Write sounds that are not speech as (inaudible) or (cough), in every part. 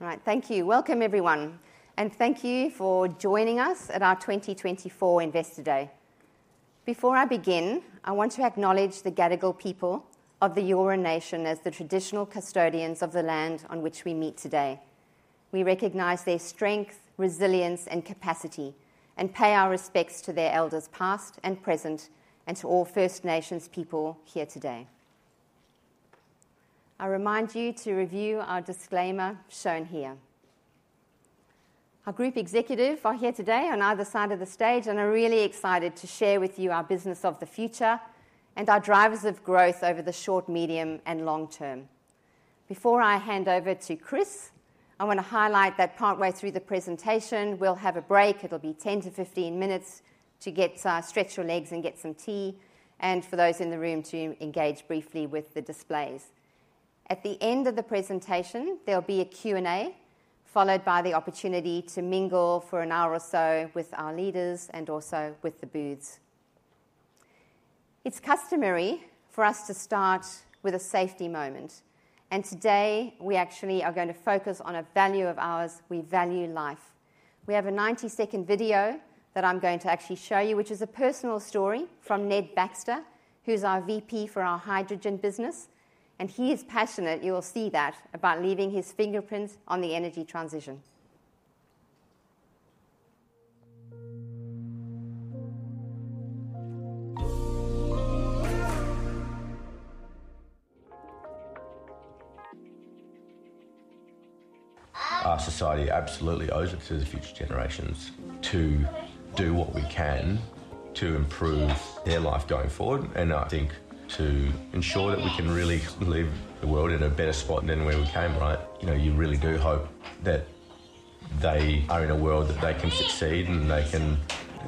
Right, thank you. Welcome, everyone, and thank you for joining us at our 2024 Investor Day. Before I begin, I want to acknowledge the Gadigal people of the Eora Nation as the traditional custodians of the land on which we meet today. We recognize their strength, resilience, and capacity, and pay our respects to their elders past and present, and to all First Nations people here today. I remind you to review our disclaimer shown here. Our group executives are here today on either side of the stage, and I'm really excited to share with you our business of the future and our drivers of growth over the short, medium, and long term. Before I hand over to Chris, I want to highlight that partway through the presentation we'll have a break. It'll be 10-15 minutes to stretch your legs and get some tea, and for those in the room to engage briefly with the displays. At the end of the presentation, there'll be a Q&A, followed by the opportunity to mingle for an hour or so with our leaders and also with the booths. It's customary for us to start with a safety moment, and today we actually are going to focus on a value of ours. We value Life. We have a 90-second video that I'm going to actually show you, which is a personal story from Ned Baxter, who's our VP for our hydrogen business, and he is passionate, you will see that, about leaving his fingerprints on the energy transition. Our society absolutely owes it to the future generations to do what we can to improve their Life going forward, and I think to ensure that we can really leave the world in a better spot than where we came, right? You know, you really do hope that they are in a world that they can succeed and they can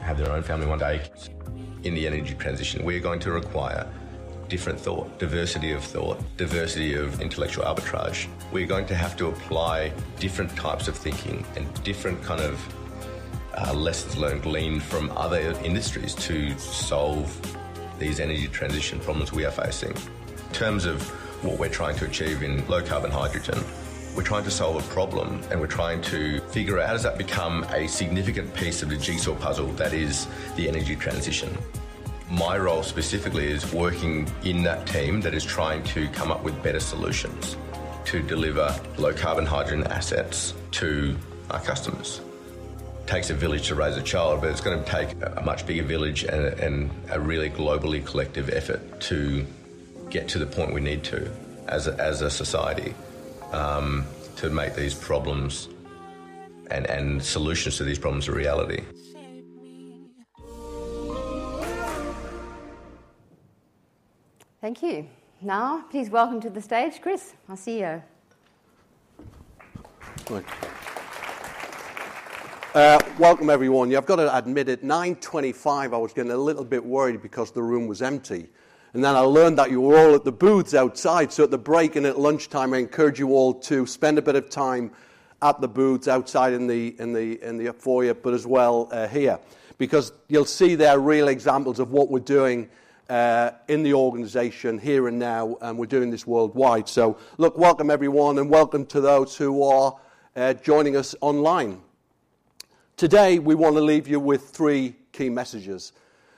have their own family one day. In the energy transition, we're going to require different thought, diversity of thought, diversity of intellectual arbitrage. We're going to have to apply different types of thinking and different kind of lessons learned from other industries to solve these energy transition problems we are facing. In terms of what we're trying to achieve in low-carbon hydrogen, we're trying to solve a problem, and we're trying to figure out, how does that become a significant piece of the jigsaw puzzle that is the energy transition? My role specifically is working in that team that is trying to come up with better solutions to deliver low-carbon hydrogen assets to our customers. It takes a village to raise a child, but it's going to take a much bigger village and a really globally collective effort to get to the point we need to as a society to make these problems and solutions to these problems a reality. Thank you. Now, please welcome to the stage Chris, our CEO. Welcome, everyone. You've got to admit at 9:25 A.M. I was getting a little bit worried because the room was empty, and then I learned that you were all at the booths outside. So at the break and at lunchtime, I encourage you all to spend a bit of time at the booths outside in the foyer, but as well here, because you'll see there are real examples of what we're doing in the organization here and now, and we're doing this worldwide. So look, welcome everyone, and welcome to those who are joining us online. Today we want to leave you with three key messages.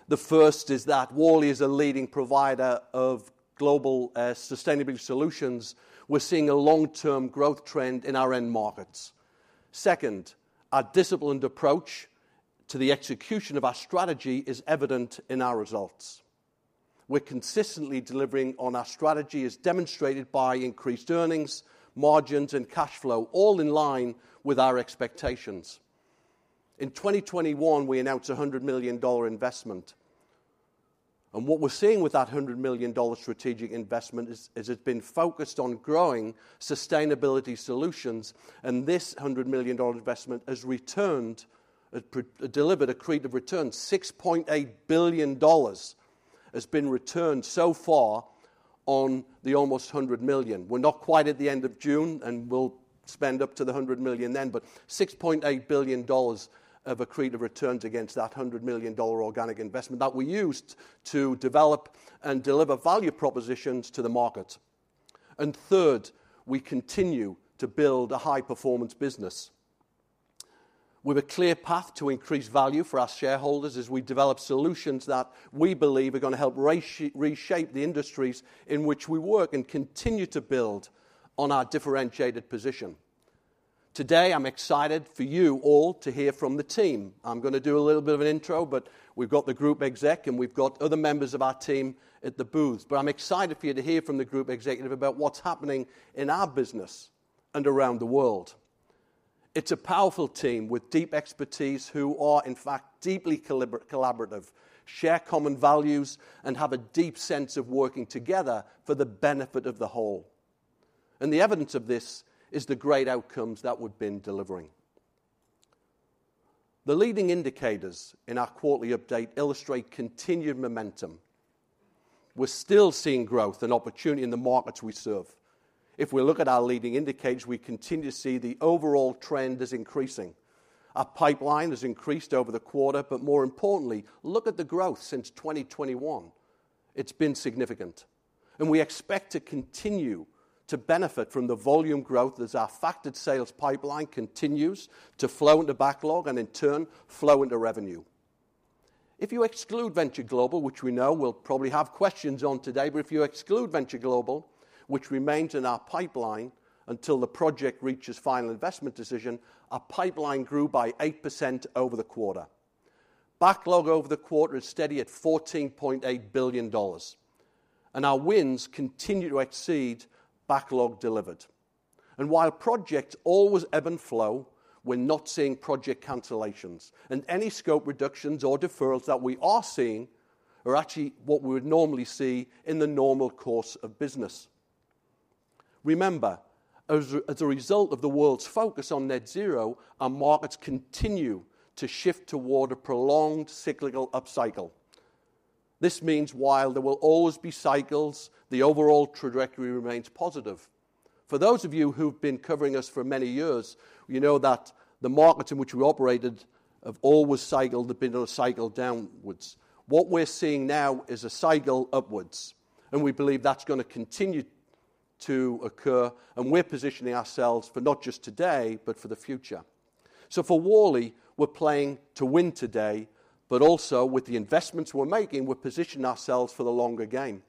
The first is that Worley is a leading provider of global sustainability solutions. We're seeing a long-term growth trend in our end markets. Second, our disciplined approach to the execution of our strategy is evident in our results. We're consistently delivering on our strategy, as demonstrated by increased earnings, margins, and cash flow, all in line with our expectations. In 2021, we announced a $100 million investment, and what we're seeing with that $100 million strategic investment is it's been focused on growing sustainability solutions, and this $100 million investment has returned, delivered accretive returns. $6.8 billion has been returned so far on the almost $100 million. We're not quite at the end of June, and we'll spend up to the $100 million then, but $6.8 billion of accretive returns against that $100 million organic investment that we used to develop and deliver value propositions to the market. And third, we continue to build a high-performance business with a clear path to increase value for our shareholders as we develop solutions that we believe are going to help reshape the industries in which we work and continue to build on our differentiated position. Today I'm excited for you all to hear from the team. I'm going to do a little bit of an intro, but we've got the group exec and we've got other members of our team at the booth. But I'm excited for you to hear from the group executive about what's happening in our business and around the world. It's a powerful team with deep expertise who are, in fact, deeply collaborative, share common values, and have a deep sense of working together for the benefit of the whole. And the evidence of this is the great outcomes that we've been delivering. The leading indicators in our quarterly update illustrate continued momentum. We're still seeing growth and opportunity in the markets we serve. If we look at our leading indicators, we continue to see the overall trend as increasing. Our pipeline has increased over the quarter, but more importantly, look at the growth since 2021. It's been significant, and we expect to continue to benefit from the volume growth as our factored sales pipeline continues to flow into backlog and, in turn, flow into revenue. If you exclude Venture Global, which we know we'll probably have questions on today, but if you exclude Venture Global, which remains in our pipeline until the project reaches final investment decision, our pipeline grew by 8% over the quarter. Backlog over the quarter is steady at $14.8 billion, and our wins continue to exceed backlog delivered. While projects always ebb and flow, we're not seeing project cancellations, and any scope reductions or deferrals that we are seeing are actually what we would normally see in the normal course of business. Remember, as a result of the world's focus on net zero, our markets continue to shift toward a prolonged cyclical upcycle. This means while there will always be cycles, the overall trajectory remains positive. For those of you who've been covering us for many years, you know that the markets in which we operated have always cycled, have been on a cycle downwards. What we're seeing now is a cycle upwards, and we believe that's going to continue to occur, and we're positioning ourselves for not just today, but for the future. For Worley, we're playing to win today, but also with the investments we're making, we're positioning ourselves for the longer game.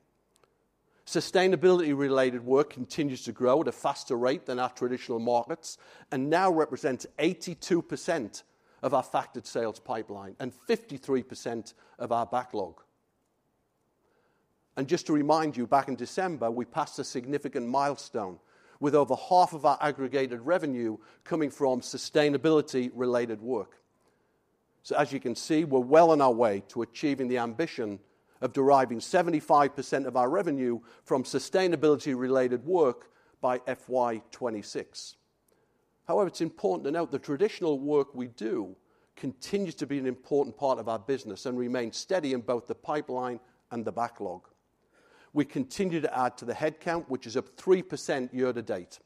Sustainability-related work continues to grow at a faster rate than our traditional markets and now represents 82% of our factored sales pipeline and 53% of our backlog. Just to remind you, back in December, we passed a significant milestone with over half of our aggregated revenue coming from sustainability-related work. As you can see, we're well on our way to achieving the ambition of deriving 75% of our revenue from sustainability-related work by FY26. However, it's important to note the traditional work we do continues to be an important part of our business and remains steady in both the pipeline and the backlog. We continue to add to the headcount, which is up 3% year to date.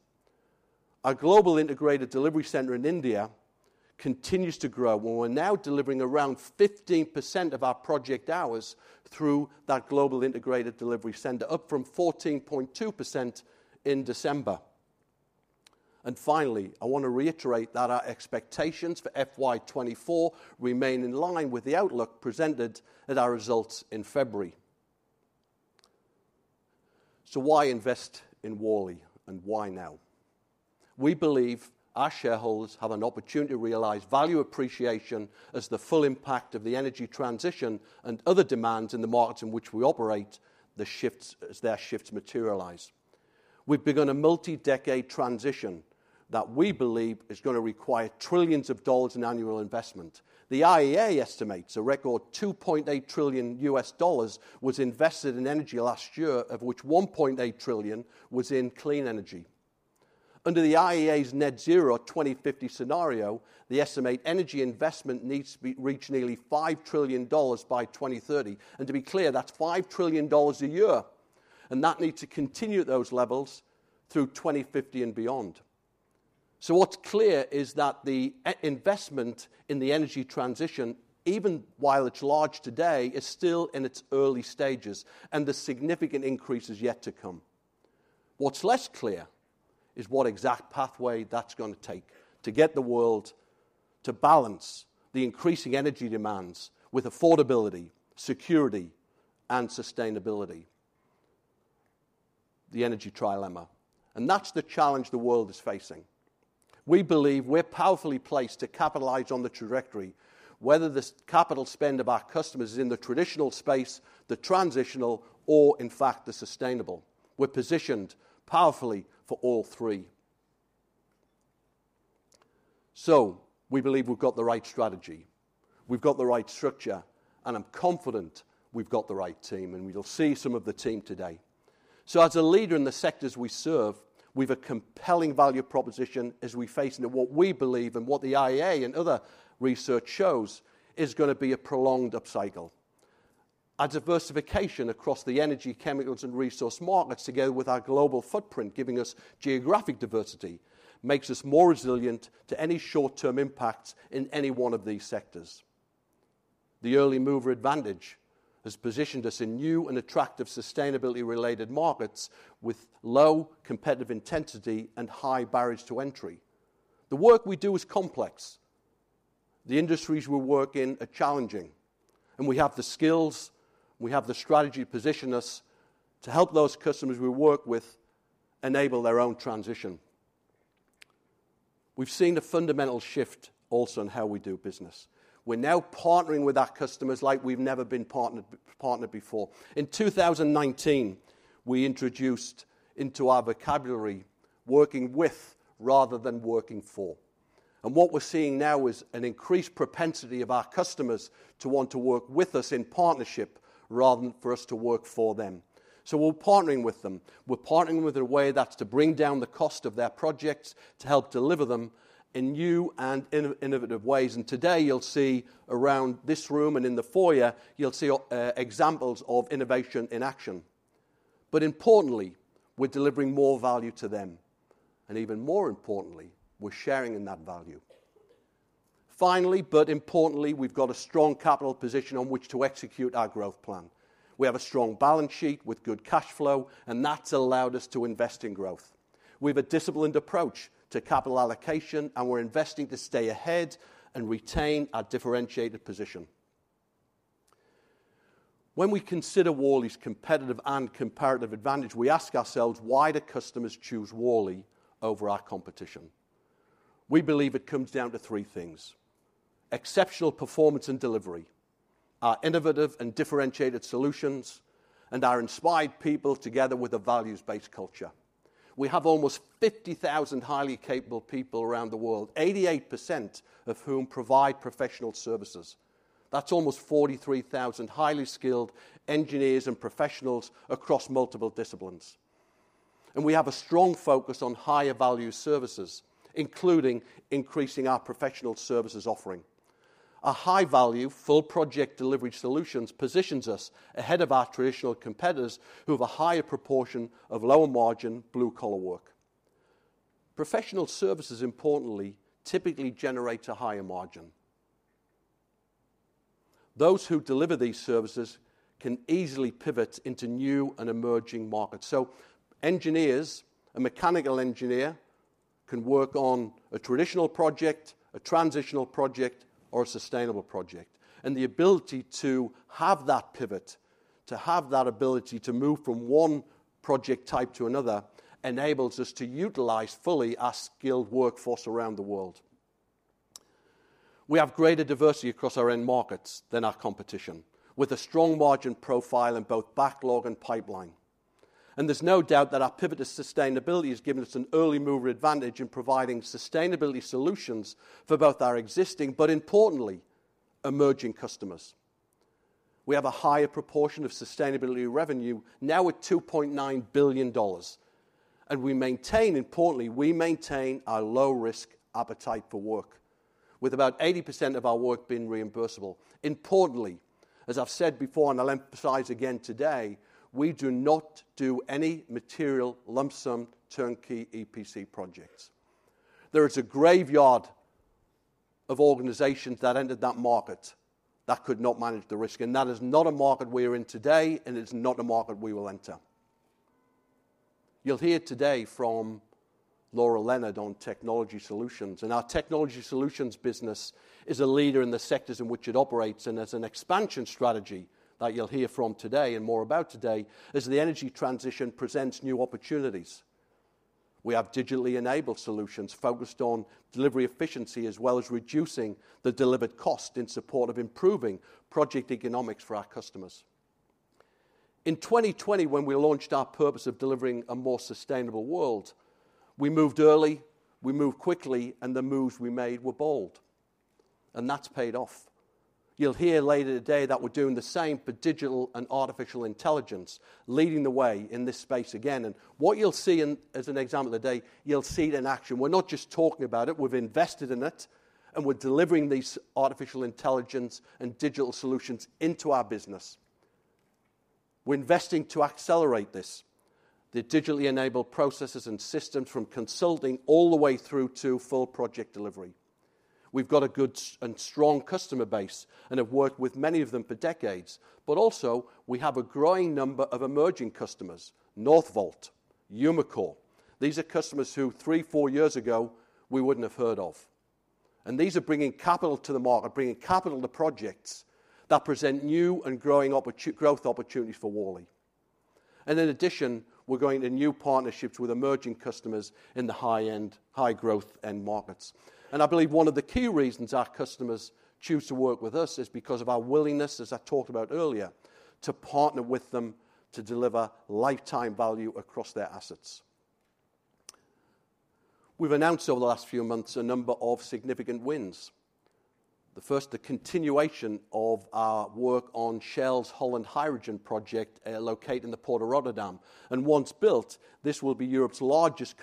Our Global Integrated Delivery center in India continues to grow, and we're now delivering around 15% of our project hours through that Global Integrated Delivery center, up from 14.2% in December. And finally, I want to reiterate that our expectations for FY24 remain in line with the outlook presented at our results in February. So why invest in Worley, and why now? We believe our shareholders have an opportunity to realize value appreciation as the full impact of the energy transition and other demands in the markets in which we operate, the shifts as they materialize. We've begun a multi-decade transition that we believe is going to require trillions of dollars in annual investment. The IEA estimates a record $2.8 trillion US dollars was invested in energy last year, of which $1.8 trillion was in clean energy. Under the IEA's Net Zero 2050 Scenario, they estimate energy investment needs to reach nearly $5 trillion by 2030. And to be clear, that's $5 trillion a year, and that needs to continue at those levels through 2050 and beyond. So what's clear is that the investment in the energy transition, even while it's large today, is still in its early stages, and the significant increase is yet to come. What's less clear is what exact pathway that's going to take to get the world to balance the increasing energy demands with affordability, security, and sustainability: the energy trilemma. And that's the challenge the world is facing. We believe we're powerfully placed to capitalize on the trajectory, whether the capital spend of our customers is in the traditional space, the transitional, or, in fact, the sustainable. We're positioned powerfully for all three. So we believe we've got the right strategy. We've got the right structure, and I'm confident we've got the right team, and we'll see some of the team today. So as a leader in the sectors we serve, we have a compelling value proposition as we face what we believe and what the IEA and other research shows is going to be a prolonged upcycle. Our diversification across the energy, chemicals, and resource markets, together with our global footprint, giving us geographic diversity, makes us more resilient to any short-term impacts in any one of these sectors. The early mover advantage has positioned us in new and attractive sustainability-related markets with low competitive intensity and high barriers to entry. The work we do is complex. The industries we work in are challenging, and we have the skills and we have the strategy to position us to help those customers we work with enable their own transition. We've seen a fundamental shift also in how we do business. We're now partnering with our customers like we've never been partnered before. In 2019, we introduced into our vocabulary working with rather than working for. What we're seeing now is an increased propensity of our customers to want to work with us in partnership rather than for us to work for them. We're partnering with them. We're partnering with them in a way that's to bring down the cost of their projects to help deliver them in new and innovative ways. Today you'll see around this room and in the foyer, you'll see examples of innovation in action. Importantly, we're delivering more value to them. Even more importantly, we're sharing in that value. Finally, but importantly, we've got a strong capital position on which to execute our growth plan. We have a strong balance sheet with good cash flow, and that's allowed us to invest in growth. We have a disciplined approach to capital allocation, and we're investing to stay ahead and retain our differentiated position. When we consider Worley's competitive and comparative advantage, we ask ourselves, why do customers choose Worley over our competition? We believe it comes down to three things: exceptional performance and delivery, our innovative and differentiated solutions, and our inspired people together with a values-based culture. We have almost 50,000 highly capable people around the world, 88% of whom provide professional services. That's almost 43,000 highly skilled engineers and professionals across multiple disciplines. We have a strong focus on higher value services, including increasing our professional services offering. Our high-value, full project delivery solutions position us ahead of our traditional competitors who have a higher proportion of lower margin blue-collar work. Professional services, importantly, typically generate a higher margin. Those who deliver these services can easily pivot into new and emerging markets. So engineers, a mechanical engineer, can work on a traditional project, a transitional project, or a sustainable project. And the ability to have that pivot, to have that ability to move from one project type to another, enables us to utilize fully our skilled workforce around the world. We have greater diversity across our end markets than our competition, with a strong margin profile in both backlog and pipeline. And there's no doubt that our pivot to sustainability has given us an early mover advantage in providing sustainability solutions for both our existing, but importantly, emerging customers. We have a higher proportion of sustainability revenue now at $2.9 billion, and we maintain, importantly, we maintain our low-risk appetite for work, with about 80% of our work being reimbursable. Importantly, as I've said before, and I'll emphasize again today, we do not do any material, lump-sum, turnkey EPC projects. There is a graveyard of organisations that entered that market that could not manage the risk, and that is not a market we are in today, and it's not a market we will enter. You'll hear today from Laura Leonard on Technology Solutions. Our Technology Solutions business is a leader in the sectors in which it operates. As an expansion strategy that you'll hear from today and more about today, as the energy transition presents new opportunities, we have digitally enabled solutions focused on delivery efficiency as well as reducing the delivered cost in support of improving project economics for our customers. In 2020, when we launched our purpose of delivering a more sustainable world, we moved early, we moved quickly, and the moves we made were bold. That's paid off. You'll hear later today that we're doing the same for digital and artificial intelligence, leading the way in this space again. What you'll see as an example today, you'll see it in action. We're not just talking about it. We've invested in it, and we're delivering these artificial intelligence and digital solutions into our business. We're investing to accelerate this, the digitally enabled processes and systems from consulting all the way through to full project delivery. We've got a good and strong customer base and have worked with many of them for decades. But also, we have a growing number of emerging customers: Northvolt, Umicore. These are customers who, 3, 4 years ago, we wouldn't have heard of. And these are bringing capital to the market, bringing capital to projects that present new and growing growth opportunities for Worley. In addition, we're going into new partnerships with emerging customers in the high-end, high-growth end markets. I believe one of the key reasons our customers choose to work with us is because of our willingness, as I talked about earlier, to partner with them to deliver lifetime value across their assets. We've announced over the last few months a number of significant wins. The first, the continuation of our work on Shell's Holland Hydrogen project located in the Port of Rotterdam. Once built, this will be Europe's largest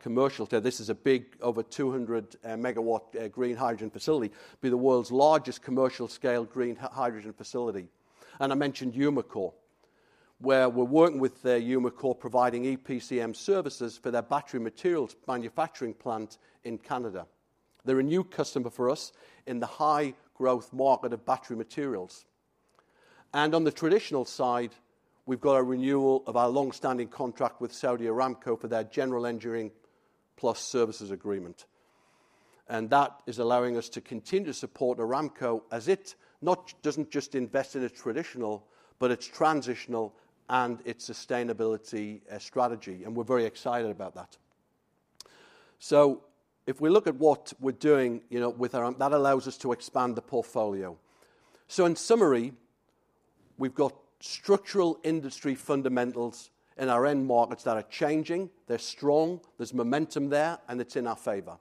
commercial-scale, this is a big, over 200 MW green hydrogen facility, be the world's largest commercial-scale green hydrogen facility. I mentioned Umicore, where we're working with Umicore, providing EPCM services for their battery materials manufacturing plant in Canada. They're a new customer for us in the high-growth market of battery materials. On the traditional side, we've got a renewal of our longstanding contract with Saudi Aramco for their General Engineering Plus services agreement. That is allowing us to continue to support Aramco as it doesn't just invest in a traditional, but it's transitional and its sustainability strategy. We're very excited about that. If we look at what we're doing with Aramco, that allows us to expand the portfolio. In summary, we've got structural industry fundamentals in our end markets that are changing. They're strong. There's momentum there, and it's in our favor.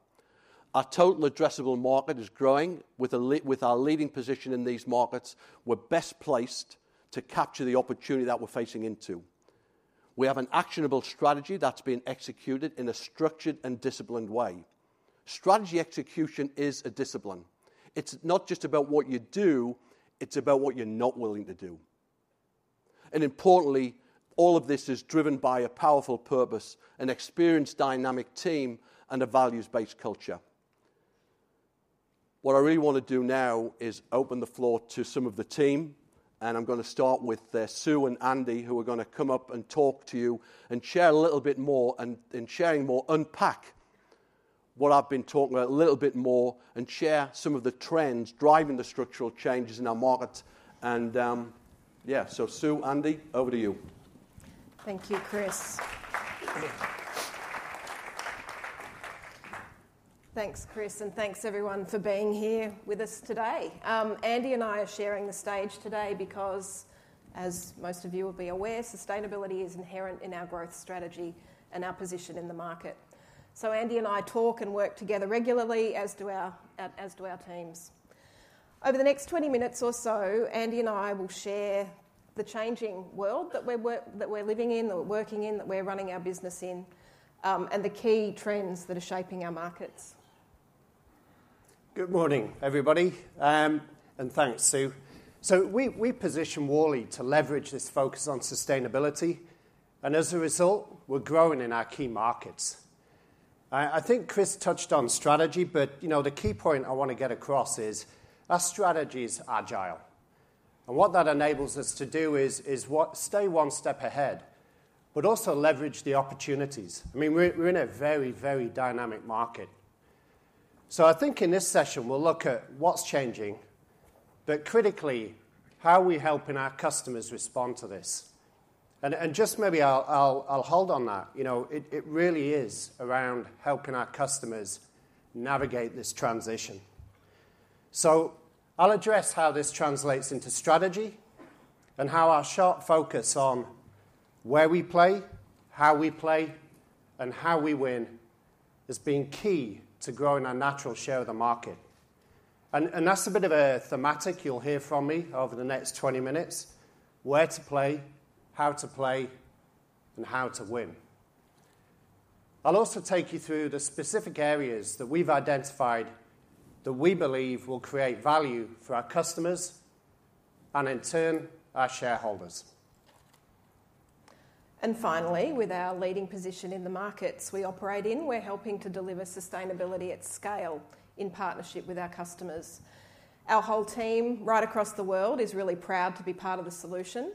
Our total addressable market is growing. With our leading position in these markets, we're best placed to capture the opportunity that we're facing into. We have an actionable strategy that's been executed in a structured and disciplined way. Strategy execution is a discipline. It's not just about what you do. It's about what you're not willing to do. Importantly, all of this is driven by a powerful purpose, an experienced dynamic team, and a values-based culture. What I really want to do now is open the floor to some of the team. I'm going to start with Sue and Andy, who are going to come up and talk to you and share a little bit more and, in sharing more, unpack what I've been talking about a little bit more and share some of the trends driving the structural changes in our market. Yeah, so Sue, Andy, over to you. Thank you, Chris. Thanks, Chris. Thanks, everyone, for being here with us today. Andy and I are sharing the stage today because, as most of you will be aware, sustainability is inherent in our growth strategy and our position in the market. Andy and I talk and work together regularly, as do our teams. Over the next 20 minutes or so, Andy and I will share the changing world that we're living in, that we're working in, that we're running our business in, and the key trends that are shaping our markets. Good morning, everybody. Thanks, Sue. We position Worley to leverage this focus on sustainability. As a result, we're growing in our key markets. I think Chris touched on strategy, but the key point I want to get across is our strategy is agile. What that enables us to do is stay one step ahead, but also leverage the opportunities. I mean, we're in a very, very dynamic market. I think in this session, we'll look at what's changing, but critically, how are we helping our customers respond to this? Just maybe I'll hold on that. It really is around helping our customers navigate this transition. I'll address how this translates into strategy and how our sharp focus on where we play, how we play, and how we win has been key to growing our natural share of the market. That's a bit of a thematic you'll hear from me over the next 20 minutes: where to play, how to play, and how to win. I'll also take you through the specific areas that we've identified that we believe will create value for our customers and, in turn, our shareholders. Finally, with our leading position in the markets we operate in, we're helping to deliver sustainability at scale in partnership with our customers. Our whole team right across the world is really proud to be part of the solution.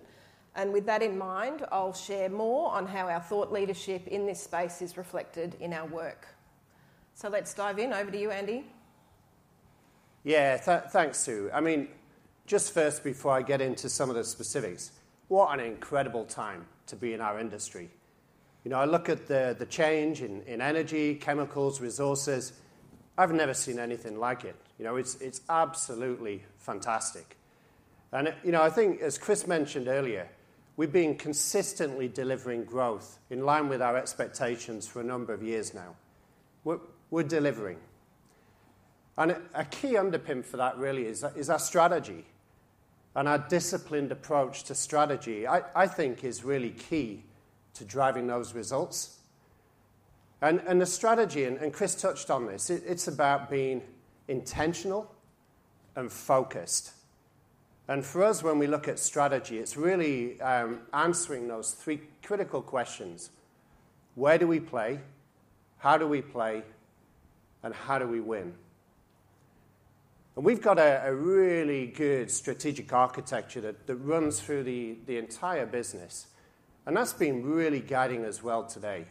With that in mind, I'll share more on how our thought leadership in this space is reflected in our work. Let's dive in. Over to you, Andy. Yeah. Thanks, Sue. I mean, just first, before I get into some of the specifics, what an incredible time to be in our industry. I look at the change in energy, chemicals, resources. I've never seen anything like it. It's absolutely fantastic. I think, as Chris mentioned earlier, we've been consistently delivering growth in line with our expectations for a number of years now. We're delivering. A key underpin for that really is our strategy and our disciplined approach to strategy, I think, is really key to driving those results. The strategy, and Chris touched on this, it's about being intentional and focused. For us, when we look at strategy, it's really answering those three critical questions: where do we play, how do we play, and how do we win? We've got a really good strategic architecture that runs through the entire business. And that's been really guiding us well today.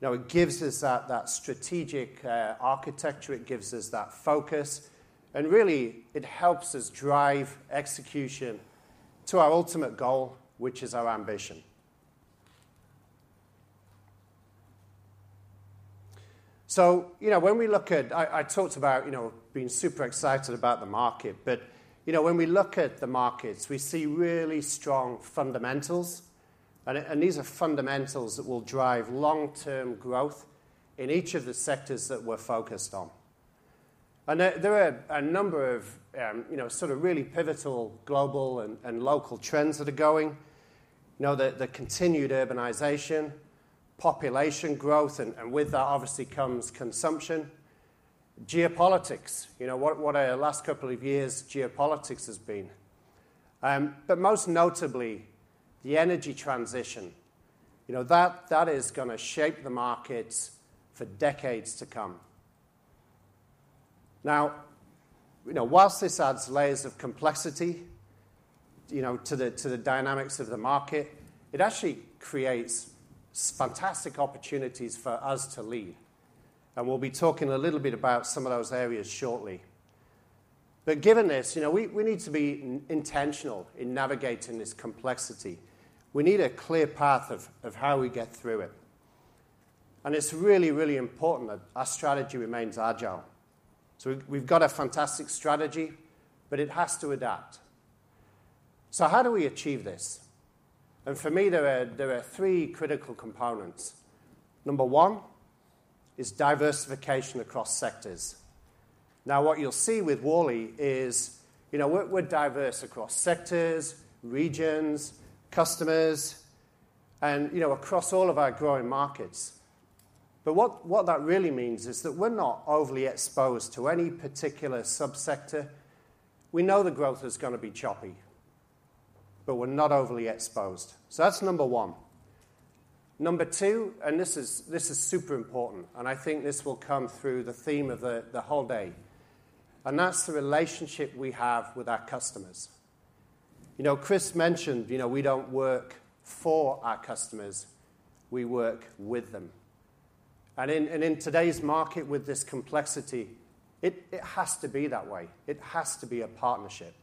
It gives us that strategic architecture. It gives us that focus. And really, it helps us drive execution to our ultimate goal, which is our ambition. So when we look at (I talked about being super excited about the market) but when we look at the markets, we see really strong fundamentals. And these are fundamentals that will drive long-term growth in each of the sectors that we're focused on. And there are a number of sort of really pivotal global and local trends that are going: the continued urbanization, population growth, and with that, obviously, comes consumption, geopolitics, what our last couple of years' geopolitics has been. But most notably, the energy transition. That is going to shape the markets for decades to come. Now, while this adds layers of complexity to the dynamics of the market, it actually creates fantastic opportunities for us to lead. And we'll be talking a little bit about some of those areas shortly. But given this, we need to be intentional in navigating this complexity. We need a clear path of how we get through it. And it's really, really important that our strategy remains agile. So we've got a fantastic strategy, but it has to adapt. So how do we achieve this? And for me, there are three critical components. Number one is diversification across sectors. Now, what you'll see with Worley is we're diverse across sectors, regions, customers, and across all of our growing markets. But what that really means is that we're not overly exposed to any particular subsector. We know the growth is going to be choppy, but we're not overly exposed. So that's number one. Number two, and this is super important, and I think this will come through the theme of the whole day, and that's the relationship we have with our customers. Chris mentioned we don't work for our customers. We work with them. In today's market, with this complexity, it has to be that way. It has to be a partnership.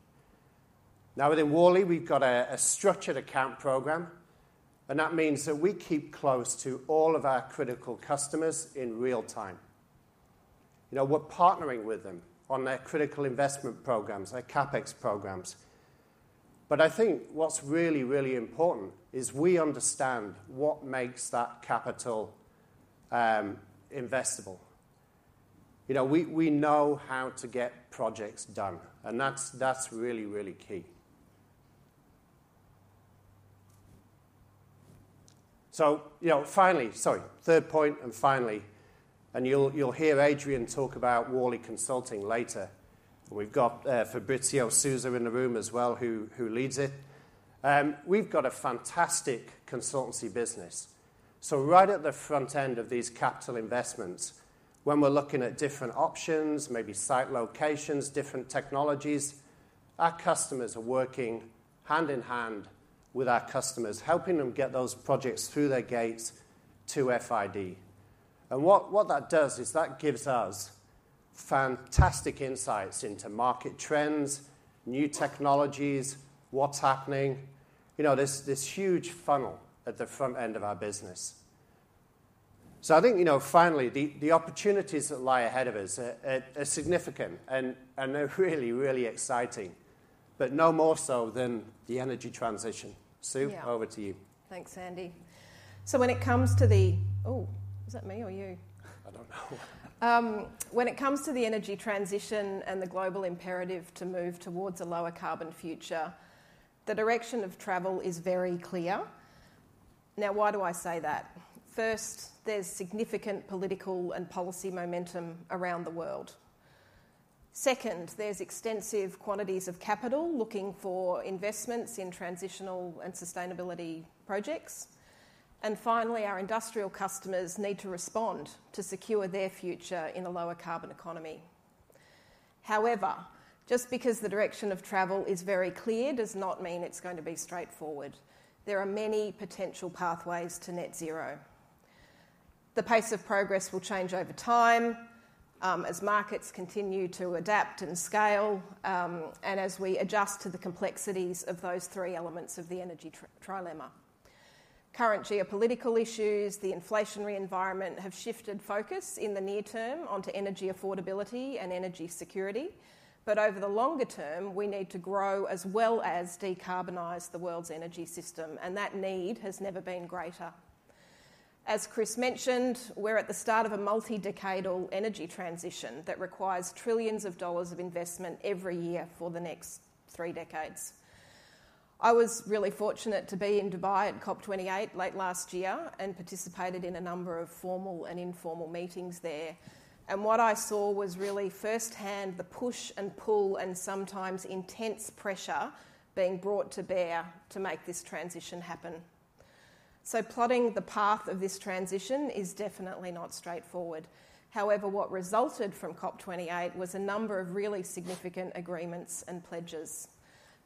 Now, within Worley, we've got a structured account program. And that means that we keep close to all of our critical customers in real time. We're partnering with them on their critical investment programs, their CapEx programs. But I think what's really, really important is we understand what makes that capital investable. We know how to get projects done. And that's really, really key. So finally, sorry, third point, and finally, and you'll hear Adrian talk about Worley Consulting later. And we've got Fabricio Sousa in the room as well, who leads it. We've got a fantastic consultancy business. So right at the front end of these capital investments, when we're looking at different options, maybe site locations, different technologies, our consultants are working hand in hand with our customers, helping them get those projects through their gates to FID. And what that does is that gives us fantastic insights into market trends, new technologies, what's happening, this huge funnel at the front end of our business. So I think, finally, the opportunities that lie ahead of us are significant, and they're really, really exciting, but no more so than the energy transition. Sue, over to you. Yeah. Thanks, Andy. So when it comes to the, oh, is that me or you? I don't know. When it comes to the energy transition and the global imperative to move towards a lower-carbon future, the direction of travel is very clear. Now, why do I say that? First, there's significant political and policy momentum around the world. Second, there's extensive quantities of capital looking for investments in transitional and sustainability projects. And finally, our industrial customers need to respond to secure their future in a lower-carbon economy. However, just because the direction of travel is very clear does not mean it's going to be straightforward. There are many potential pathways to net zero. The pace of progress will change over time as markets continue to adapt and scale and as we adjust to the complexities of those three elements of the energy trilemma. Current geopolitical issues, the inflationary environment, have shifted focus in the near term onto energy affordability and energy security. Over the longer term, we need to grow as well as decarbonize the world's energy system. That need has never been greater. As Chris mentioned, we're at the start of a multi-decadal energy transition that requires $ trillions of investment every year for the next three decades. I was really fortunate to be in Dubai at COP28 late last year and participated in a number of formal and informal meetings there. What I saw was really firsthand the push and pull and sometimes intense pressure being brought to bear to make this transition happen. Plotting the path of this transition is definitely not straightforward. However, what resulted from COP28 was a number of really significant agreements and pledges.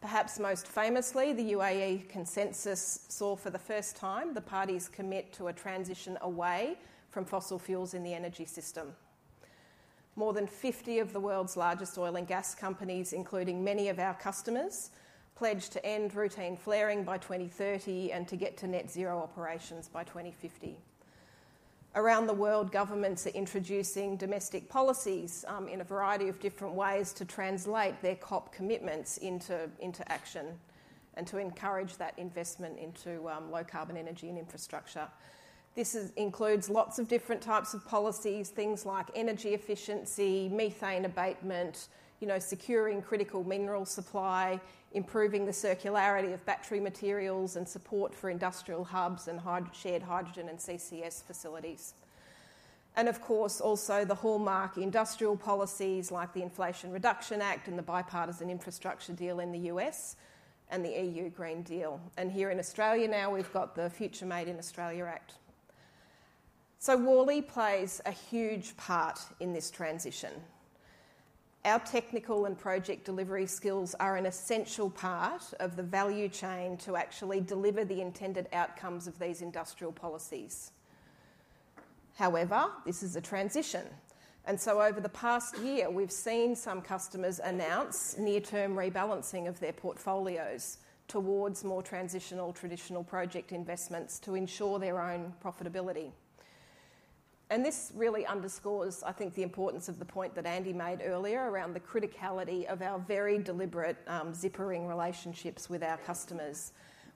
Perhaps most famously, the UAE Consensus saw for the first time the parties commit to a transition away from fossil fuels in the energy system. More than 50 of the world's largest oil and gas companies, including many of our customers, pledged to end routine flaring by 2030 and to get to net zero operations by 2050. Around the world, governments are introducing domestic policies in a variety of different ways to translate their COP commitments into action and to encourage that investment into low-carbon energy and infrastructure. This includes lots of different types of policies, things like energy efficiency, methane abatement, securing critical mineral supply, improving the circularity of battery materials, and support for industrial hubs and shared hydrogen and CCS facilities. And of course, also the hallmark industrial policies like the Inflation Reduction Act and the Bipartisan Infrastructure Deal in the US and the EU Green Deal. And here in Australia now, we've got the Future Made in Australia Act. So Worley plays a huge part in this transition. Our technical and project delivery skills are an essential part of the value chain to actually deliver the intended outcomes of these industrial policies. However, this is a transition. So over the past year, we've seen some customers announce near-term rebalancing of their portfolios towards more transitional traditional project investments to ensure their own profitability. This really underscores, I think, the importance of the point that Andy made earlier around the criticality of our very deliberate zippering relationships with our customers.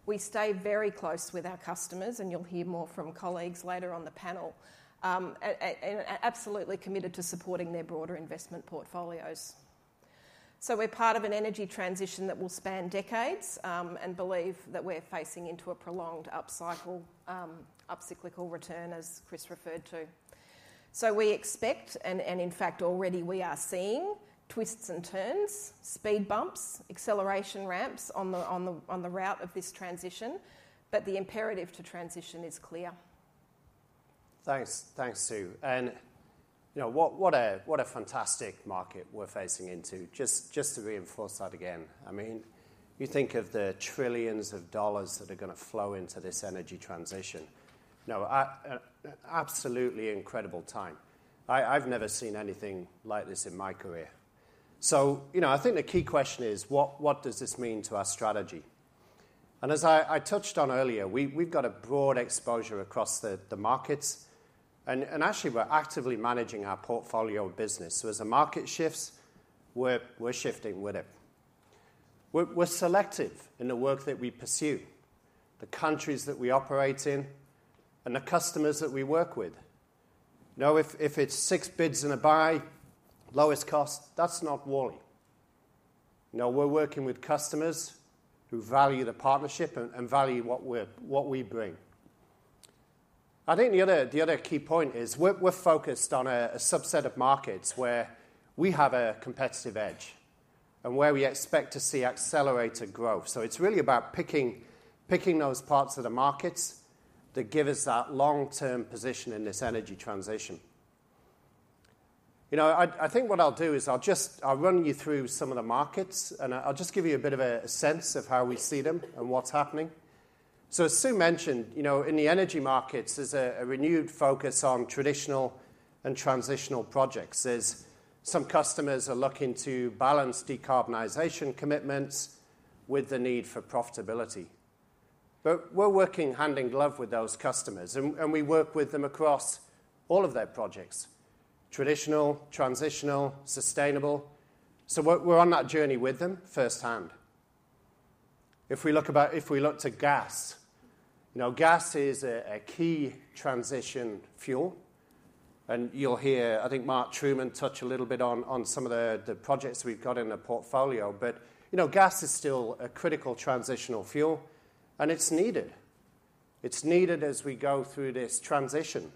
We stay very close with our customers, and you'll hear more from colleagues later on the panel, and absolutely committed to supporting their broader investment portfolios. We're part of an energy transition that will span decades and believe that we're facing into a prolonged upcycle, upcyclical return, as Chris referred to. We expect, and in fact, already we are seeing twists and turns, speed bumps, acceleration ramps on the route of this transition. The imperative to transition is clear. Thanks, Sue. What a fantastic market we're facing into. Just to reinforce that again, I mean, you think of the trillions of dollars that are going to flow into this energy transition. Absolutely incredible time. I've never seen anything like this in my career. So I think the key question is, what does this mean to our strategy? And as I touched on earlier, we've got a broad exposure across the markets. And actually, we're actively managing our portfolio business. So as the market shifts, we're shifting with it. We're selective in the work that we pursue, the countries that we operate in, and the customers that we work with. If it's six bids and a buy, lowest cost, that's not Worley. We're working with customers who value the partnership and value what we bring. I think the other key point is we're focused on a subset of markets where we have a competitive edge and where we expect to see accelerated growth. So it's really about picking those parts of the markets that give us that long-term position in this energy transition. I think what I'll do is I'll run you through some of the markets, and I'll just give you a bit of a sense of how we see them and what's happening. So as Sue mentioned, in the energy markets, there's a renewed focus on traditional and transitional projects. Some customers are looking to balance decarbonization commitments with the need for profitability. But we're working hand in glove with those customers. And we work with them across all of their projects: traditional, transitional, sustainable. So we're on that journey with them firsthand. If we look to gas, gas is a key transition fuel. And you'll hear, I think, Mark Trueman touch a little bit on some of the projects we've got in the portfolio. But gas is still a critical transitional fuel, and it's needed. It's needed as we go through this transition.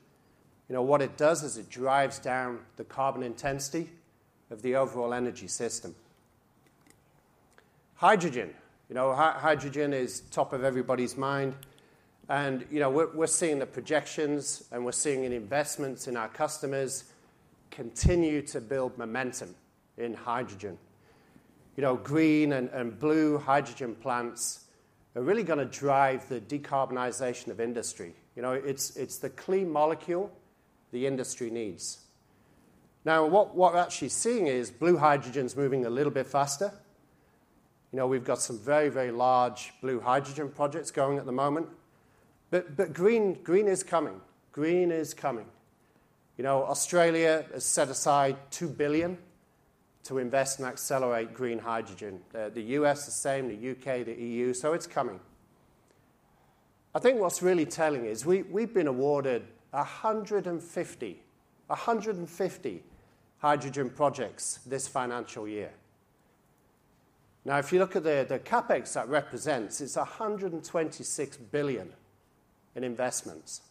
What it does is it drives down the carbon intensity of the overall energy system. Hydrogen, hydrogen is top of everybody's mind. And we're seeing the projections, and we're seeing investments in our customers continue to build momentum in hydrogen. Green and blue hydrogen plants are really going to drive the decarbonization of industry. It's the clean molecule the industry needs. Now, what we're actually seeing is blue hydrogen's moving a little bit faster. We've got some very, very large blue hydrogen projects going at the moment. But green is coming. Green is coming. Australia has set aside 2 billion to invest and accelerate green hydrogen. The US, the same, the UK, the EU. So it's coming. I think what's really telling is we've been awarded 150 hydrogen projects this financial year. Now, if you look at the CapEx that represents, it's 126 billion in investments.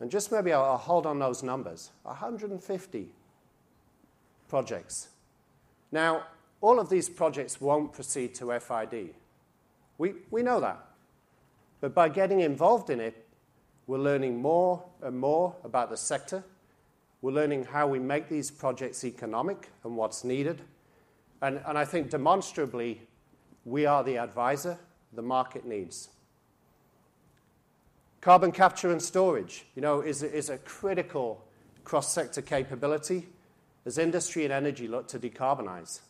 And just maybe I'll hold on those numbers: 150 projects. Now, all of these projects won't proceed to FID. We know that. But by getting involved in it, we're learning more and more about the sector. We're learning how we make these projects economic and what's needed. And I think demonstrably, we are the advisor the market needs. Carbon capture and storage is a critical cross-sector capability as industry and energy look to decarbonize.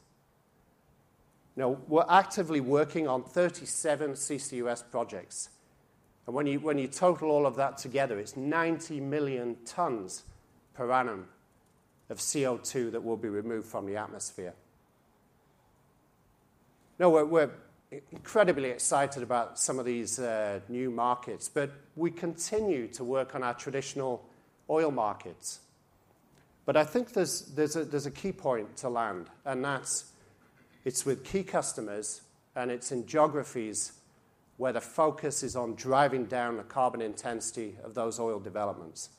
We're actively working on 37 CCUS projects. When you total all of that together, it's 90 million tonnes per annum of CO2 that will be removed from the atmosphere. Now, we're incredibly excited about some of these new markets. We continue to work on our traditional oil markets. I think there's a key point to land, and that it's with key customers, and it's in geographies where the focus is on driving down the carbon intensity of those oil developments.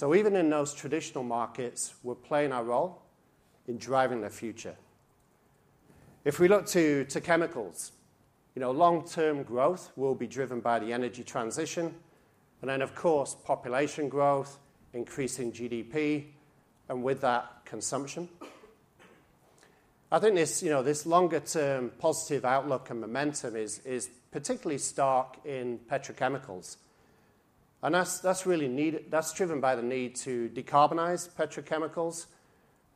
Even in those traditional markets, we're playing our role in driving the future. If we look to chemicals, long-term growth will be driven by the energy transition. Then, of course, population growth, increasing GDP, and with that, consumption. I think this longer-term positive outlook and momentum is particularly stark in petrochemicals. That's driven by the need to decarbonize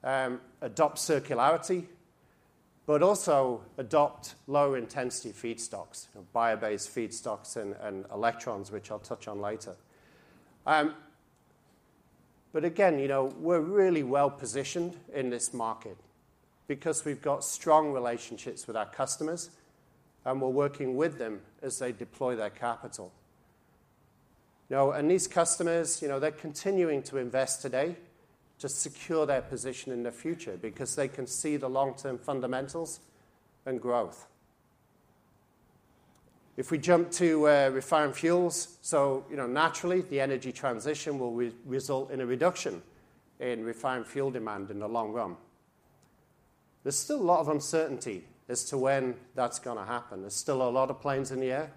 petrochemicals, adopt circularity, but also adopt low-intensity feedstocks, bio-based feedstocks and electrons, which I'll touch on later. But again, we're really well-positioned in this market because we've got strong relationships with our customers, and we're working with them as they deploy their capital. These customers, they're continuing to invest today to secure their position in the future because they can see the long-term fundamentals and growth. If we jump to refined fuels, so naturally, the energy transition will result in a reduction in refined fuel demand in the long run. There's still a lot of uncertainty as to when that's going to happen. There's still a lot of planes in the air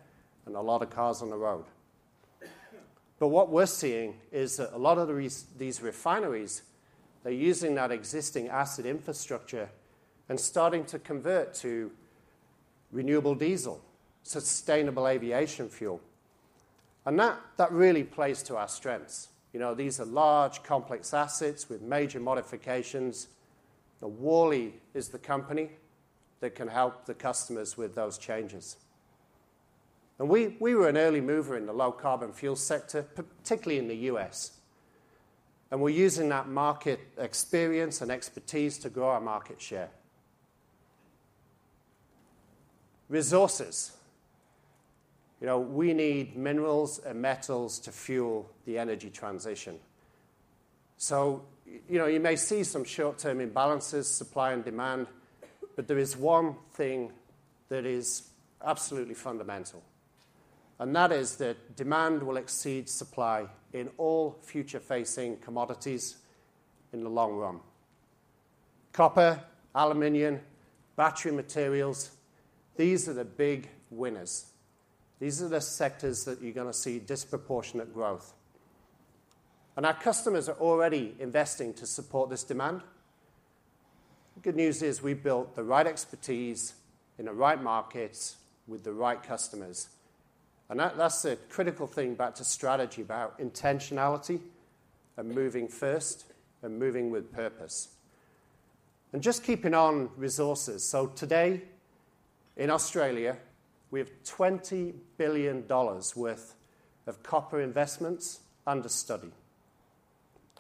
and a lot of cars on the road. But what we're seeing is that a lot of these refineries, they're using that existing acid infrastructure and starting to convert to renewable diesel, sustainable aviation fuel. And that really plays to our strengths. These are large, complex assets with major modifications. Worley is the company that can help the customers with those changes. And we were an early mover in the low-carbon fuel sector, particularly in the US. And we're using that market experience and expertise to grow our market share. Resources. We need minerals and metals to fuel the energy transition. So you may see some short-term imbalances, supply and demand. But there is one thing that is absolutely fundamental. And that is that demand will exceed supply in all future-facing commodities in the long run: copper, aluminum, battery materials. These are the big winners. These are the sectors that you're going to see disproportionate growth. Our customers are already investing to support this demand. The good news is we built the right expertise in the right markets with the right customers. And that's the critical thing back to strategy, about intentionality and moving first and moving with purpose. And just keeping on resources. So today, in Australia, we have 20 billion dollars worth of copper investments under study.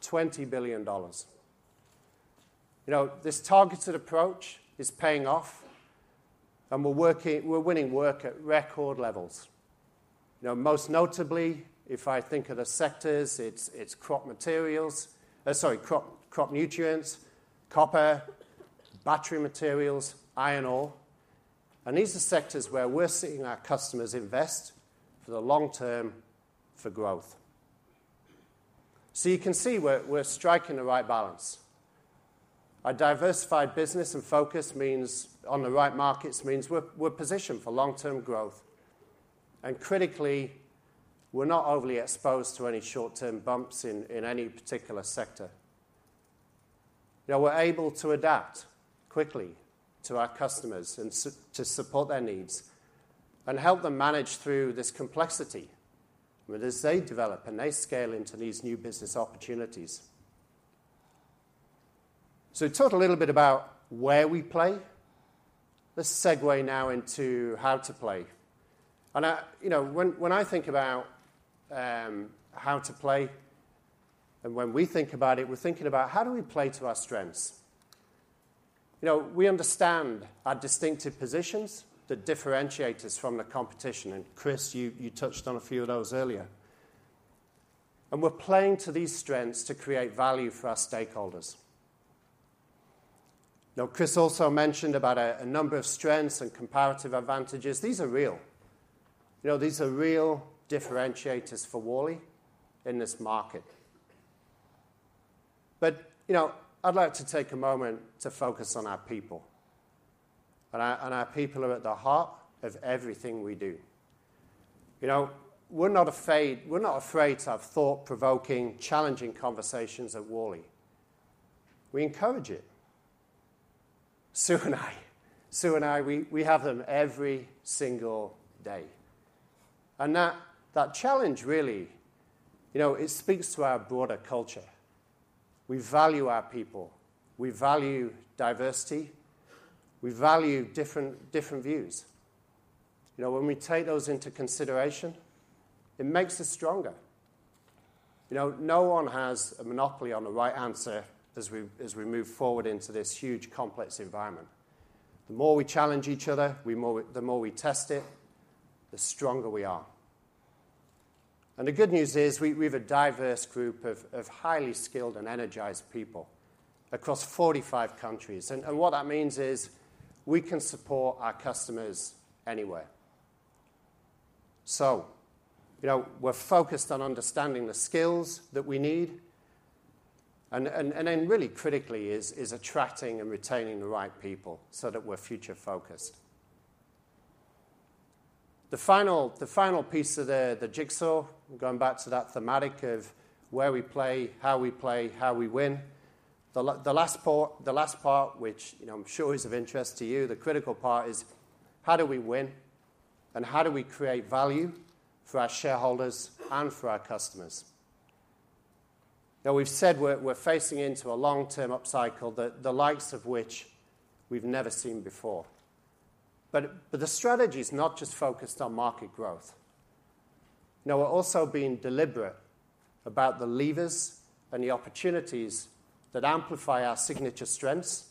$20 billion. This targeted approach is paying off, and we're winning work at record levels. Most notably, if I think of the sectors, it's crop nutrients, copper, battery materials, iron ore. And these are sectors where we're seeing our customers invest for the long term, for growth. So you can see we're striking the right balance. A diversified business and focus on the right markets means we're positioned for long-term growth. And critically, we're not overly exposed to any short-term bumps in any particular sector. We're able to adapt quickly to our customers and to support their needs and help them manage through this complexity as they develop and they scale into these new business opportunities. I talked a little bit about where we play. Let's segue now into how to play. When I think about how to play and when we think about it, we're thinking about how do we play to our strengths? We understand our distinctive positions, the differentiators from the competition. Chris, you touched on a few of those earlier. We're playing to these strengths to create value for our stakeholders. Chris also mentioned about a number of strengths and comparative advantages. These are real. These are real differentiators for Worley in this market. I'd like to take a moment to focus on our people. Our people are at the heart of everything we do. We're not afraid to have thought-provoking, challenging conversations at Worley. We encourage it. Sue and I, Sue and I, we have them every single day. That challenge, really, it speaks to our broader culture. We value our people. We value diversity. We value different views. When we take those into consideration, it makes us stronger. No one has a monopoly on the right answer as we move forward into this huge, complex environment. The more we challenge each other, the more we test it, the stronger we are. The good news is we have a diverse group of highly skilled and energized people across 45 countries. What that means is we can support our customers anywhere. So we're focused on understanding the skills that we need. And then really critically is attracting and retaining the right people so that we're future-focused. The final piece of the jigsaw, going back to that thematic of where we play, how we play, how we win, the last part, which I'm sure is of interest to you, the critical part is how do we win and how do we create value for our shareholders and for our customers? Now, we've said we're facing into a long-term upcycle the likes of which we've never seen before. But the strategy's not just focused on market growth. Now, we're also being deliberate about the levers and the opportunities that amplify our signature strengths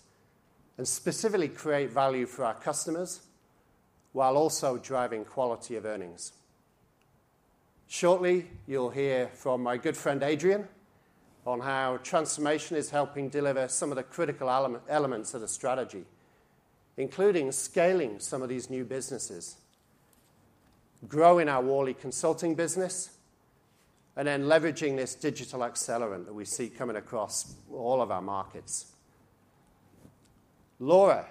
and specifically create value for our customers while also driving quality of earnings. Shortly, you'll hear from my good friend Adrian on how transformation is helping deliver some of the critical elements of the strategy, including scaling some of these new businesses, growing our Worley Consulting business, and then leveraging this Digital Accelerant that we see coming across all of our markets. Laura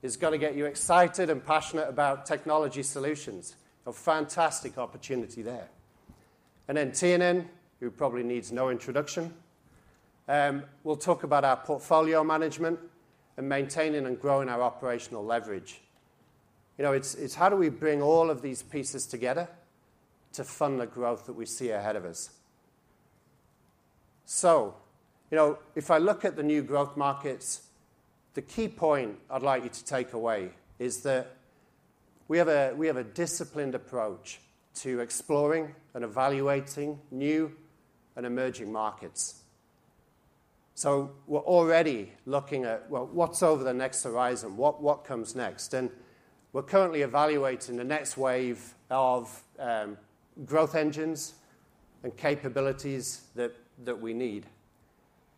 is going to get you excited and passionate about Technology Solutions. You have a fantastic opportunity there. And then Tiernan, who probably needs no introduction, will talk about our portfolio management and maintaining and growing our operational leverage. It's how do we bring all of these pieces together to fund the growth that we see ahead of us. So if I look at the new growth markets, the key point I'd like you to take away is that we have a disciplined approach to exploring and evaluating new and emerging markets. So we're already looking at what's over the next horizon, what comes next. We're currently evaluating the next wave of growth engines and capabilities that we need.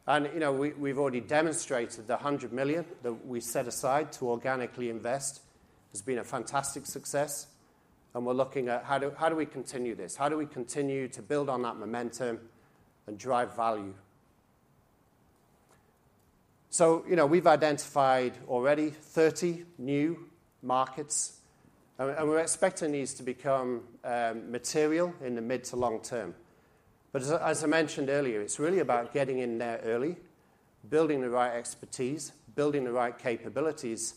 We've already demonstrated the 100 million that we set aside to organically invest has been a fantastic success. We're looking at how do we continue this? How do we continue to build on that momentum and drive value? We've identified already 30 new markets. We're expecting these to become material in the mid to long term. But as I mentioned earlier, it's really about getting in there early, building the right expertise, building the right capabilities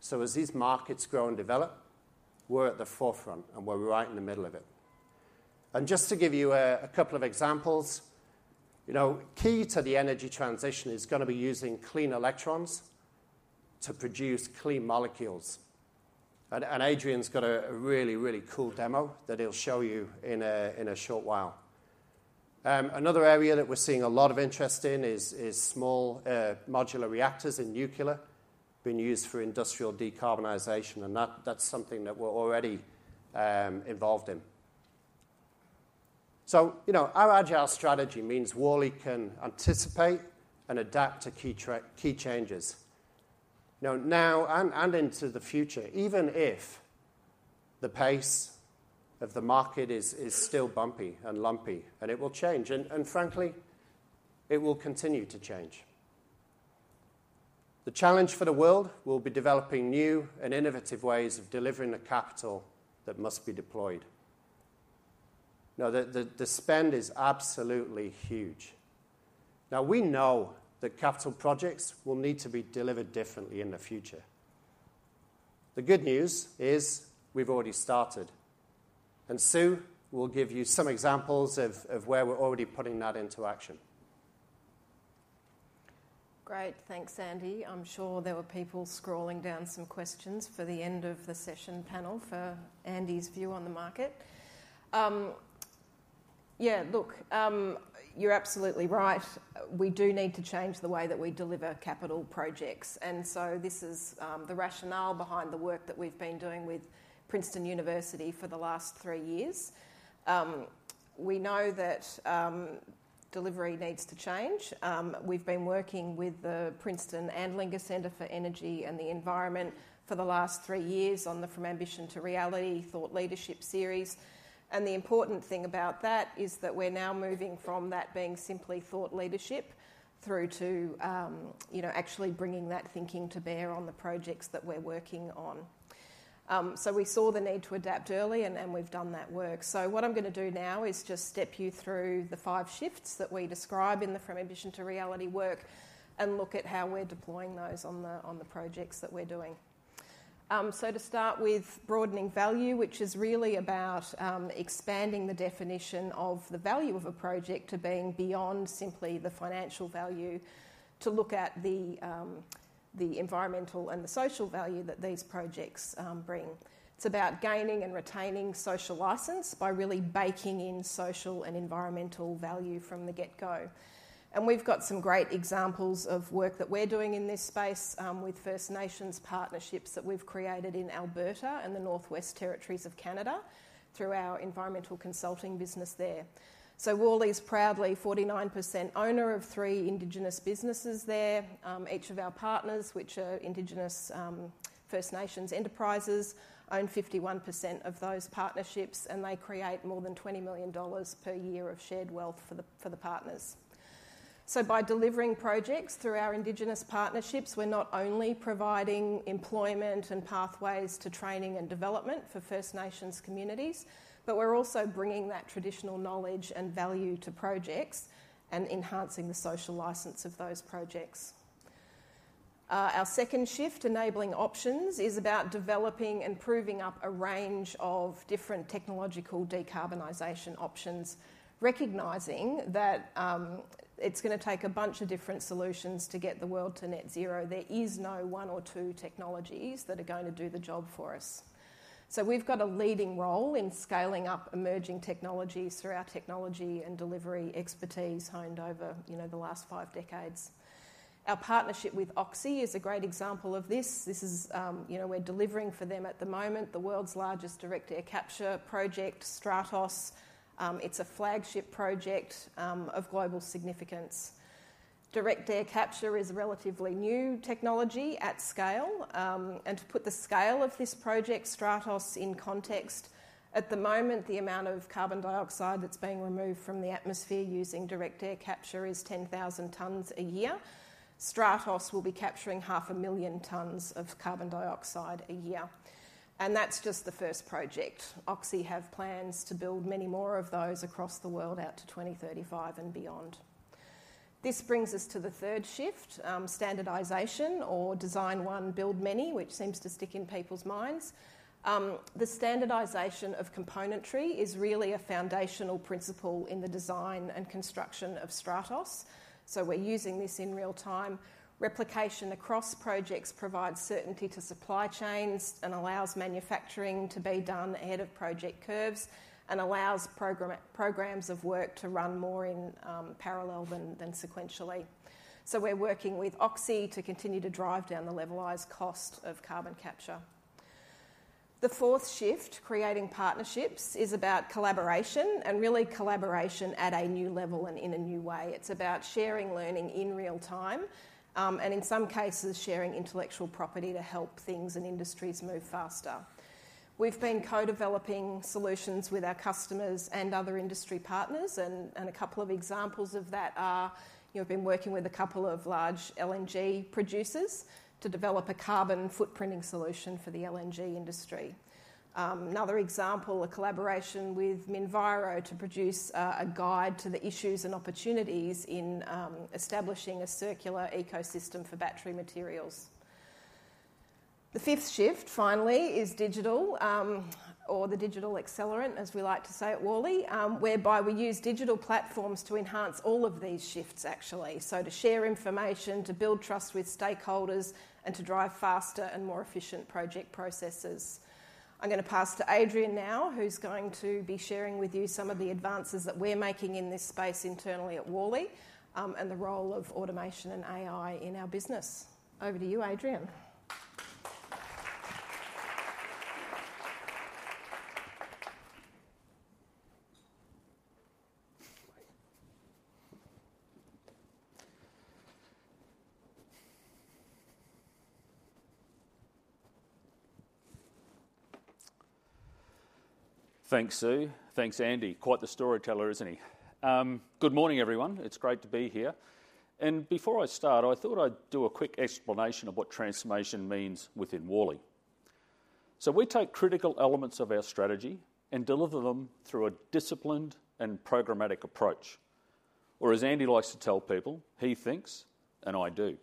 so as these markets grow and develop, we're at the forefront and we're right in the middle of it. Just to give you a couple of examples, key to the energy transition is going to be using clean electrons to produce clean molecules. Adrian's got a really, really cool demo that he'll show you in a short while. Another area that we're seeing a lot of interest in is small modular reactors and nuclear being used for industrial decarbonization. That's something that we're already involved in. Our agile strategy means Worley can anticipate and adapt to key changes now and into the future, even if the pace of the market is still bumpy and lumpy. It will change. Frankly, it will continue to change. The challenge for the world will be developing new and innovative ways of delivering the capital that must be deployed. Now, the spend is absolutely huge. Now, we know that capital projects will need to be delivered differently in the future. The good news is we've already started. And Sue will give you some examples of where we're already putting that into action. Great. Thanks, Andy. I'm sure there were people scrolling down some questions for the end of the session panel for Andy's view on the market. Yeah, look, you're absolutely right. We do need to change the way that we deliver capital projects. So this is the rationale behind the work that we've been doing with Princeton University for the last three years. We know that delivery needs to change. We've been working with the Princeton Andlinger Center for Energy and the Environment for the last three years on the From Ambition to Reality thought leadership series. The important thing about that is that we're now moving from that being simply thought leadership through to actually bringing that thinking to bear on the projects that we're working on. We saw the need to adapt early, and we've done that work. What I'm going to do now is just step you through the five shifts that we describe in the From Ambition to Reality work and look at how we're deploying those on the projects that we're doing. To start with, broadening value, which is really about expanding the definition of the value of a project to being beyond simply the financial value, to look at the environmental and the social value that these projects bring. It's about gaining and retaining social license by really baking in social and environmental value from the get-go. We've got some great examples of work that we're doing in this space with First Nations partnerships that we've created in Alberta and the Northwest Territories of Canada through our environmental consulting business there. Worley's proudly 49% owner of three Indigenous businesses there. Each of our partners, which are Indigenous First Nations enterprises, own 51% of those partnerships. They create more than $20 million per year of shared wealth for the partners. By delivering projects through our Indigenous partnerships, we're not only providing employment and pathways to training and development for First Nations communities, but we're also bringing that traditional knowledge and value to projects and enhancing the social license of those projects. Our second shift, Enabling Options, is about developing and proving up a range of different technological decarbonization options, recognizing that it's going to take a bunch of different solutions to get the world to net zero. There is no one or two technologies that are going to do the job for us. We've got a leading role in scaling up emerging technologies through our technology and delivery expertise honed over the last five decades. Our partnership with Oxy is a great example of this. We're delivering for them at the moment the world's largest direct air capture project, Stratos. It's a flagship project of global significance. direct air capture is a relatively new technology at scale. To put the scale of this project, Stratos, in context, at the moment, the amount of carbon dioxide that's being removed from the atmosphere using direct air capture is 10,000 tonnes a year. Stratos will be capturing 500,000 tonnes of carbon dioxide a year. That's just the first project. Oxy have plans to build many more of those across the world out to 2035 and beyond. This brings us to the third shift, Standardization or Design One, Build Many, which seems to stick in people's minds. The standardization of componentry is really a foundational principle in the design and construction of Stratos. So we're using this in real time. Replication across projects provides certainty to supply chains and allows manufacturing to be done ahead of project curves and allows programs of work to run more in parallel than sequentially. So we're working with Oxy to continue to drive down the levelized cost of carbon capture. The fourth shift, Creating Partnerships, is about collaboration and really collaboration at a new level and in a new way. It's about sharing learning in real time and, in some cases, sharing intellectual property to help things and industries move faster. We've been co-developing solutions with our customers and other industry partners. And a couple of examples of that are we've been working with a couple of large LNG producers to develop a carbon footprinting solution for the LNG industry. Another example, a collaboration with Minviro to produce a guide to the issues and opportunities in establishing a circular ecosystem for battery materials. The fifth shift, finally, is digital or the Digital Accelerant, as we like to say at Worley, whereby we use digital platforms to enhance all of these shifts, actually, so to share information, to build trust with stakeholders, and to drive faster and more efficient project processes. I'm going to pass to Adrian now, who's going to be sharing with you some of the advances that we're making in this space internally at Worley and the role of automation and AI in our business. Over to you, Adrian. Thanks, Sue. Thanks, Andy. Quite the storyteller, isn't he? Good morning, everyone. It's great to be here. And before I start, I thought I'd do a quick explanation of what transformation means within Worley. So we take critical elements of our strategy and deliver them through a disciplined and programmatic approach, or as Andy likes to tell people, he thinks and I do.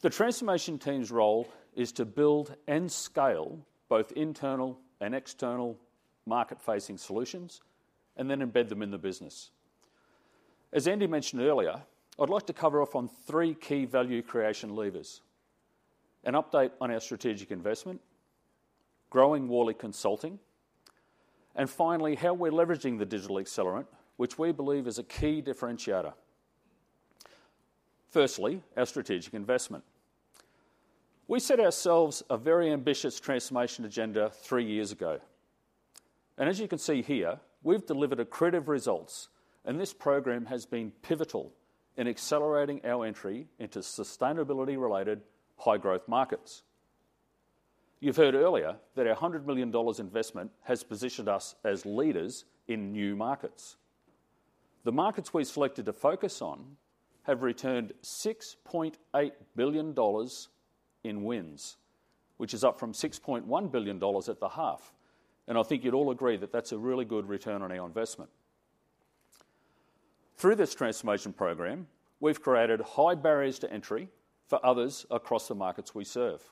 The transformation team's role is to build and scale both internal and external market-facing solutions and then embed them in the business. As Andy mentioned earlier, I'd like to cover off on three key value creation levers: an update on our strategic investment, growing Worley Consulting, and finally, how we're leveraging the Digital Accelerant, which we believe is a key differentiator. Firstly, our strategic investment. We set ourselves a very ambitious transformation agenda three years ago. And as you can see here, we've delivered accretive results. This program has been pivotal in accelerating our entry into sustainability-related high-growth markets. You've heard earlier that our 100 million dollars investment has positioned us as leaders in new markets. The markets we've selected to focus on have returned 6.8 billion dollars in wins, which is up from 6.1 billion dollars at the half. And I think you'd all agree that that's a really good return on our investment. Through this transformation program, we've created high barriers to entry for others across the markets we serve.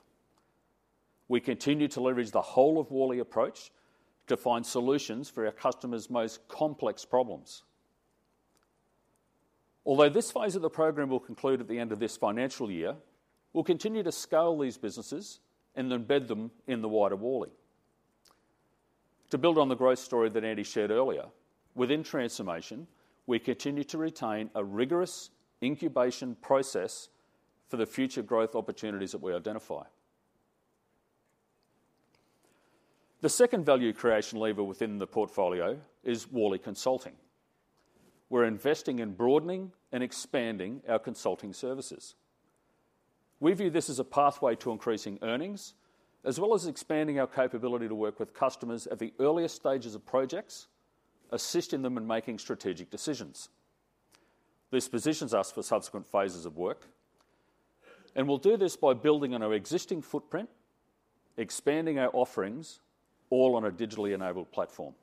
We continue to leverage the whole-of-Worley approach to find solutions for our customers' most complex problems. Although this phase of the program will conclude at the end of this financial year, we'll continue to scale these businesses and then embed them in the wider Worley. To build on the growth story that Andy shared earlier, within transformation, we continue to retain a rigorous incubation process for the future growth opportunities that we identify. The second value creation lever within the portfolio is Worley Consulting. We're investing in broadening and expanding our consulting services. We view this as a pathway to increasing earnings as well as expanding our capability to work with customers at the earliest stages of projects, assist in them, and make strategic decisions. This positions us for subsequent phases of work. And we'll do this by building on our existing footprint, expanding our offerings, all on a digitally-enabled platform.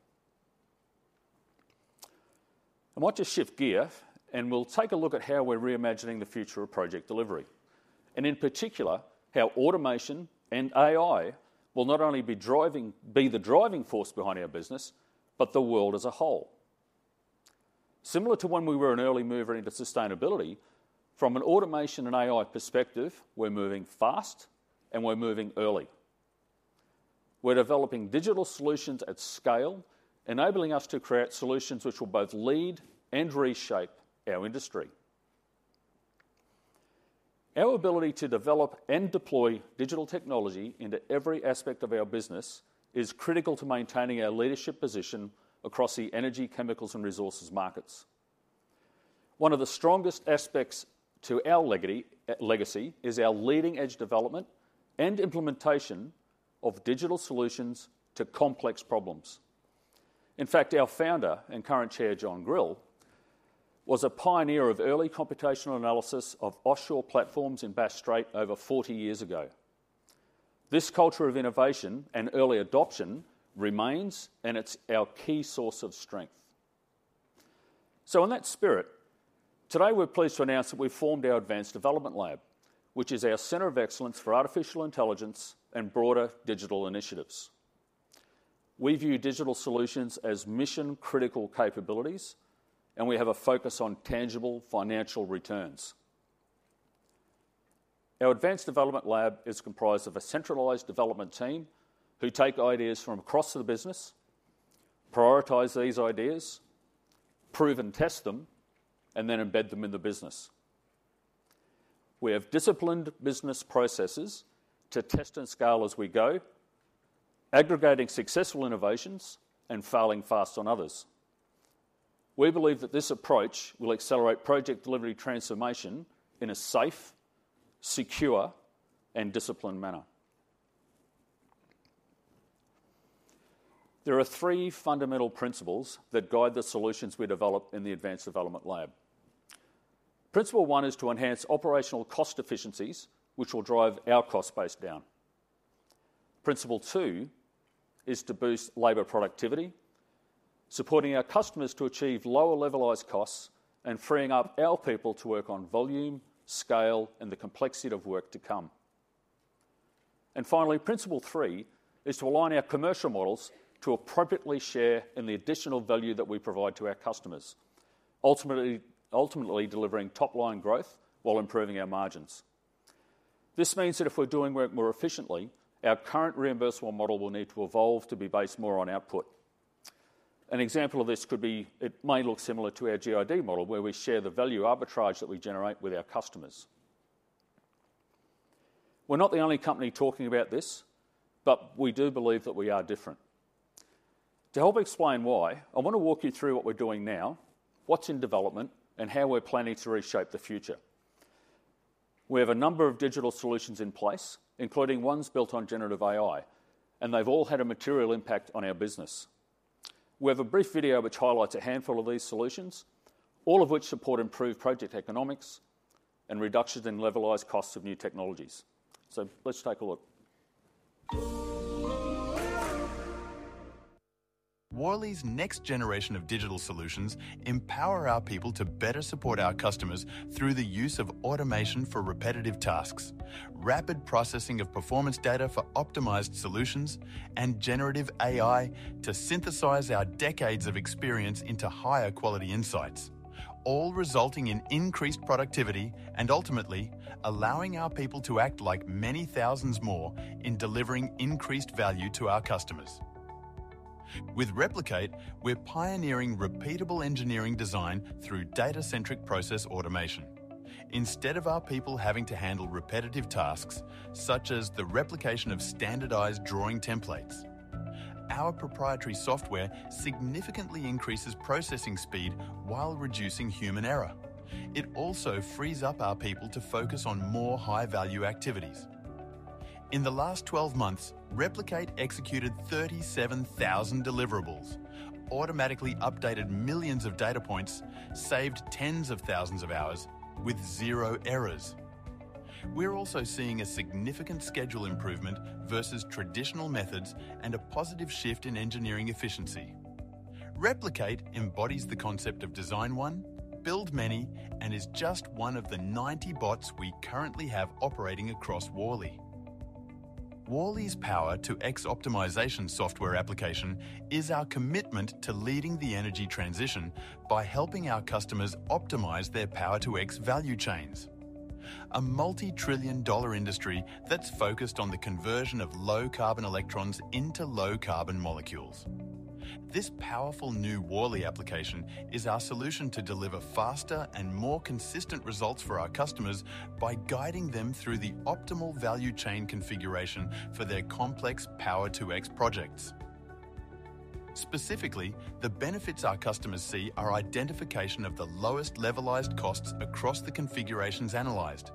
I might just shift gear, and we'll take a look at how we're reimagining the future of project delivery and, in particular, how automation and AI will not only be the driving force behind our business but the world as a whole. Similar to when we were an early mover into sustainability, from an automation and AI perspective, we're moving fast, and we're moving early. We're developing digital solutions at scale, enabling us to create solutions which will both lead and reshape our industry. Our ability to develop and deploy digital technology into every aspect of our business is critical to maintaining our leadership position across the energy, chemicals, and resources markets. One of the strongest aspects to our legacy is our leading-edge development and implementation of digital solutions to complex problems. In fact, our founder and current chair, John Grill, was a pioneer of early computational analysis of offshore platforms in Bass Strait over 40 years ago. This culture of innovation and early adoption remains, and it's our key source of strength. So in that spirit, today, we're pleased to announce that we've formed our Advanced Development Lab, which is our center of excellence for artificial intelligence and broader digital initiatives. We view digital solutions as mission-critical capabilities, and we have a focus on tangible financial returns. Our Advanced Development Lab is comprised of a centralized development team who take ideas from across the business, prioritize these ideas, prove and test them, and then embed them in the business. We have disciplined business processes to test and scale as we go, aggregating successful innovations and failing fast on others. We believe that this approach will accelerate project delivery transformation in a safe, secure, and disciplined manner. There are three fundamental principles that guide the solutions we develop in the Advanced Development Lab. Principle one is to enhance operational cost efficiencies, which will drive our cost base down. Principle two is to boost labor productivity, supporting our customers to achieve lower levelized costs and freeing up our people to work on volume, scale, and the complexity of work to come. Finally, principle three is to align our commercial models to appropriately share in the additional value that we provide to our customers, ultimately delivering top-line growth while improving our margins. This means that if we're doing work more efficiently, our current reimbursable model will need to evolve to be based more on output. An example of this could be it may look similar to our GID model, where we share the value arbitrage that we generate with our customers. We're not the only company talking about this, but we do believe that we are different. To help explain why, I want to walk you through what we're doing now, what's in development, and how we're planning to reshape the future. We have a number of digital solutions in place, including ones built on generative AI, and they've all had a material impact on our business. We have a brief video which highlights a handful of these solutions, all of which support improved project economics and reductions in levelized costs of new technologies. So let's take a look. Worley's next generation of digital solutions empower our people to better support our customers through the use of automation for repetitive tasks, rapid processing of performance data for optimized solutions, and generative AI to synthesize our decades of experience into higher-quality insights, all resulting in increased productivity and, ultimately, allowing our people to act like many thousands more in delivering increased value to our customers. With Replic8, we're pioneering repeatable engineering design through data-centric process automation, instead of our people having to handle repetitive tasks such as the replication of standardized drawing templates. Our proprietary software significantly increases processing speed while reducing human error. It also frees up our people to focus on more high-value activities. In the last 12 months, Replic8 executed 37,000 deliverables, automatically updated millions of data points, saved tens of thousands of hours with zero errors. We're also seeing a significant schedule improvement versus traditional methods and a positive shift in engineering efficiency. Replic8 embodies the concept of Design One, Build Many, and is just one of the 90 bots we currently have operating across Worley. Worley's Power-to-X Optimization software application is our commitment to leading the energy transition by helping our customers optimize their Power-to-X value chains, a multi-trillion-dollar industry that's focused on the conversion of low-carbon electrons into low-carbon molecules. This powerful new Worley application is our solution to deliver faster and more consistent results for our customers by guiding them through the optimal value chain configuration for their complex Power-to-X projects. Specifically, the benefits our customers see are identification of the lowest levelized costs across the configurations analyzed,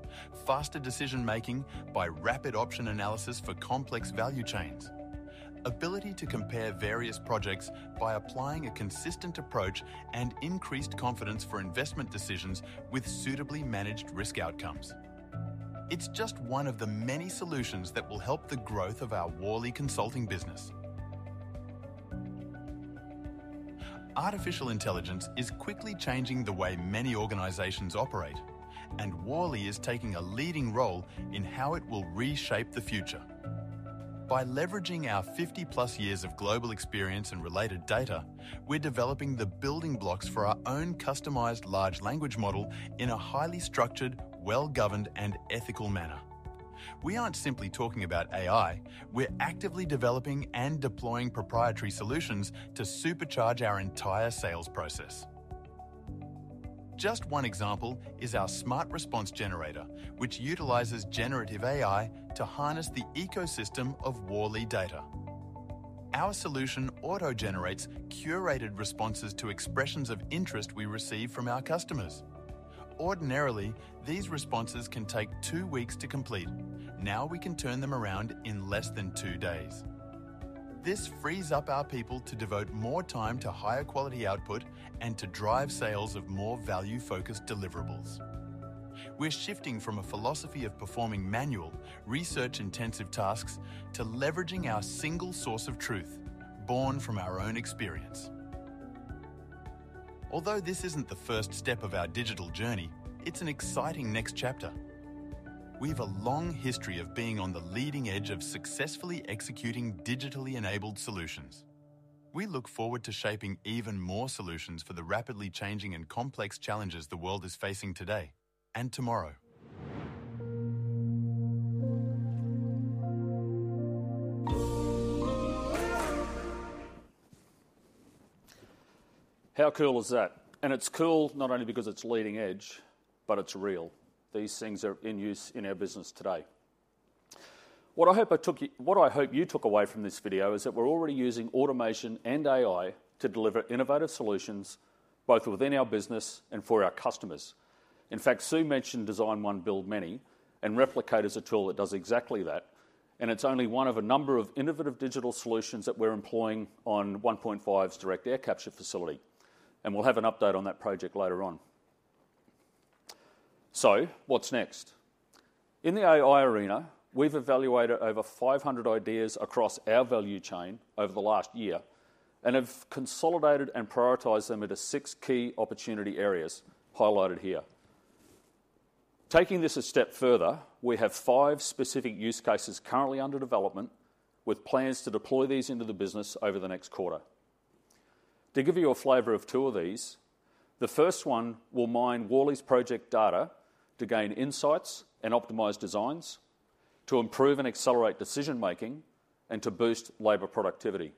faster decision-making by rapid option analysis for complex value chains, ability to compare various projects by applying a consistent approach, and increased confidence for investment decisions with suitably managed risk outcomes. It's just one of the many solutions that will help the growth of our Worley Consulting business. Artificial intelligence is quickly changing the way many organizations operate, and Worley is taking a leading role in how it will reshape the future. By leveraging our 50+ years of global experience and related data, we're developing the building blocks for our own customized large language model in a highly structured, well-governed, and ethical manner. We aren't simply talking about AI. We're actively developing and deploying proprietary solutions to supercharge our entire sales process. Just one example is our Smart Response Generator, which utilizes generative AI to harness the ecosystem of Worley data. Our solution auto-generates curated responses to expressions of interest we receive from our customers. Ordinarily, these responses can take two weeks to complete; now we can turn them around in less than two days. This frees up our people to devote more time to higher-quality output and to drive sales of more value-focused deliverables. We're shifting from a philosophy of performing manual, research-intensive tasks to leveraging our single source of truth, born from our own experience. Although this isn't the first step of our digital journey, it's an exciting next chapter. We have a long history of being on the leading edge of successfully executing digitally-enabled solutions. We look forward to shaping even more solutions for the rapidly changing and complex challenges the world is facing today and tomorrow. How cool is that? And it's cool not only because it's leading edge, but it's real. These things are in use in our business today. What I hope you took away from this video is that we're already using automation and AI to deliver innovative solutions both within our business and for our customers. In fact, Sue mentioned Design One, Build Many, and Replic8 is a tool that does exactly that. And it's only one of a number of innovative digital solutions that we're employing on 1PointFive's direct air capture facility. And we'll have an update on that project later on. So what's next? In the AI arena, we've evaluated over 500 ideas across our value chain over the last year and have consolidated and prioritized them into six key opportunity areas highlighted here. Taking this a step further, we have five specific use cases currently under development with plans to deploy these into the business over the next quarter. To give you a flavor of two of these, the first one will mine Worley's project data to gain insights and optimize designs, to improve and accelerate decision-making, and to boost labor productivity.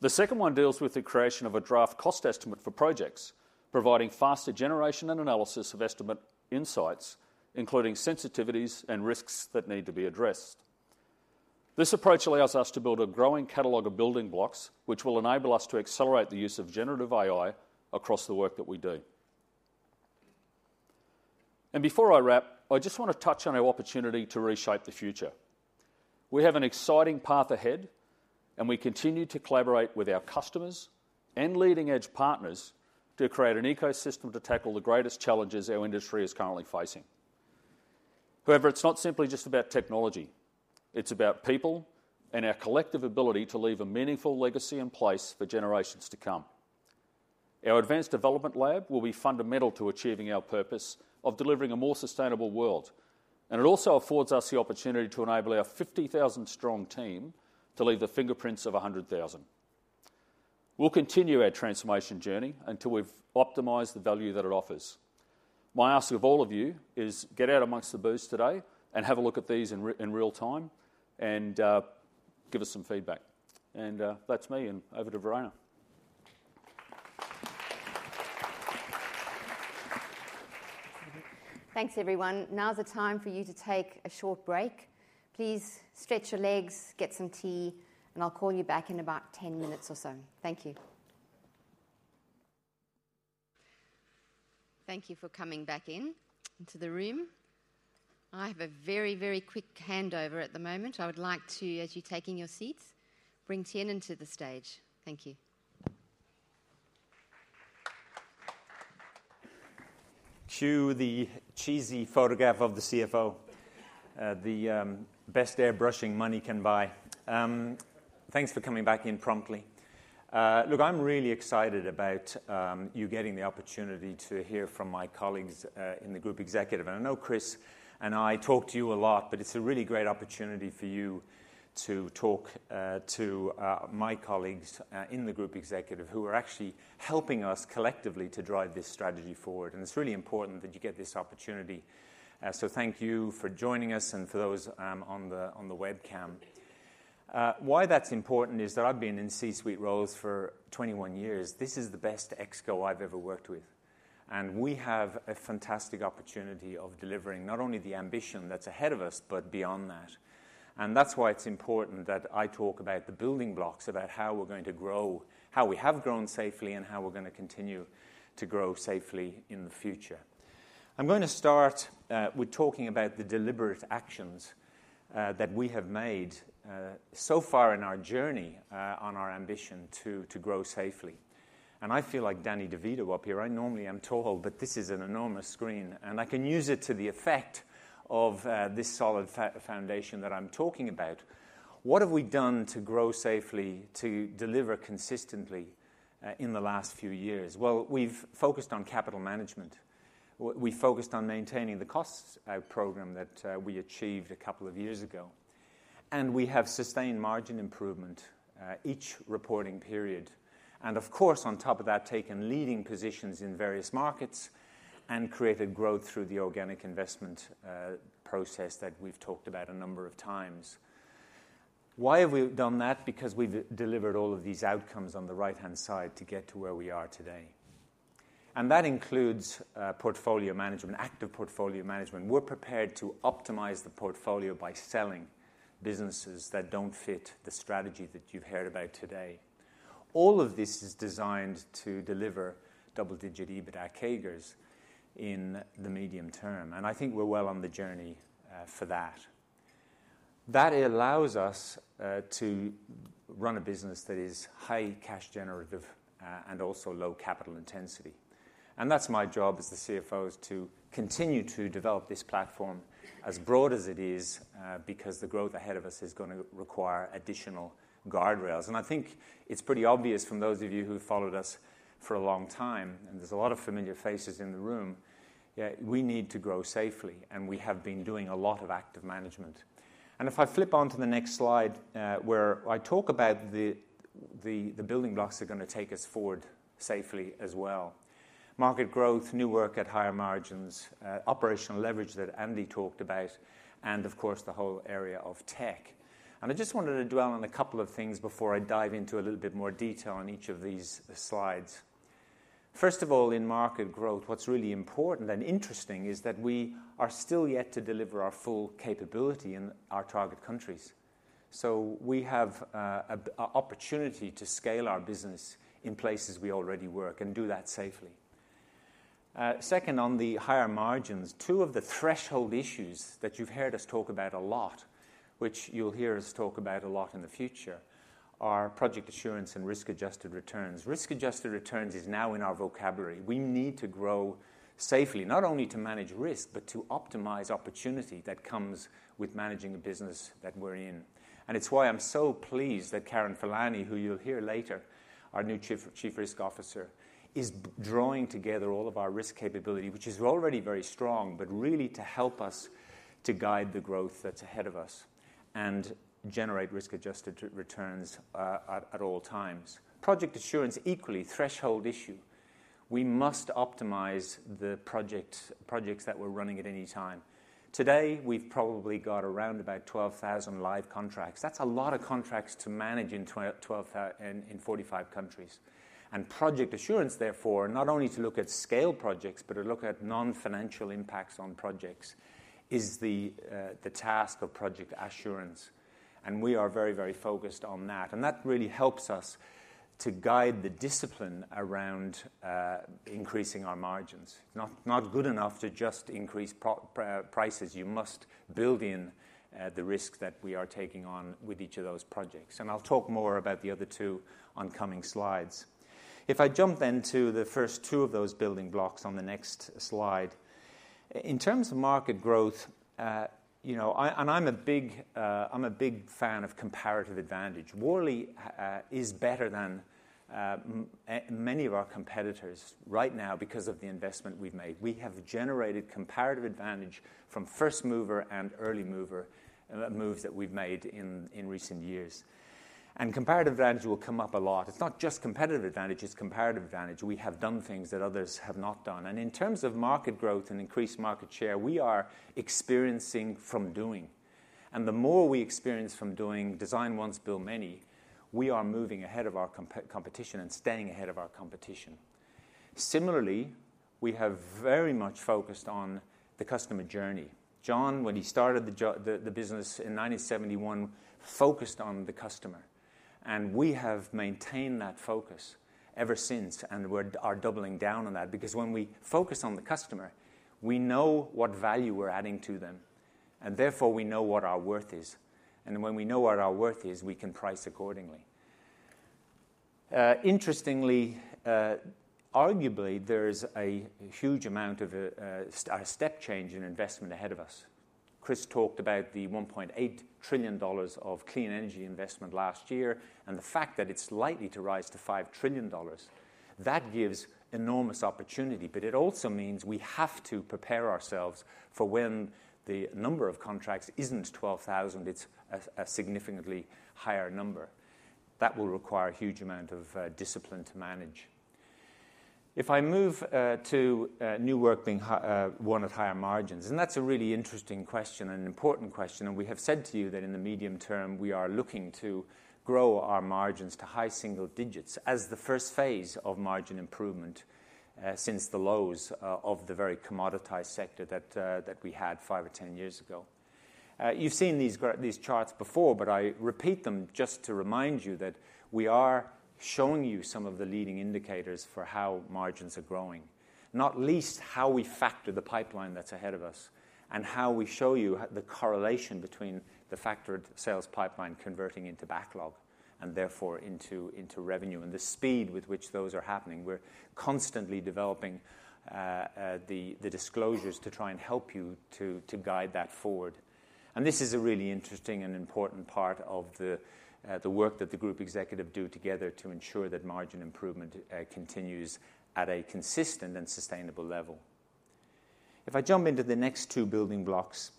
The second one deals with the creation of a draft cost estimate for projects, providing faster generation and analysis of estimate insights, including sensitivities and risks that need to be addressed. This approach allows us to build a growing catalog of building blocks, which will enable us to accelerate the use of generative AI across the work that we do. Before I wrap, I just want to touch on our opportunity to reshape the future. We have an exciting path ahead, and we continue to collaborate with our customers and leading-edge partners to create an ecosystem to tackle the greatest challenges our industry is currently facing. However, it's not simply just about technology. It's about people and our collective ability to leave a meaningful legacy in place for generations to come. Our Advanced Development Lab will be fundamental to achieving our purpose of delivering a more sustainable world, and it also affords us the opportunity to enable our 50,000-strong team to leave the fingerprints of 100,000. We'll continue our transformation journey until we've optimized the value that it offers. My ask of all of you is get out amongst the booths today and have a look at these in real time and give us some feedback. And that's me, and over to Verena. Thanks, everyone. Now's the time for you to take a short break. Please stretch your legs, get some tea, and I'll call you back in about 10 minutes or so. Thank you. Thank you for coming back into the room. I have a very, very quick handover at the moment. I would like to, as you're taking your seats, bring Tiernan to the stage. Thank you. Cue the cheesy photograph of the CFO, the best airbrushing money can buy. Thanks for coming back in promptly. Look, I'm really excited about you getting the opportunity to hear from my colleagues in the group executive. I know Chris and I talked to you a lot, but it's a really great opportunity for you to talk to my colleagues in the group executive who are actually helping us collectively to drive this strategy forward. It's really important that you get this opportunity. Thank you for joining us and for those on the webcam. Why that's important is that I've been in C-suite roles for 21 years. This is the best exco I've ever worked with. We have a fantastic opportunity of delivering not only the ambition that's ahead of us, but beyond that. That's why it's important that I talk about the building blocks, about how we're going to grow, how we have grown safely, and how we're going to continue to grow safely in the future. I'm going to start with talking about the deliberate actions that we have made so far in our journey on our ambition to grow safely. I feel like Danny DeVito up here. I normally am tall, but this is an enormous screen. I can use it to the effect of this solid foundation that I'm talking about. What have we done to grow safely, to deliver consistently in the last few years? Well, we've focused on capital management. We focused on maintaining the costs program that we achieved a couple of years ago. We have sustained margin improvement each reporting period. Of course, on top of that, taken leading positions in various markets and created growth through the organic investment process that we've talked about a number of times. Why have we done that? Because we've delivered all of these outcomes on the right-hand side to get to where we are today. That includes portfolio management, active portfolio management. We're prepared to optimize the portfolio by selling businesses that don't fit the strategy that you've heard about today. All of this is designed to deliver double-digit EBITDA CAGRs in the medium term. And I think we're well on the journey for that. That allows us to run a business that is high cash-generative and also low capital intensity. And that's my job as the CFO, is to continue to develop this platform as broad as it is because the growth ahead of us is going to require additional guardrails. I think it's pretty obvious from those of you who've followed us for a long time, and there's a lot of familiar faces in the room, we need to grow safely. We have been doing a lot of active management. If I flip on to the next slide where I talk about the building blocks that are going to take us forward safely as well: market growth, new work at higher margins, operational leverage that Andy talked about, and of course, the whole area of tech. I just wanted to dwell on a couple of things before I dive into a little bit more detail on each of these slides. First of all, in market growth, what's really important and interesting is that we are still yet to deliver our full capability in our target countries. So we have an opportunity to scale our business in places we already work and do that safely. Second, on the higher margins, two of the threshold issues that you've heard us talk about a lot, which you'll hear us talk about a lot in the future, are project assurance and risk-adjusted returns. Risk-adjusted returns is now in our vocabulary. We need to grow safely, not only to manage risk, but to optimize opportunity that comes with managing the business that we're in. And it's why I'm so pleased that Karen Furlani, who you'll hear later, our new Chief Risk Officer, is drawing together all of our risk capability, which is already very strong, but really to help us to guide the growth that's ahead of us and generate risk-adjusted returns at all times. Project assurance, equally, threshold issue. We must optimize the projects that we're running at any time. Today, we've probably got around about 12,000 live contracts. That's a lot of contracts to manage in 45 countries. Project assurance, therefore, not only to look at scale projects, but to look at non-financial impacts on projects, is the task of project assurance. We are very, very focused on that. That really helps us to guide the discipline around increasing our margins. It's not good enough to just increase prices. You must build in the risk that we are taking on with each of those projects. I'll talk more about the other two on coming slides. If I jump then to the first two of those building blocks on the next slide, in terms of market growth, and I'm a big fan of comparative advantage, Worley is better than many of our competitors right now because of the investment we've made. We have generated comparative advantage from first mover and early mover moves that we've made in recent years. Comparative advantage will come up a lot. It's not just competitive advantage. It's comparative advantage. We have done things that others have not done. In terms of market growth and increased market share, we are experiencing from doing. The more we experience from doing, Design One, Build Many, we are moving ahead of our competition and staying ahead of our competition. Similarly, we have very much focused on the customer journey. John, when he started the business in 1971, focused on the customer. We have maintained that focus ever since. We are doubling down on that because when we focus on the customer, we know what value we're adding to them. Therefore, we know what our worth is. When we know what our worth is, we can price accordingly. Interestingly, arguably, there is a huge amount of a step change in investment ahead of us. Chris talked about the $1.8 trillion of clean energy investment last year. The fact that it's likely to rise to $5 trillion, that gives enormous opportunity. But it also means we have to prepare ourselves for when the number of contracts isn't 12,000. It's a significantly higher number. That will require a huge amount of discipline to manage. If I move to new work being won at higher margins, and that's a really interesting question and important question. We have said to you that in the medium term, we are looking to grow our margins to high single digits as the first phase of margin improvement since the lows of the very commoditized sector that we had 5 or 10 years ago. You've seen these charts before, but I repeat them just to remind you that we are showing you some of the leading indicators for how margins are growing, not least how we factor the pipeline that's ahead of us and how we show you the correlation between the factored sales pipeline converting into backlog and therefore into revenue and the speed with which those are happening. We're constantly developing the disclosures to try and help you to guide that forward. This is a really interesting and important part of the work that the group executive do together to ensure that margin improvement continues at a consistent and sustainable level. If I jump into the next two building blocks,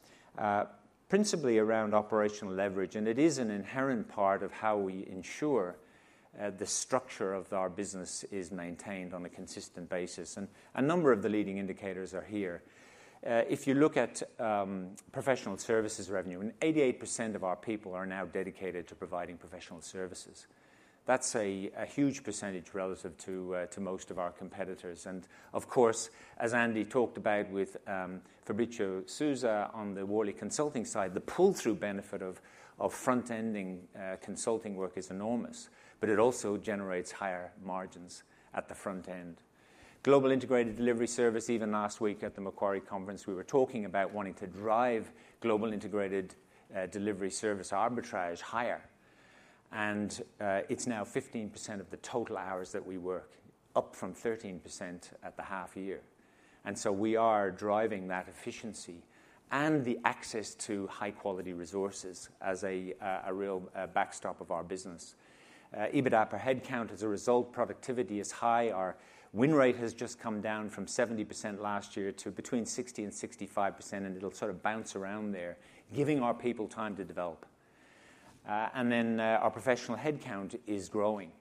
principally around operational leverage, and it is an inherent part of how we ensure the structure of our business is maintained on a consistent basis. A number of the leading indicators are here. If you look at professional services revenue, 88% of our people are now dedicated to providing professional services. That's a huge percentage relative to most of our competitors. And of course, as Andy talked about with Fabricio Sousa on the Worley Consulting side, the pull-through benefit of front-ending consulting work is enormous, but it also generates higher margins at the front end. Global Integrated Delivery Service, even last week at the Macquarie Conference, we were talking about wanting to drive Global Integrated Delivery service arbitrage higher. It's now 15% of the total hours that we work, up from 13% at the half-year. So we are driving that efficiency and the access to high-quality resources as a real backstop of our business. EBITDA per headcount, as a result, productivity is high. Our win rate has just come down from 70% last year to between 60% to 65%. It'll sort of bounce around there, giving our people time to develop. Then our professional headcount is growing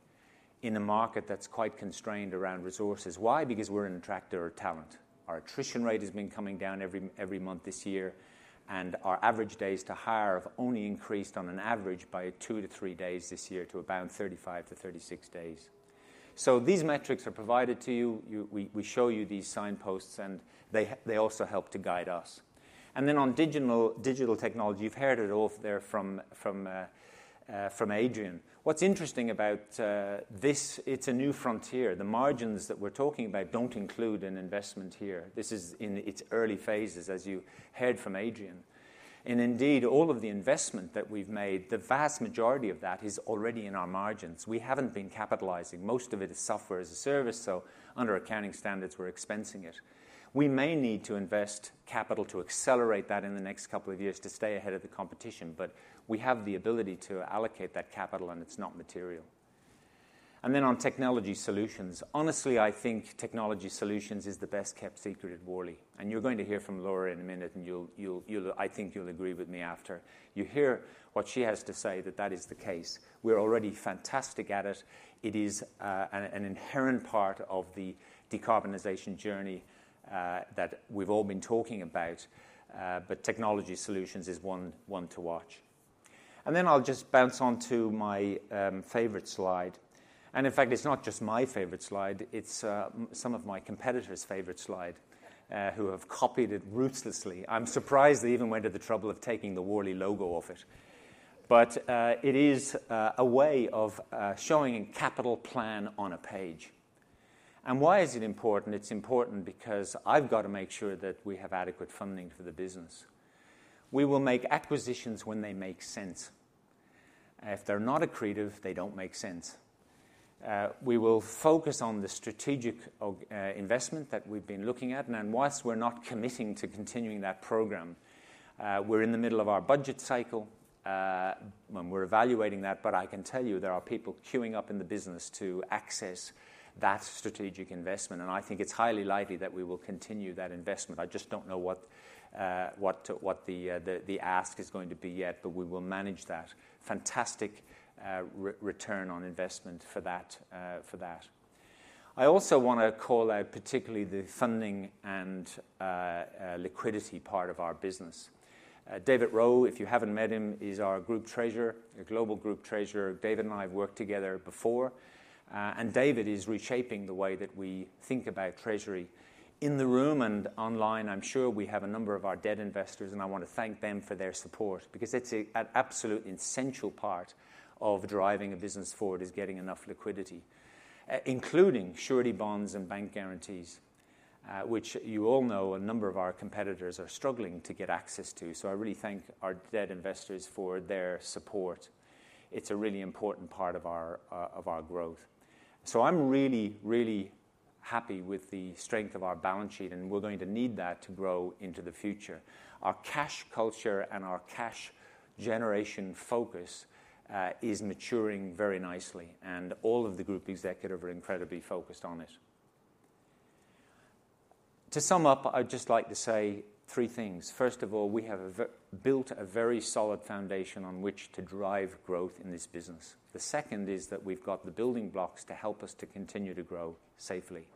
in a market that's quite constrained around resources. Why? Because we're an attractor of talent. Our attrition rate has been coming down every month this year. Our average days to hire have only increased on average by 2 to 3 days this year to about 35 to 36 days. So these metrics are provided to you. We show you these signposts. And they also help to guide us. And then on digital technology, you've heard it off there from Adrian. What's interesting about this, it's a new frontier. The margins that we're talking about don't include an investment here. This is in its early phases, as you heard from Adrian. And indeed, all of the investment that we've made, the vast majority of that is already in our margins. We haven't been capitalizing. Most of it is software as a service. So under accounting standards, we're expensing it. We may need to invest capital to accelerate that in the next couple of years to stay ahead of the competition. But we have the ability to allocate that capital. And it's not material. And then on Technology Solutions, honestly, I think Technology Solutions is the best kept secret at Worley. And you're going to hear from Laura in a minute. And I think you'll agree with me after you hear what she has to say, that that is the case. We're already fantastic at it. It is an inherent part of the decarbonization journey that we've all been talking about. But Technology Solutions is one to watch. And then I'll just bounce on to my favorite slide. And in fact, it's not just my favorite slide. It's some of my competitors' favorite slide who have copied it ruthlessly. I'm surprised they even went to the trouble of taking the Worley logo off it. But it is a way of showing a capital plan on a page. Why is it important? It's important because I've got to make sure that we have adequate funding for the business. We will make acquisitions when they make sense. If they're not accretive, they don't make sense. We will focus on the strategic investment that we've been looking at. While we're not committing to continuing that program, we're in the middle of our budget cycle. We're evaluating that. But I can tell you there are people queuing up in the business to access that strategic investment. I think it's highly likely that we will continue that investment. I just don't know what the ask is going to be yet. But we will manage that. Fantastic return on investment for that. I also want to call out particularly the funding and liquidity part of our business. David Rowe, if you haven't met him, is our Group Treasurer, global Group Treasurer. David and I have worked together before. David is reshaping the way that we think about treasury. In the room and online, I'm sure we have a number of our debt investors. I want to thank them for their support because it's an absolute essential part of driving a business forward, is getting enough liquidity, including surety bonds and bank guarantees, which you all know a number of our competitors are struggling to get access to. I really thank our debt investors for their support. It's a really important part of our growth. I'm really, really happy with the strength of our balance sheet. We're going to need that to grow into the future. Our cash culture and our cash generation focus is maturing very nicely. All of the group executive are incredibly focused on it. To sum up, I'd just like to say three things. First of all, we have built a very solid foundation on which to drive growth in this business. The second is that we've got the building blocks to help us to continue to grow safely.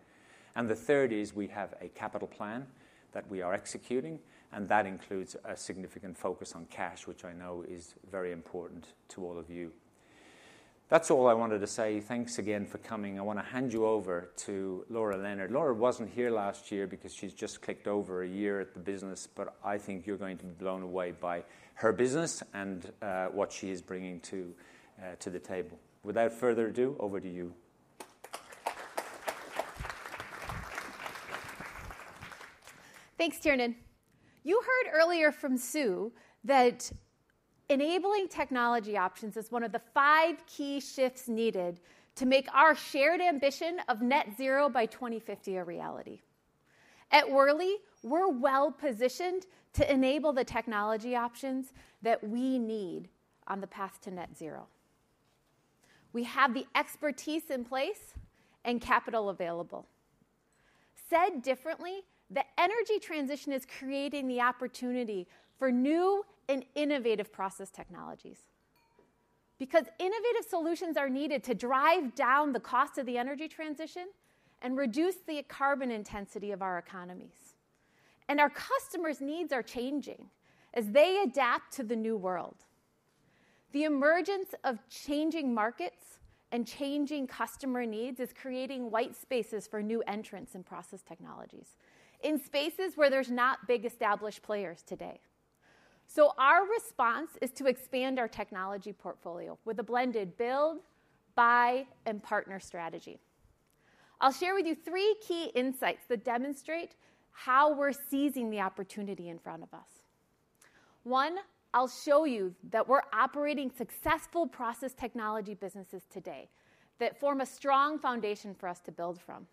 The third is we have a capital plan that we are executing. And that includes a significant focus on cash, which I know is very important to all of you. That's all I wanted to say. Thanks again for coming. I want to hand you over to Laura Leonard. Laura wasn't here last year because she's just clicked over a year at the business. But I think you're going to be blown away by her business and what she is bringing to the table. Without further ado, over to you. Thanks, Tiernan. You heard earlier from Sue that enabling technology options is one of the five key shifts needed to make our shared ambition of net zero by 2050 a reality. At Worley, we're well-positioned to enable the technology options that we need on the path to net zero. We have the expertise in place and capital available. Said differently, the energy transition is creating the opportunity for new and innovative process technologies because innovative solutions are needed to drive down the cost of the energy transition and reduce the carbon intensity of our economies. Our customers' needs are changing as they adapt to the new world. The emergence of changing markets and changing customer needs is creating white spaces for new entrants in process technologies, in spaces where there's not big established players today. Our response is to expand our technology portfolio with a blended build, buy, and partner strategy. I'll share with you three key insights that demonstrate how we're seizing the opportunity in front of us. One, I'll show you that we're operating successful process technology businesses today that form a strong foundation for us to build from.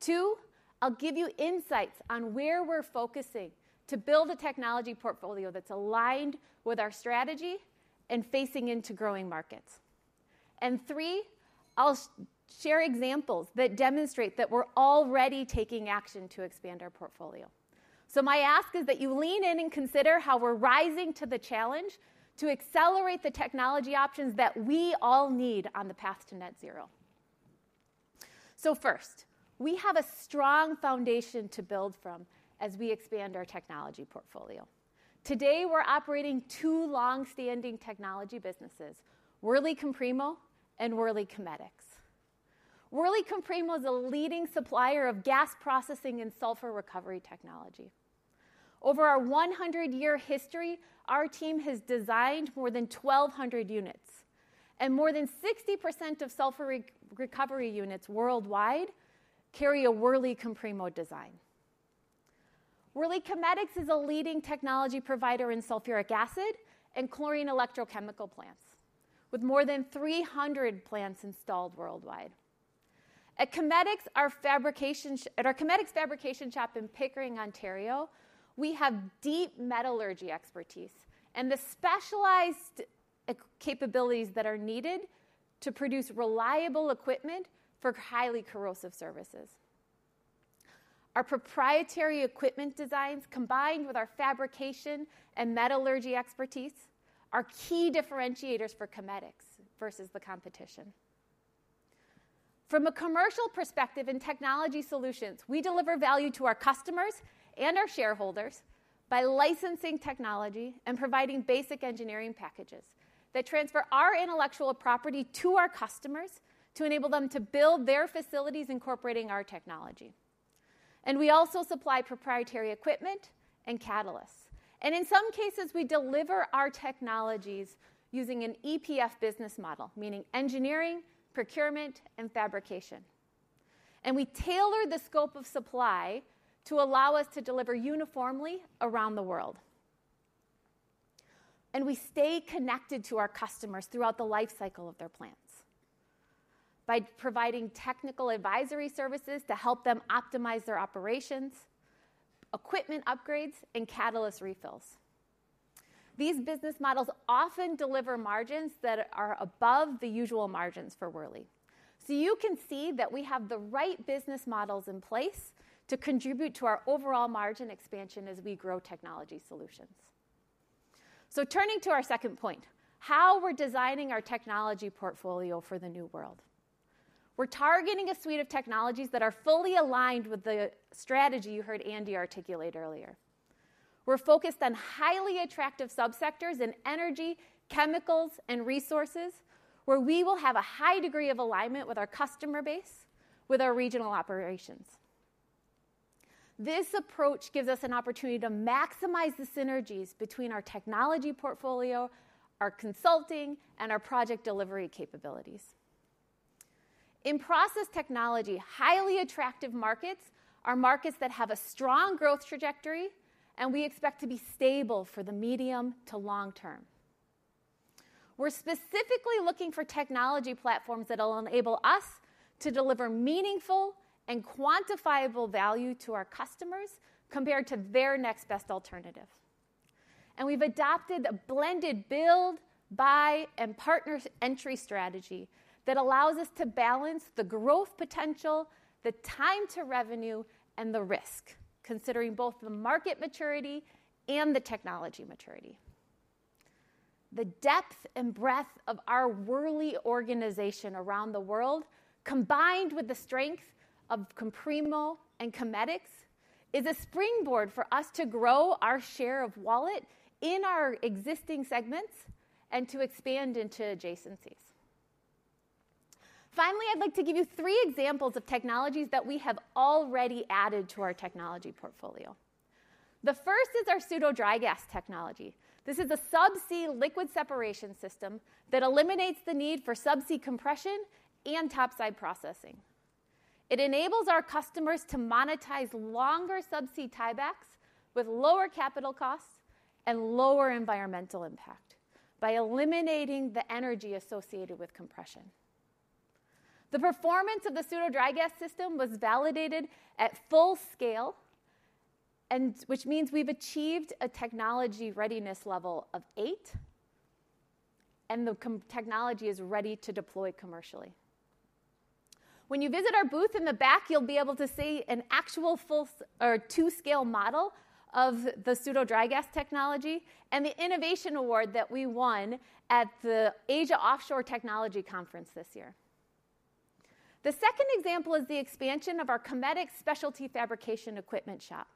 Two, I'll give you insights on where we're focusing to build a technology portfolio that's aligned with our strategy and facing into growing markets. And three, I'll share examples that demonstrate that we're already taking action to expand our portfolio. My ask is that you lean in and consider how we're rising to the challenge to accelerate the technology options that we all need on the path to net zero. First, we have a strong foundation to build from as we expand our technology portfolio. Today, we're operating two longstanding technology businesses, Worley Comprimo and Worley Chemetics. Worley Comprimo is a leading supplier of gas processing and sulfur recovery technology. Over our 100-year history, our team has designed more than 1,200 units. More than 60% of sulfur recovery units worldwide carry a Worley Comprimo design. Worley Chemetics is a leading technology provider in sulfuric acid and chlorine electrochemical plants with more than 300 plants installed worldwide. At Chemetics' fabrication shop in Pickering, Ontario, we have deep metallurgy expertise and the specialized capabilities that are needed to produce reliable equipment for highly corrosive services. Our proprietary equipment designs, combined with our fabrication and metallurgy expertise, are key differentiators for Chemetics versus the competition. From a commercial perspective in Technology Solutions, we deliver value to our customers and our shareholders by licensing technology and providing basic engineering packages that transfer our intellectual property to our customers to enable them to build their facilities incorporating our technology. We also supply proprietary equipment and catalysts. In some cases, we deliver our technologies using an EPF business model, meaning engineering, procurement, and fabrication. We tailor the scope of supply to allow us to deliver uniformly around the world. We stay connected to our customers throughout the life cycle of their plants by providing technical advisory services to help them optimize their operations, equipment upgrades, and catalyst refills. These business models often deliver margins that are above the usual margins for Worley. So you can see that we have the right business models in place to contribute to our overall margin expansion as we grow Technology Solutions. So turning to our second point, how we're designing our technology portfolio for the new world. We're targeting a suite of technologies that are fully aligned with the strategy you heard Andy articulate earlier. We're focused on highly attractive subsectors in energy, chemicals, and resources where we will have a high degree of alignment with our customer base, with our regional operations. This approach gives us an opportunity to maximize the synergies between our technology portfolio, our consulting, and our project delivery capabilities. In process technology, highly attractive markets are markets that have a strong growth trajectory. And we expect to be stable for the medium to long term. We're specifically looking for technology platforms that will enable us to deliver meaningful and quantifiable value to our customers compared to their next best alternative. And we've adopted a blended build, buy, and partner entry strategy that allows us to balance the growth potential, the time to revenue, and the risk, considering both the market maturity and the technology maturity. The depth and breadth of our Worley organization around the world, combined with the strength of Comprimo and Chemetics, is a springboard for us to grow our share of wallet in our existing segments and to expand into adjacencies. Finally, I'd like to give you three examples of technologies that we have already added to our technology portfolio. The first is our Pseudo Dry Gas technology. This is a subsea liquid separation system that eliminates the need for subsea compression and topside processing. It enables our customers to monetize longer subsea tie backs with lower capital costs and lower environmental impact by eliminating the energy associated with compression. The performance of the Pseudo Dry Gas system was validated at full scale, which means we've achieved a technology readiness level of eight. The technology is ready to deploy commercially. When you visit our booth in the back, you'll be able to see an actual two-scale model of the Pseudo Dry Gas technology and the Innovation Award that we won at the Asia Offshore Technology Conference this year. The second example is the expansion of our Chemetics specialty fabrication equipment shop.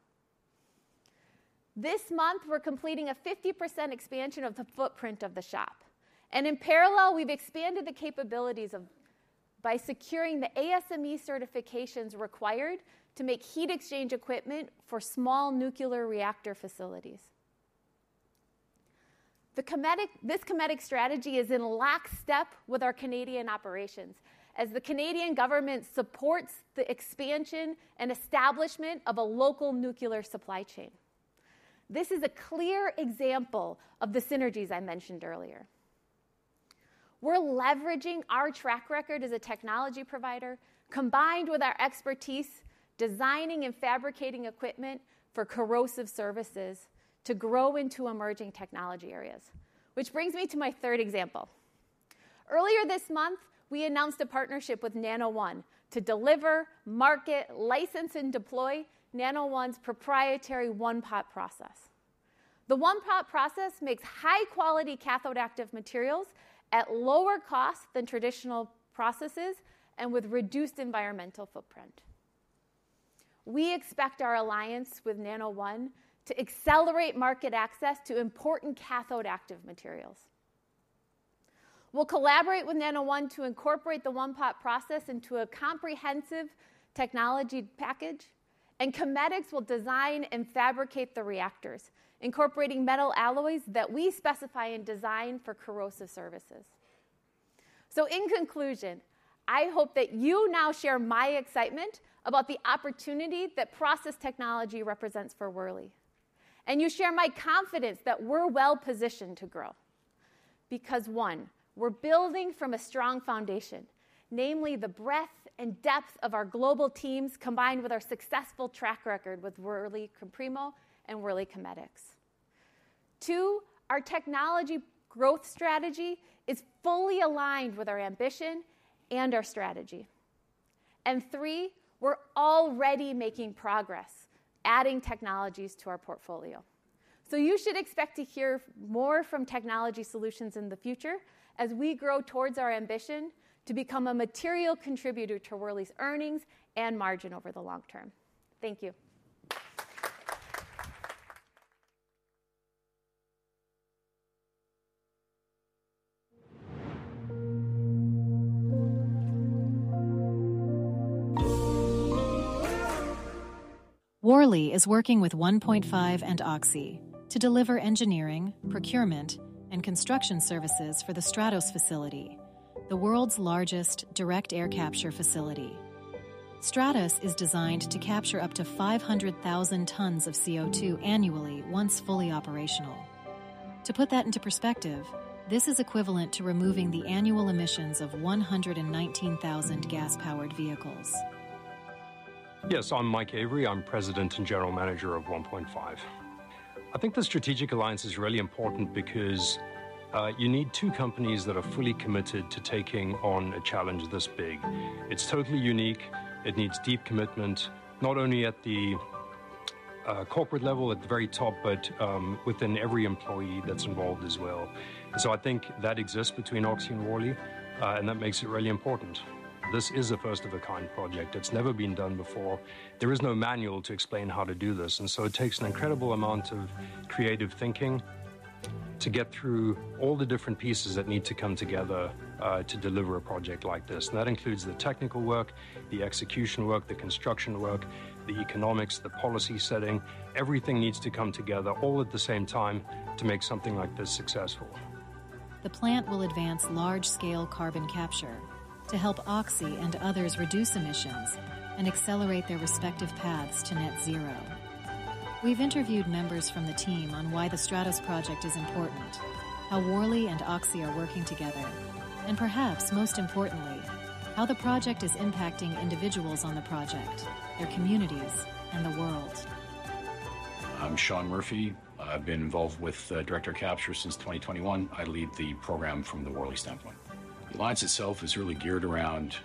This month, we're completing a 50% expansion of the footprint of the shop. In parallel, we've expanded the capabilities by securing the ASME certifications required to make heat exchange equipment for small nuclear reactor facilities. This Chemetics strategy is in lockstep with our Canadian operations as the Canadian government supports the expansion and establishment of a local nuclear supply chain. This is a clear example of the synergies I mentioned earlier. We're leveraging our track record as a technology provider combined with our expertise designing and fabricating equipment for corrosive services to grow into emerging technology areas, which brings me to my third example. Earlier this month, we announced a partnership with Nano One to deliver, market, license, and deploy Nano One's proprietary One-Pot Process. The One-Pot Process makes high-quality cathode active materials at lower cost than traditional processes and with reduced environmental footprint. We expect our alliance with Nano One to accelerate market access to important cathode active materials. We'll collaborate with Nano One to incorporate the One-Pot Process into a comprehensive technology package. Chemetics will design and fabricate the reactors, incorporating metal alloys that we specify and design for corrosive services. So in conclusion, I hope that you now share my excitement about the opportunity that process technology represents for Worley. And you share my confidence that we're well-positioned to grow because, one, we're building from a strong foundation, namely the breadth and depth of our global teams combined with our successful track record with Worley Comprimo and Worley Chemetics. Two, our technology growth strategy is fully aligned with our ambition and our strategy. And three, we're already making progress adding technologies to our portfolio. So you should expect to hear more from Technology Solutions in the future as we grow towards our ambition to become a material contributor to Worley's earnings and margin over the long term. Thank you. Worley is working with 1PointFive and Oxy to deliver engineering, procurement, and construction services for the Stratos facility, the world's largest direct air capture facility. Stratos is designed to capture up to 500,000 tonnes of CO2 annually once fully operational. To put that into perspective, this is equivalent to removing the annual emissions of 119,000 gas-powered vehicles. Yes, I'm Mike Avery. I'm President and General Manager of 1PointFive. I think the strategic alliance is really important because you need two companies that are fully committed to taking on a challenge this big. It's totally unique. It needs deep commitment, not only at the corporate level at the very top, but within every employee that's involved as well. And so I think that exists between Oxy and Worley. And that makes it really important. This is a first-of-a-kind project. It's never been done before. There is no manual to explain how to do this. And so it takes an incredible amount of creative thinking to get through all the different pieces that need to come together to deliver a project like this. And that includes the technical work, the execution work, the construction work, the economics, the policy setting. Everything needs to come together all at the same time to make something like this successful. The plant will advance large-scale carbon capture to help Oxy and others reduce emissions and accelerate their respective paths to net zero. We've interviewed members from the team on why the Stratos project is important, how Worley and Oxy are working together, and perhaps most importantly, how the project is impacting individuals on the project, their communities, and the world. I'm Sean Murphy. I've been involved with Direct Air Capture since 2021. I lead the program from the Worley standpoint. The alliance itself is really geared around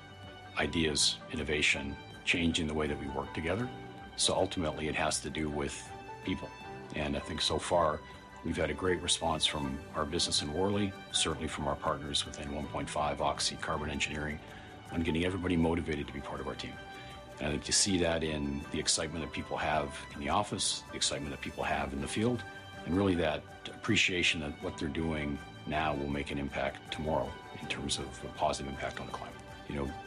ideas, innovation, changing the way that we work together. So ultimately, it has to do with people. And I think so far, we've had a great response from our business in Worley, certainly from our partners within 1PointFive, Oxy, Carbon Engineering, on getting everybody motivated to be part of our team. And I think to see that in the excitement that people have in the office, the excitement that people have in the field, and really that appreciation that what they're doing now will make an impact tomorrow in terms of a positive impact on the climate.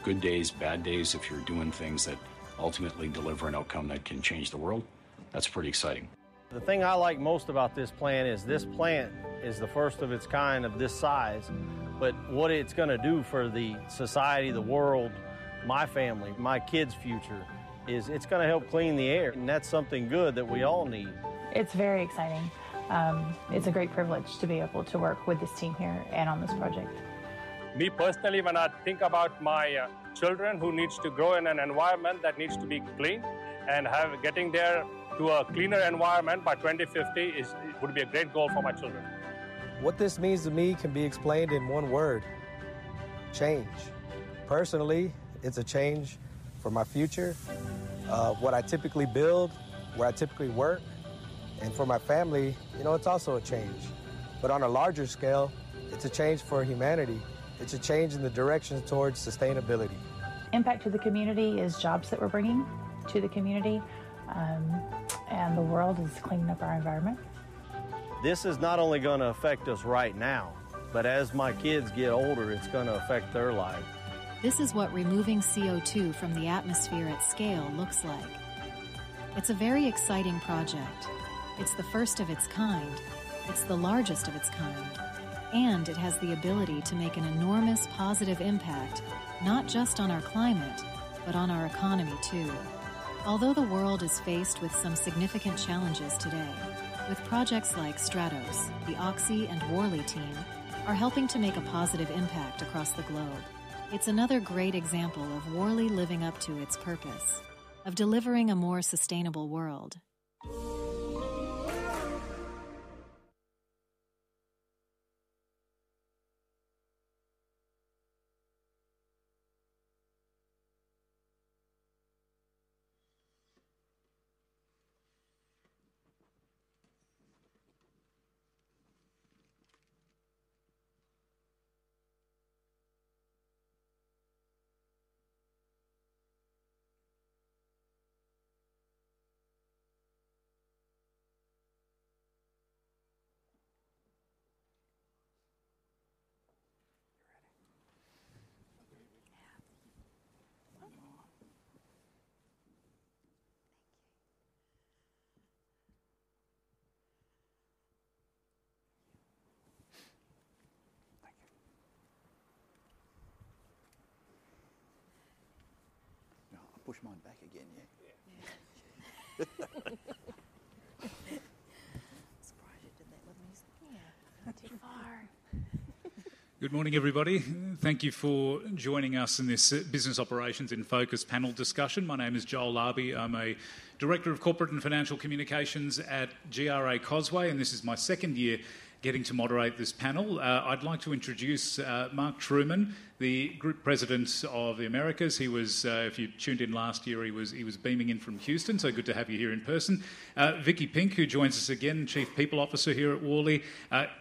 Good days, bad days, if you're doing things that ultimately deliver an outcome that can change the world, that's pretty exciting. The thing I like most about this plant is this plant is the first of its kind of this size. But what it's going to do for the society, the world, my family, my kids' future is it's going to help clean the air. And that's something good that we all need. It's very exciting. It's a great privilege to be able to work with this team here and on this project. Me personally, when I think about my children who need to grow in an environment that needs to be clean and getting there to a cleaner environment by 2050 would be a great goal for my children. What this means to me can be explained in one word: change. Personally, it's a change for my future, what I typically build, where I typically work. For my family, it's also a change. On a larger scale, it's a change for humanity. It's a change in the direction towards sustainability. Impact to the community is jobs that we're bringing to the community. The world is cleaning up our environment. This is not only going to affect us right now, but as my kids get older, it's going to affect their life. This is what removing CO2 from the atmosphere at scale looks like. It's a very exciting project. It's the first of its kind. It's the largest of its kind. And it has the ability to make an enormous positive impact not just on our climate, but on our economy too. Although the world is faced with some significant challenges today, with projects like Stratos, the Oxy and Worley team are helping to make a positive impact across the globe. It's another great example of Worley living up to its purpose, of delivering a more sustainable world. You ready? Yeah. Oh. Thank you. Thank you. No, I'll push mine back again, yeah? Yeah. Surprised you did that. Let me just. Yeah. Not too far. Good morning, everybody. Thank you for joining us in this Business Operations in Focus panel discussion. My name is Joel Labi. I'm a Director of Corporate and Financial Communications at GRACosway. And this is my second year getting to moderate this panel. I'd like to introduce Mark Trueman, the Group President of the Americas. If you tuned in last year, he was beaming in from Houston. So good to have you here in person. Vikki Pink, who joins us again, Chief People Officer here at Worley.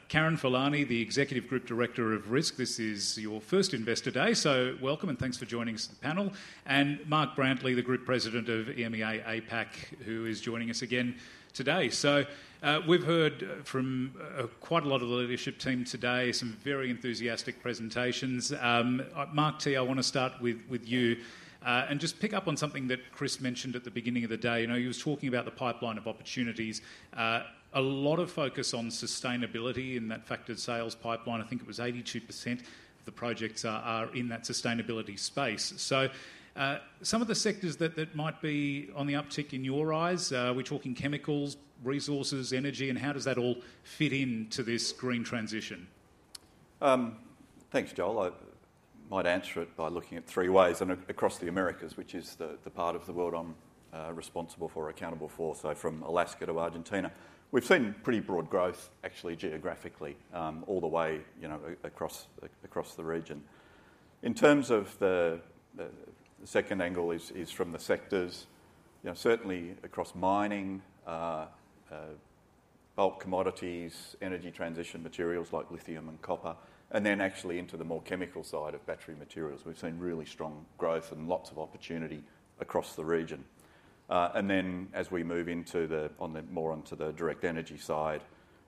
Karen Furlani, the Executive Group Director of Risk. This is your first Investor Day. So welcome and thanks for joining us for the panel. And Mark Brantley, the Group President of EMEA APAC, who is joining us again today. So we've heard from quite a lot of the leadership team today, some very enthusiastic presentations. Mark T, I want to start with you and just pick up on something that Chris mentioned at the beginning of the day. You know, he was talking about the pipeline of opportunities. A lot of focus on sustainability in that factored sales pipeline. I think it was 82% of the projects are in that sustainability space. So some of the sectors that might be on the uptick in your eyes, we're talking chemicals, resources, energy, and how does that all fit into this green transition? Thanks, Joel. I might answer it by looking at three ways across the Americas, which is the part of the world I'm responsible for, accountable for, so from Alaska to Argentina. We've seen pretty broad growth, actually, geographically, all the way across the region. In terms of the second angle is from the sectors, certainly across mining, bulk commodities, energy transition materials like lithium and copper, and then actually into the more chemical side of battery materials. We've seen really strong growth and lots of opportunity across the region. And then as we move on more onto the direct energy side,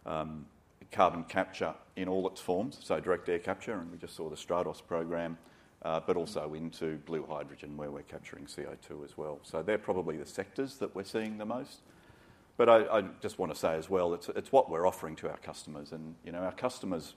carbon capture in all its forms, so direct air capture, and we just saw the Stratos program, but also into blue hydrogen where we're capturing CO2 as well. So they're probably the sectors that we're seeing the most. I just want to say as well, it's what we're offering to our customers. Our customers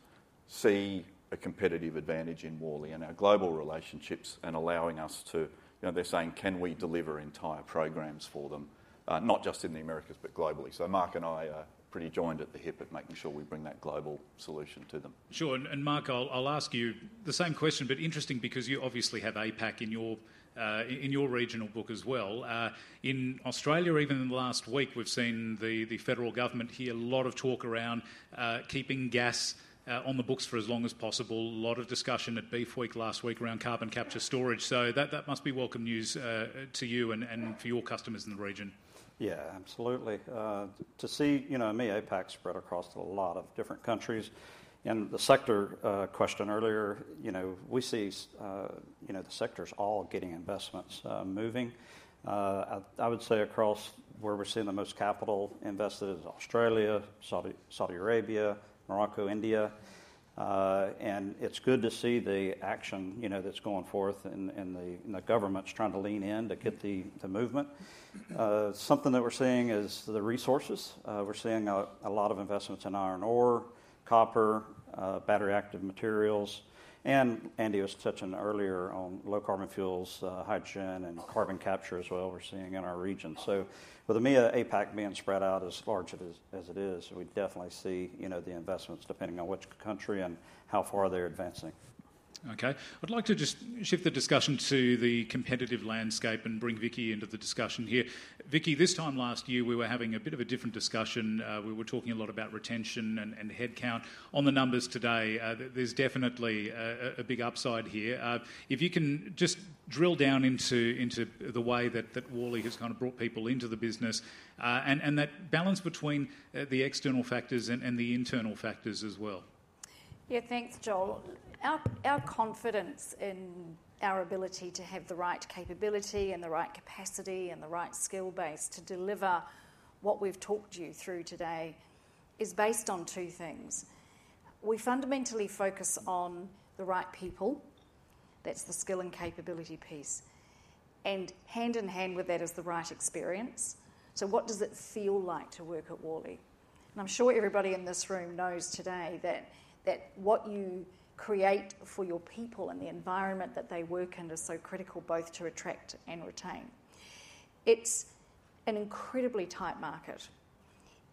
see a competitive advantage in Worley and our global relationships and allowing us to. They're saying, "Can we deliver entire programs for them, not just in the Americas, but globally?" Mark and I are pretty joined at the hip at making sure we bring that global solution to them. Sure. And Mark, I'll ask you the same question, but interesting because you obviously have APAC in your regional book as well. In Australia, even in the last week, we've seen the federal government hear a lot of talk around keeping gas on the books for as long as possible. A lot of discussion at Beef Week last week around carbon capture storage. So that must be welcome news to you and for your customers in the region. Yeah, absolutely. To see our APAC spread across a lot of different countries. And the sector question earlier, we see the sectors all getting investments moving. I would say across where we're seeing the most capital invested is Australia, Saudi Arabia, Morocco, India. And it's good to see the action that's going forth and the government's trying to lean in to get the movement. Something that we're seeing is the resources. We're seeing a lot of investments in iron ore, copper, battery active materials. And Andy was touching earlier on low-carbon fuels, hydrogen, and carbon capture as well we're seeing in our region. So with our APAC being spread out as large as it is, we definitely see the investments depending on which country and how far they're advancing. Okay. I'd like to just shift the discussion to the competitive landscape and bring Vikki into the discussion here. Vikki, this time last year, we were having a bit of a different discussion. We were talking a lot about retention and headcount. On the numbers today, there's definitely a big upside here. If you can just drill down into the way that Worley has kind of brought people into the business and that balance between the external factors and the internal factors as well. Yeah, thanks, Joel. Our confidence in our ability to have the right capability and the right capacity and the right skill base to deliver what we've talked you through today is based on two things. We fundamentally focus on the right people. That's the skill and capability piece. And hand in hand with that is the right experience. So what does it feel like to work at Worley? And I'm sure everybody in this room knows today that what you create for your people and the environment that they work in is so critical both to attract and retain. It's an incredibly tight market.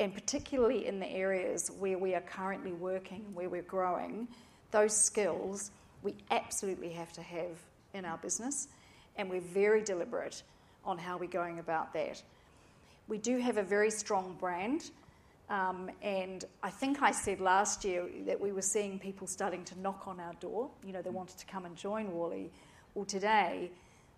And particularly in the areas where we are currently working and where we're growing, those skills, we absolutely have to have in our business. And we're very deliberate on how we're going about that. We do have a very strong brand. I think I said last year that we were seeing people starting to knock on our door. They wanted to come and join Worley. Well, today,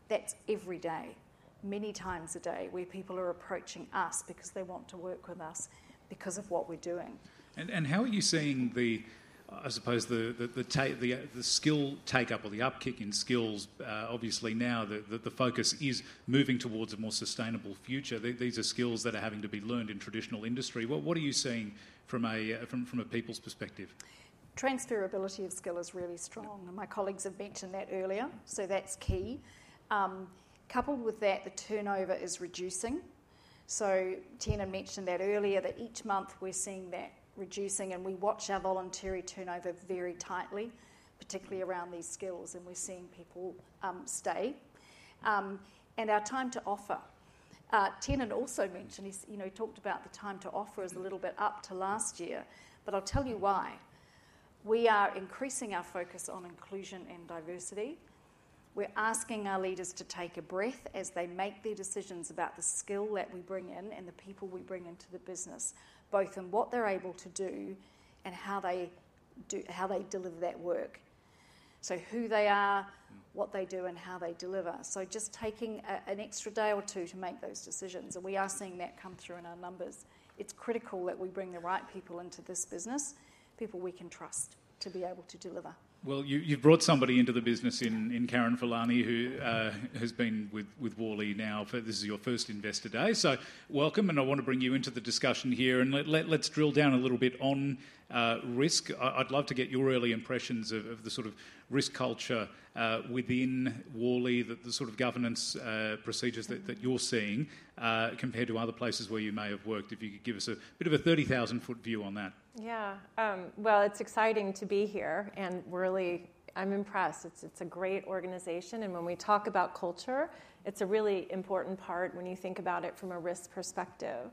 that's every day, many times a day where people are approaching us because they want to work with us because of what we're doing. How are you seeing, I suppose, the skill takeup or the upkick in skills? Obviously, now the focus is moving towards a more sustainable future. These are skills that are having to be learned in traditional industry. What are you seeing from a people's perspective? Transferability of skill is really strong. My colleagues have mentioned that earlier. That's key. Coupled with that, the turnover is reducing. Tiernan mentioned that earlier, that each month we're seeing that reducing. We watch our voluntary turnover very tightly, particularly around these skills. We're seeing people stay. Our time to offer. Tiernan also mentioned he talked about the time to offer is a little bit up to last year. I'll tell you why. We are increasing our focus on inclusion and diversity. We're asking our leaders to take a breath as they make their decisions about the skill that we bring in and the people we bring into the business, both in what they're able to do and how they deliver that work. So who they are, what they do, and how they deliver. Just taking an extra day or two to make those decisions. We are seeing that come through in our numbers. It's critical that we bring the right people into this business, people we can trust to be able to deliver. Well, you've brought somebody into the business in Karen Furlani, who has been with Worley now. This is your first Investor Day. So welcome. And I want to bring you into the discussion here. And let's drill down a little bit on risk. I'd love to get your early impressions of the sort of risk culture within Worley, the sort of governance procedures that you're seeing compared to other places where you may have worked. If you could give us a bit of a 30,000-foot view on that. Yeah. Well, it's exciting to be here. And I'm impressed. It's a great organization. And when we talk about culture, it's a really important part when you think about it from a risk perspective.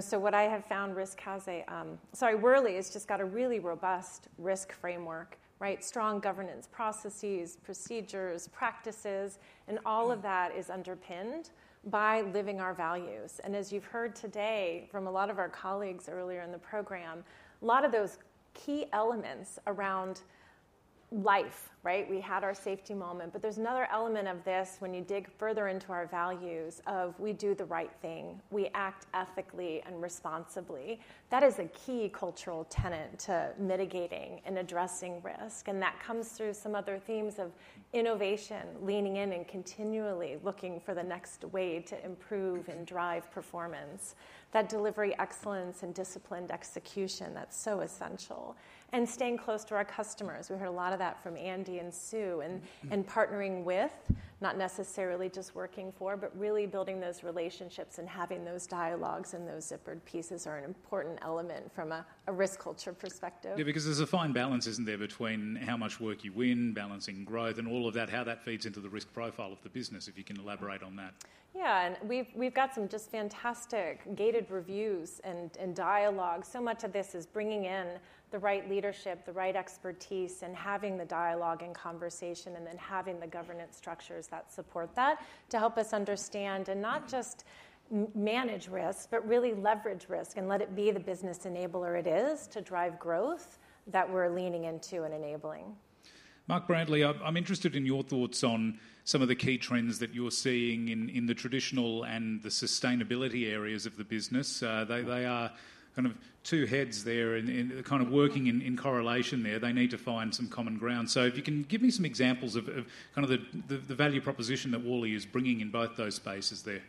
So what I have found, Worley has just got a really robust risk framework, right? Strong governance processes, procedures, practices. And all of that is underpinned by living our values. And as you've heard today from a lot of our colleagues earlier in the program, a lot of those key elements around life, right? We had our safety moment. But there's another element of this when you dig further into our values of we do the right thing, we act ethically and responsibly. That is a key cultural tenet to mitigating and addressing risk. And that comes through some other themes of innovation, leaning in and continually looking for the next way to improve and drive performance, that delivery excellence and disciplined execution that's so essential, and staying close to our customers. We heard a lot of that from Andy and Sue and partnering with, not necessarily just working for, but really building those relationships and having those dialogues and those zippered pieces are an important element from a risk culture perspective. Yeah, because there's a fine balance, isn't there, between how much work you win, balancing growth and all of that, how that feeds into the risk profile of the business, if you can elaborate on that? Yeah. We've got some just fantastic gated reviews and dialogue. So much of this is bringing in the right leadership, the right expertise, and having the dialogue and conversation and then having the governance structures that support that to help us understand and not just manage risk, but really leverage risk and let it be the business enabler it is to drive growth that we're leaning into and enabling. Mark Brantley, I'm interested in your thoughts on some of the key trends that you're seeing in the traditional and the sustainability areas of the business. They are kind of two heads there and kind of working in correlation there. They need to find some common ground. If you can give me some examples of kind of the value proposition that Worley is bringing in both those spaces there.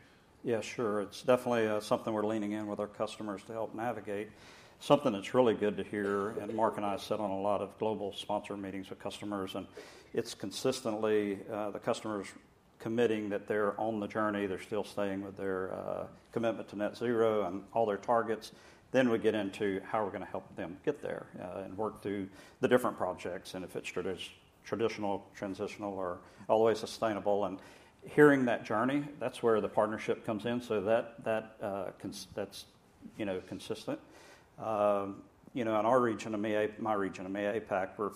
Yeah, sure. It's definitely something we're leaning in with our customers to help navigate. Something that's really good to hear. And Mark and I sit on a lot of global sponsor meetings with customers. And it's consistently the customers committing that they're on the journey. They're still staying with their commitment to net zero and all their targets. Then we get into how we're going to help them get there and work through the different projects, and if it's traditional, transitional, or always sustainable. And hearing that journey, that's where the partnership comes in. So that's consistent. In our region, my region, EMEA APAC, we're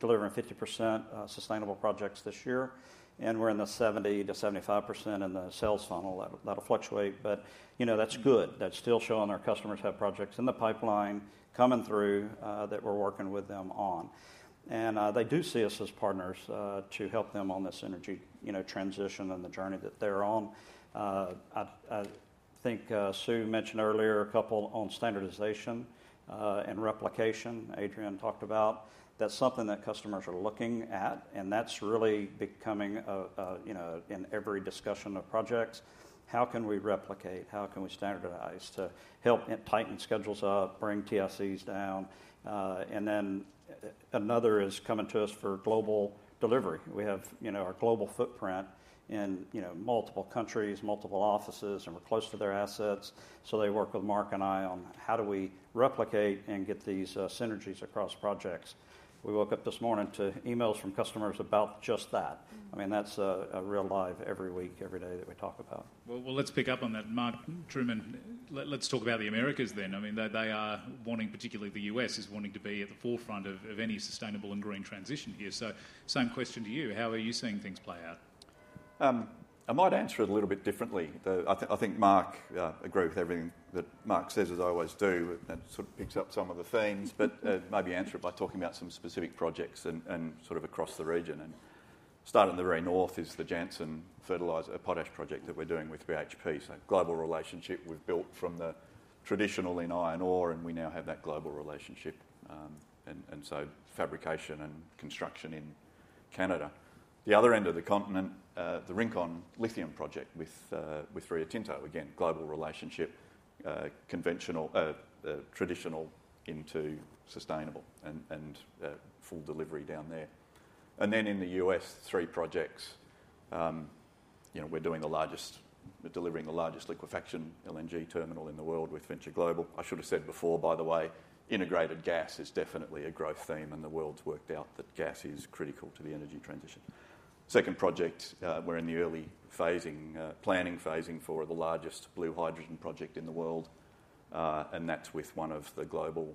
delivering 50% sustainable projects this year. And we're in the 70% to 75% in the sales funnel. That'll fluctuate. But that's good. That's still showing our customers have projects in the pipeline coming through that we're working with them on. And they do see us as partners to help them on this energy transition and the journey that they're on. I think Sue mentioned earlier a couple on standardization and replication. Adrian talked about that's something that customers are looking at. And that's really becoming in every discussion of projects. How can we replicate? How can we standardize to help tighten schedules up, bring TICs down? And then another is coming to us for global delivery. We have our global footprint in multiple countries, multiple offices, and we're close to their assets. So they work with Mark and I on how do we replicate and get these synergies across projects. We woke up this morning to emails from customers about just that. I mean, that's real live every week, every day that we talk about. Well, let's pick up on that. Mark Trueman, let's talk about the Americas then. I mean, they are wanting particularly the U.S. is wanting to be at the forefront of any sustainable and green transition here. So same question to you. How are you seeing things play out? I might answer it a little bit differently. I think Mark, agree with everything that Mark says as I always do, that sort of picks up some of the themes. But maybe answer it by talking about some specific projects and sort of across the region. And starting in the very north is the Jansen fertilizer potash project that we're doing with BHP. So global relationship we've built from the traditional in iron ore, and we now have that global relationship. And so fabrication and construction in Canada. The other end of the continent, the Rincon lithium project with Rio Tinto, again, global relationship, traditional into sustainable and full delivery down there. And then in the US, three projects. We're delivering the largest liquefaction LNG terminal in the world with Venture Global. I should have said before, by the way, integrated gas is definitely a growth theme. The world's worked out that gas is critical to the energy transition. Second project, we're in the early planning phasing for the largest blue hydrogen project in the world. And that's with one of the global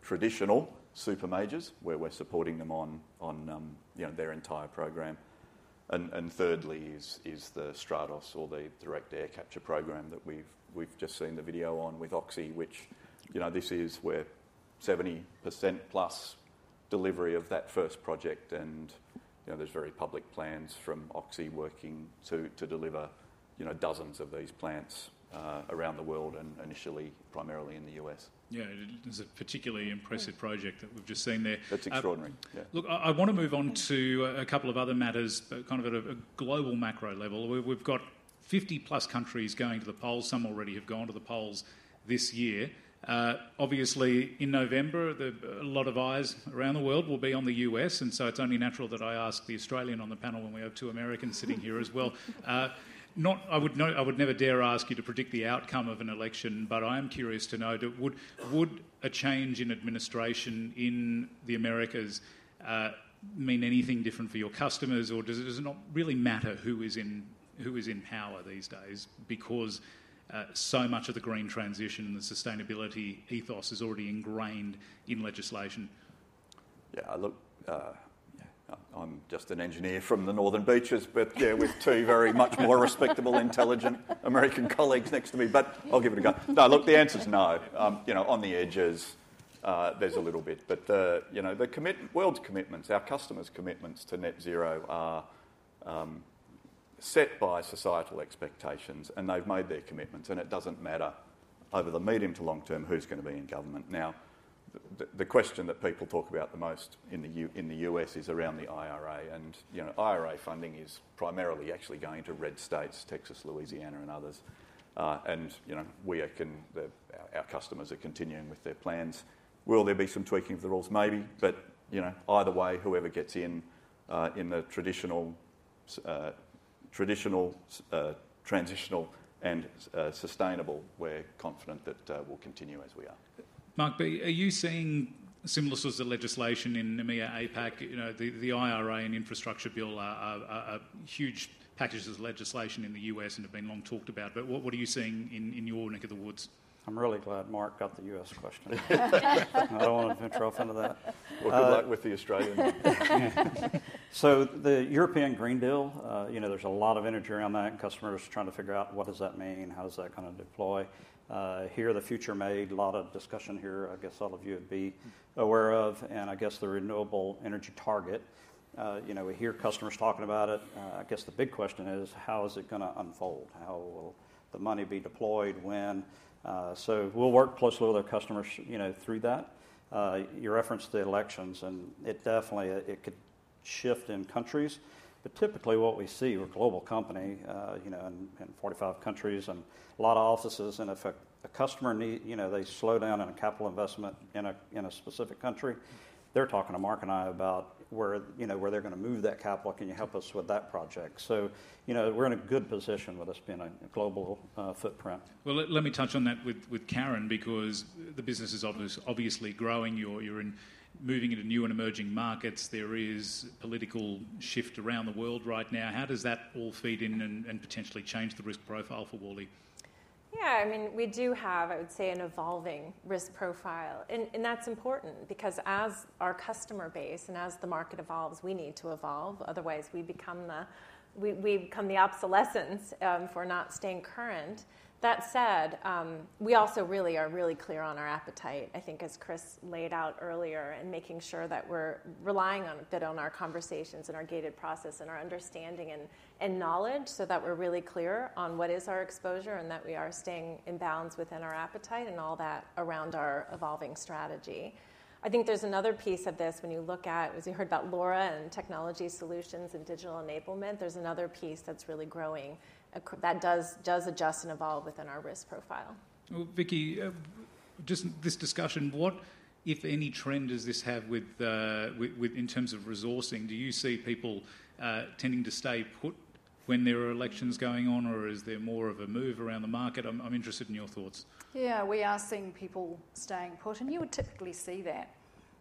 traditional super majors where we're supporting them on their entire program. And thirdly is the Stratos or the direct air capture program that we've just seen the video on with Oxy, which this is where 70%+ delivery of that first project. And there's very public plans from Oxy working to deliver dozens of these plants around the world, initially primarily in the U.S. Yeah, it is a particularly impressive project that we've just seen there. That's extraordinary. Look, I want to move on to a couple of other matters, but kind of at a global macro level. We've got 50+ countries going to the polls. Some already have gone to the polls this year. Obviously, in November, a lot of eyes around the world will be on the U.S. And so it's only natural that I ask the Australian on the panel when we have two Americans sitting here as well. I would never dare ask you to predict the outcome of an election. But I am curious to know, would a change in administration in the Americas mean anything different for your customers? Or does it not really matter who is in power these days because so much of the green transition and the sustainability ethos is already ingrained in legislation? Yeah, I look... I'm just an engineer from the Northern Beaches. But yeah, with two very much more respectable, intelligent American colleagues next to me. But I'll give it a go. No, look, the answer's no. On the edges, there's a little bit. But the world's commitments, our customers' commitments to net zero are set by societal expectations. And they've made their commitments. And it doesn't matter over the medium to long term who's going to be in government. Now, the question that people talk about the most in the U.S. is around the IRA. And IRA funding is primarily actually going to red states, Texas, Louisiana, and others. And we acknowledge our customers are continuing with their plans. Will there be some tweaking of the rules? Maybe. But either way, whoever gets in in the traditional, transitional, and sustainable, we're confident that we'll continue as we are. Mark, are you seeing similar sorts of legislation in EMEA, APAC? The IRA and infrastructure bill are huge packages of legislation in the U.S. and have been long talked about. But what are you seeing in your neck of the woods? I'm really glad Mark got the U.S. question. I don't want to venture off into that. Well, good luck with the Australian. So the European Green Deal, there's a lot of energy around that. And customers are trying to figure out what does that mean? How does that kind of deploy? Here the Future Made in Australia Act. A lot of discussion here, I guess all of you would be aware of. And I guess the renewable energy target, we hear customers talking about it. I guess the big question is, how is it going to unfold? How will the money be deployed when? So we'll work closely with our customers through that. You referenced the elections. And it definitely could shift in countries. But typically what we see, we're a global company in 45 countries and a lot of offices. And if a customer needs... they slow down on a capital investment in a specific country, they're talking to Mark and I about where they're going to move that capital. Can you help us with that project? So we're in a good position with us being a global footprint. Well, let me touch on that with Karen because the business is obviously growing. You're moving into new and emerging markets. There is political shift around the world right now. How does that all FEED in and potentially change the risk profile for Worley? Yeah. I mean, we do have, I would say, an evolving risk profile. That's important because as our customer base and as the market evolves, we need to evolve. Otherwise, we become the obsolescence for not staying current. That said, we also really are really clear on our appetite, I think, as Chris laid out earlier, and making sure that we're relying a bit on our conversations and our gated process and our understanding and knowledge so that we're really clear on what is our exposure and that we are staying in balance within our appetite and all that around our evolving strategy. I think there's another piece of this when you look at... as you heard about Laura and Technology Solutions and digital enablement, there's another piece that's really growing that does adjust and evolve within our risk profile. Vikki, just this discussion, what, if any, trend does this have in terms of resourcing? Do you see people tending to stay put when there are elections going on? Or is there more of a move around the market? I'm interested in your thoughts. Yeah, we are seeing people staying put. And you would typically see that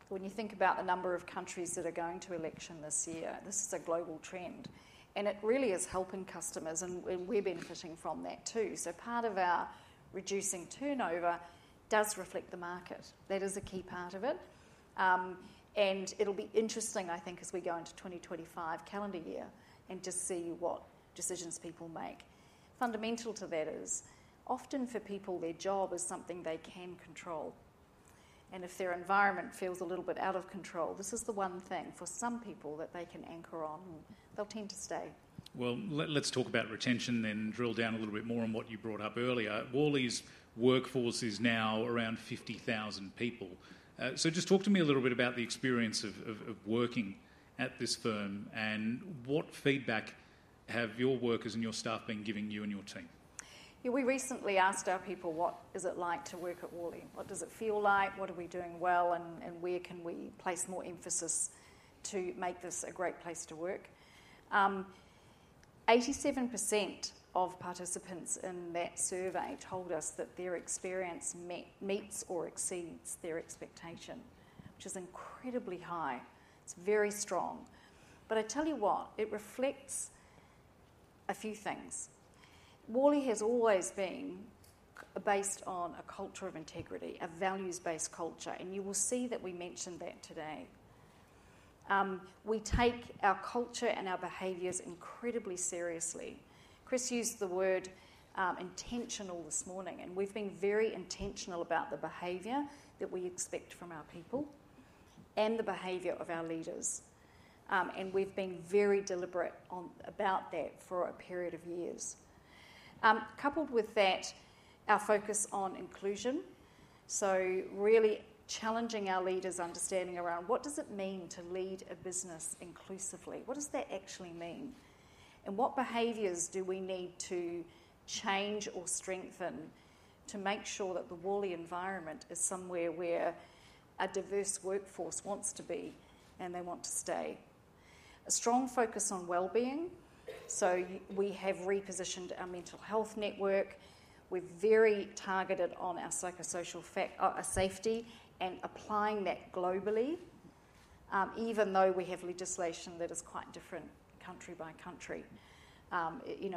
when you think about the number of countries that are going to election this year. This is a global trend. And it really is helping customers. And we're benefiting from that too. So part of our reducing turnover does reflect the market. That is a key part of it. And it'll be interesting, I think, as we go into 2025 calendar year and just see what decisions people make. Fundamental to that is, often for people, their job is something they can control. And if their environment feels a little bit out of control, this is the one thing for some people that they can anchor on. They'll tend to stay. Well, let's talk about retention then drill down a little bit more on what you brought up earlier. Worley's workforce is now around 50,000 people. So just talk to me a little bit about the experience of working at this firm. And what feedback have your workers and your staff been giving you and your team? Yeah, we recently asked our people, what is it like to work at Worley? What does it feel like? What are we doing well? And where can we place more emphasis to make this a great place to work? 87% of participants in that survey told us that their experience meets or exceeds their expectation, which is incredibly high. It's very strong. But I tell you what, it reflects a few things. Worley has always been based on a culture of integrity, a values-based culture. And you will see that we mentioned that today. We take our culture and our behaviors incredibly seriously. Chris used the word intentional this morning. And we've been very intentional about the behavior that we expect from our people and the behavior of our leaders. And we've been very deliberate about that for a period of years. Coupled with that, our focus on inclusion. So really challenging our leaders' understanding around what does it mean to lead a business inclusively? What does that actually mean? And what behaviours do we need to change or strengthen to make sure that the Worley environment is somewhere where a diverse workforce wants to be and they want to stay? A strong focus on well-being. So we have repositioned our mental health network. We're very targeted on our psychosocial safety and applying that globally, even though we have legislation that is quite different country by country,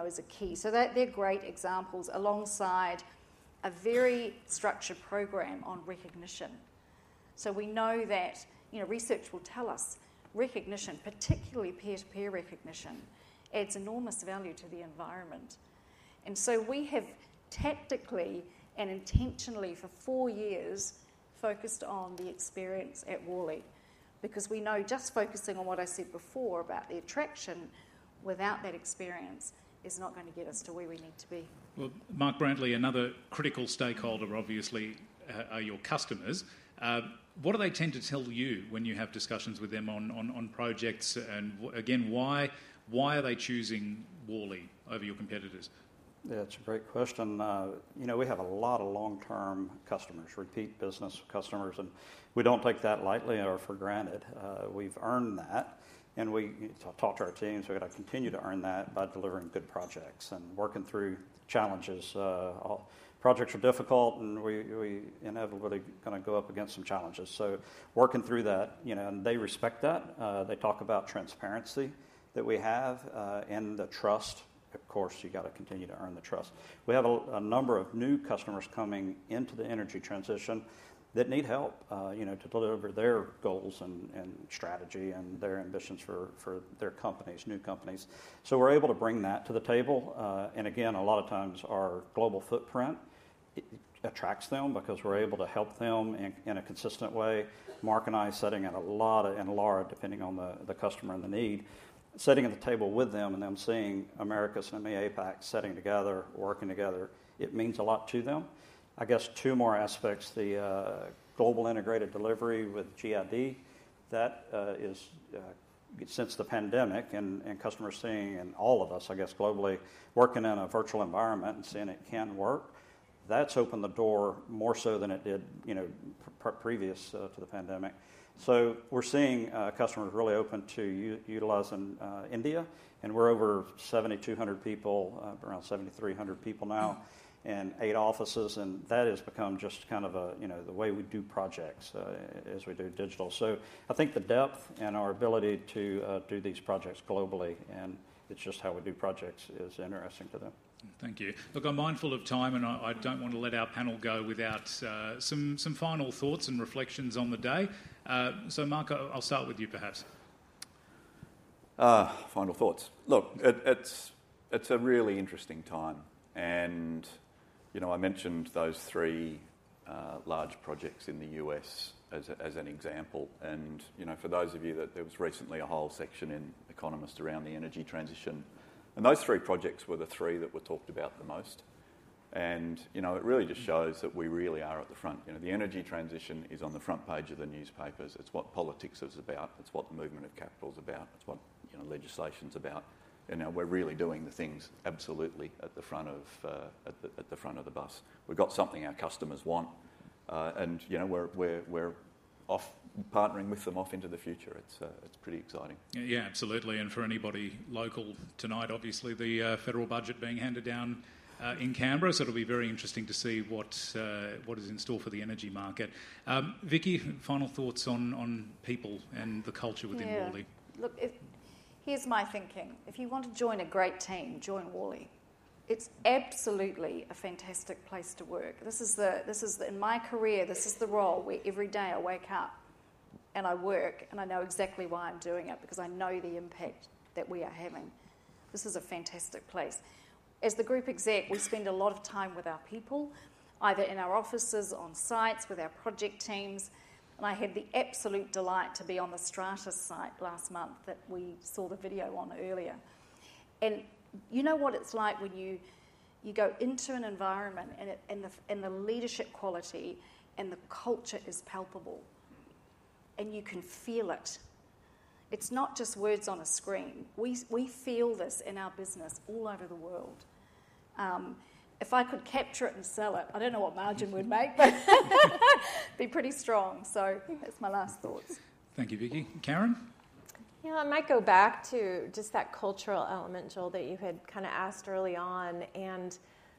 is a key. So they're great examples alongside a very structured program on recognition. So we know that research will tell us recognition, particularly peer-to-peer recognition, adds enormous value to the environment. And so we have tactically and intentionally for four years focused on the experience at Worley because we know just focusing on what I said before about the attraction without that experience is not going to get us to where we need to be. Well, Mark Brantley, another critical stakeholder, obviously, are your customers. What do they tend to tell you when you have discussions with them on projects? And again, why are they choosing Worley over your competitors? Yeah, that's a great question. We have a lot of long-term customers, repeat business customers. And we don't take that lightly or for granted. We've earned that. And we taught our teams we're going to continue to earn that by delivering good projects and working through challenges. Projects are difficult. And we inevitably are going to go up against some challenges. So working through that. And they respect that. They talk about transparency that we have and the trust. Of course, you got to continue to earn the trust. We have a number of new customers coming into the energy transition that need help to deliver their goals and strategy and their ambitions for their companies, new companies. So we're able to bring that to the table. And again, a lot of times our global footprint attracts them because we're able to help them in a consistent way. Mark and I are setting out a lot of and Laura, depending on the customer and the need, sitting at the table with them and them seeing Americas and EMEA, APAC setting together, working together. It means a lot to them. I guess two more aspects, the Global Integrated Delivery with GID. That is since the pandemic and customers seeing and all of us, I guess, globally working in a virtual environment and seeing it can work. That's opened the door more so than it did previous to the pandemic. So we're seeing customers really open to utilizing India. And we're over 7,200 people, around 7,300 people now in eight offices. And that has become just kind of the way we do projects as we do digital. I think the depth and our ability to do these projects globally, and it's just how we do projects is interesting to them. Thank you. Look, I'm mindful of time. I don't want to let our panel go without some final thoughts and reflections on the day. Mark, I'll start with you, perhaps. Final thoughts. Look, it's a really interesting time. I mentioned those three large projects in the U.S. as an example. For those of you that there was recently a whole section in The Economist around the energy transition. Those three projects were the three that were talked about the most. It really just shows that we really are at the front. The energy transition is on the front page of the newspapers. It's what politics is about. It's what the movement of capital is about. It's what legislation is about. Now we're really doing the things absolutely at the front of the bus. We've got something our customers want. We're partnering with them off into the future. It's pretty exciting. Yeah, absolutely. And for anybody local tonight, obviously, the federal budget being handed down in Canberra. So it'll be very interesting to see what is in store for the energy market. Vikki, final thoughts on people and the culture within Worley? Yeah. Look, here's my thinking. If you want to join a great team, join Worley. It's absolutely a fantastic place to work. This is the... in my career, this is the role where every day I wake up and I work. And I know exactly why I'm doing it because I know the impact that we are having. This is a fantastic place. As the group exec, we spend a lot of time with our people, either in our offices, on sites, with our project teams. And I had the absolute delight to be on the Stratos site last month that we saw the video on earlier. And you know what it's like when you go into an environment and the leadership quality and the culture is palpable. And you can feel it. It's not just words on a screen. We feel this in our business all over the world. If I could capture it and sell it, I don't know what margin we'd make, but it'd be pretty strong. So that's my last thoughts. Thank you, Vicky. Karen? Yeah, I might go back to just that cultural element, Joel, that you had kind of asked early on. And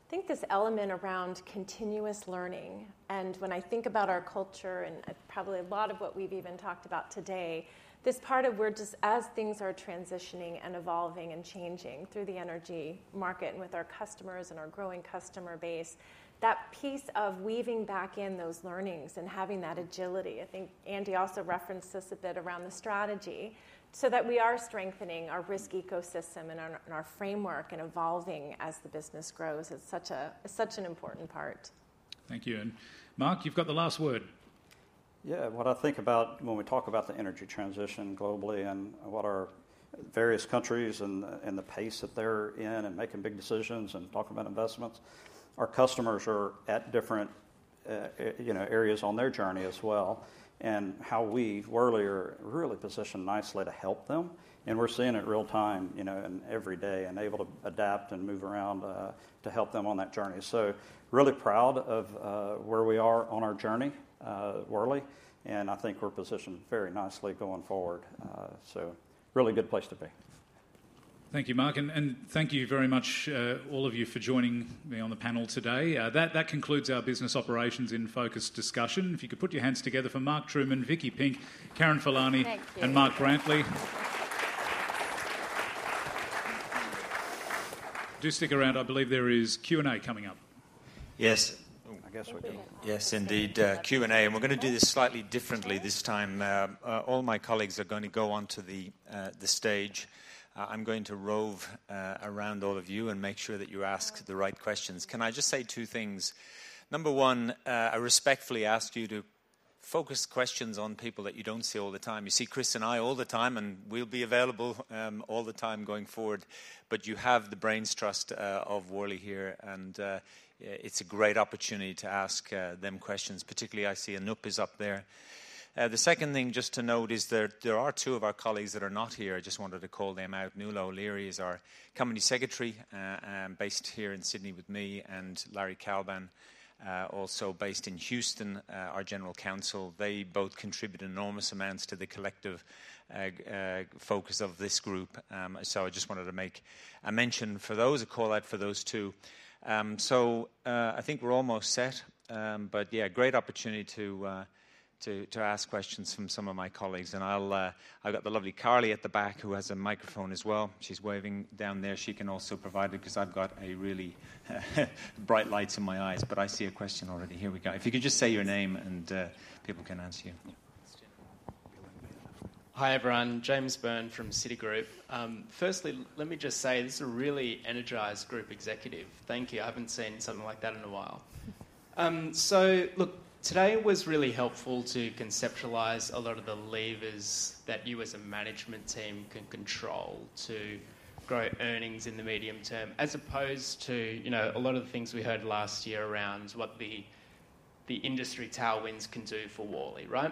I think this element around continuous learning. And when I think about our culture and probably a lot of what we've even talked about today, this part of we're just as things are transitioning and evolving and changing through the energy market and with our customers and our growing customer base, that piece of weaving back in those learnings and having that agility, I think Andy also referenced this a bit around the strategy so that we are strengthening our risk ecosystem and our framework and evolving as the business grows. It's such an important part. Thank you. Mark, you've got the last word. Yeah, what I think about when we talk about the energy transition globally and what our various countries and the pace that they're in and making big decisions and talking about investments, our customers are at different areas on their journey as well. And how we've earlier really positioned nicely to help them. And we're seeing it real time and every day and able to adapt and move around to help them on that journey. So really proud of where we are on our journey, Worley. And I think we're positioned very nicely going forward. So really good place to be. Thank you, Mark. Thank you very much, all of you, for joining me on the panel today. That concludes our Business Operations in Focus discussion. If you could put your hands together for Mark Trueman, Vikki Pink, Karen Furlani, and Mark Brantley. Thank you. Do stick around. I believe there is Q&A coming up. Yes. I guess we're good. Yes, indeed, Q&A. We're going to do this slightly differently this time. All my colleagues are going to go onto the stage. I'm going to rove around all of you and make sure that you ask the right questions. Can I just say two things? Number one, I respectfully ask you to focus questions on people that you don't see all the time. You see Chris and I all the time. We'll be available all the time going forward. But you have the brain trust of Worley here. It's a great opportunity to ask them questions. Particularly, I see Anoop is up there. The second thing just to note is there are two of our colleagues that are not here. I just wanted to call them out. Nuala O'Leary is our Company Secretary based here in Sydney with me. Larry Kalban, also based in Houston, our General Counsel. They both contribute enormous amounts to the collective focus of this group. I just wanted to make a mention for those, a call out for those two. I think we're almost set. Yeah, great opportunity to ask questions from some of my colleagues. I've got the lovely Carly at the back who has a microphone as well. She's waving down there. She can also provide it because I've got a really bright light in my eyes. I see a question already. Here we go. If you could just say your name and people can answer you. Hi, everyone. James Byrne from Citi. Firstly, let me just say this is a really energized group executive. Thank you. I haven't seen something like that in a while. Look, today was really helpful to conceptualize a lot of the levers that you, as a management team, can control to grow earnings in the medium term as opposed to a lot of the things we heard last year around what the industry tailwinds can do for Worley, right?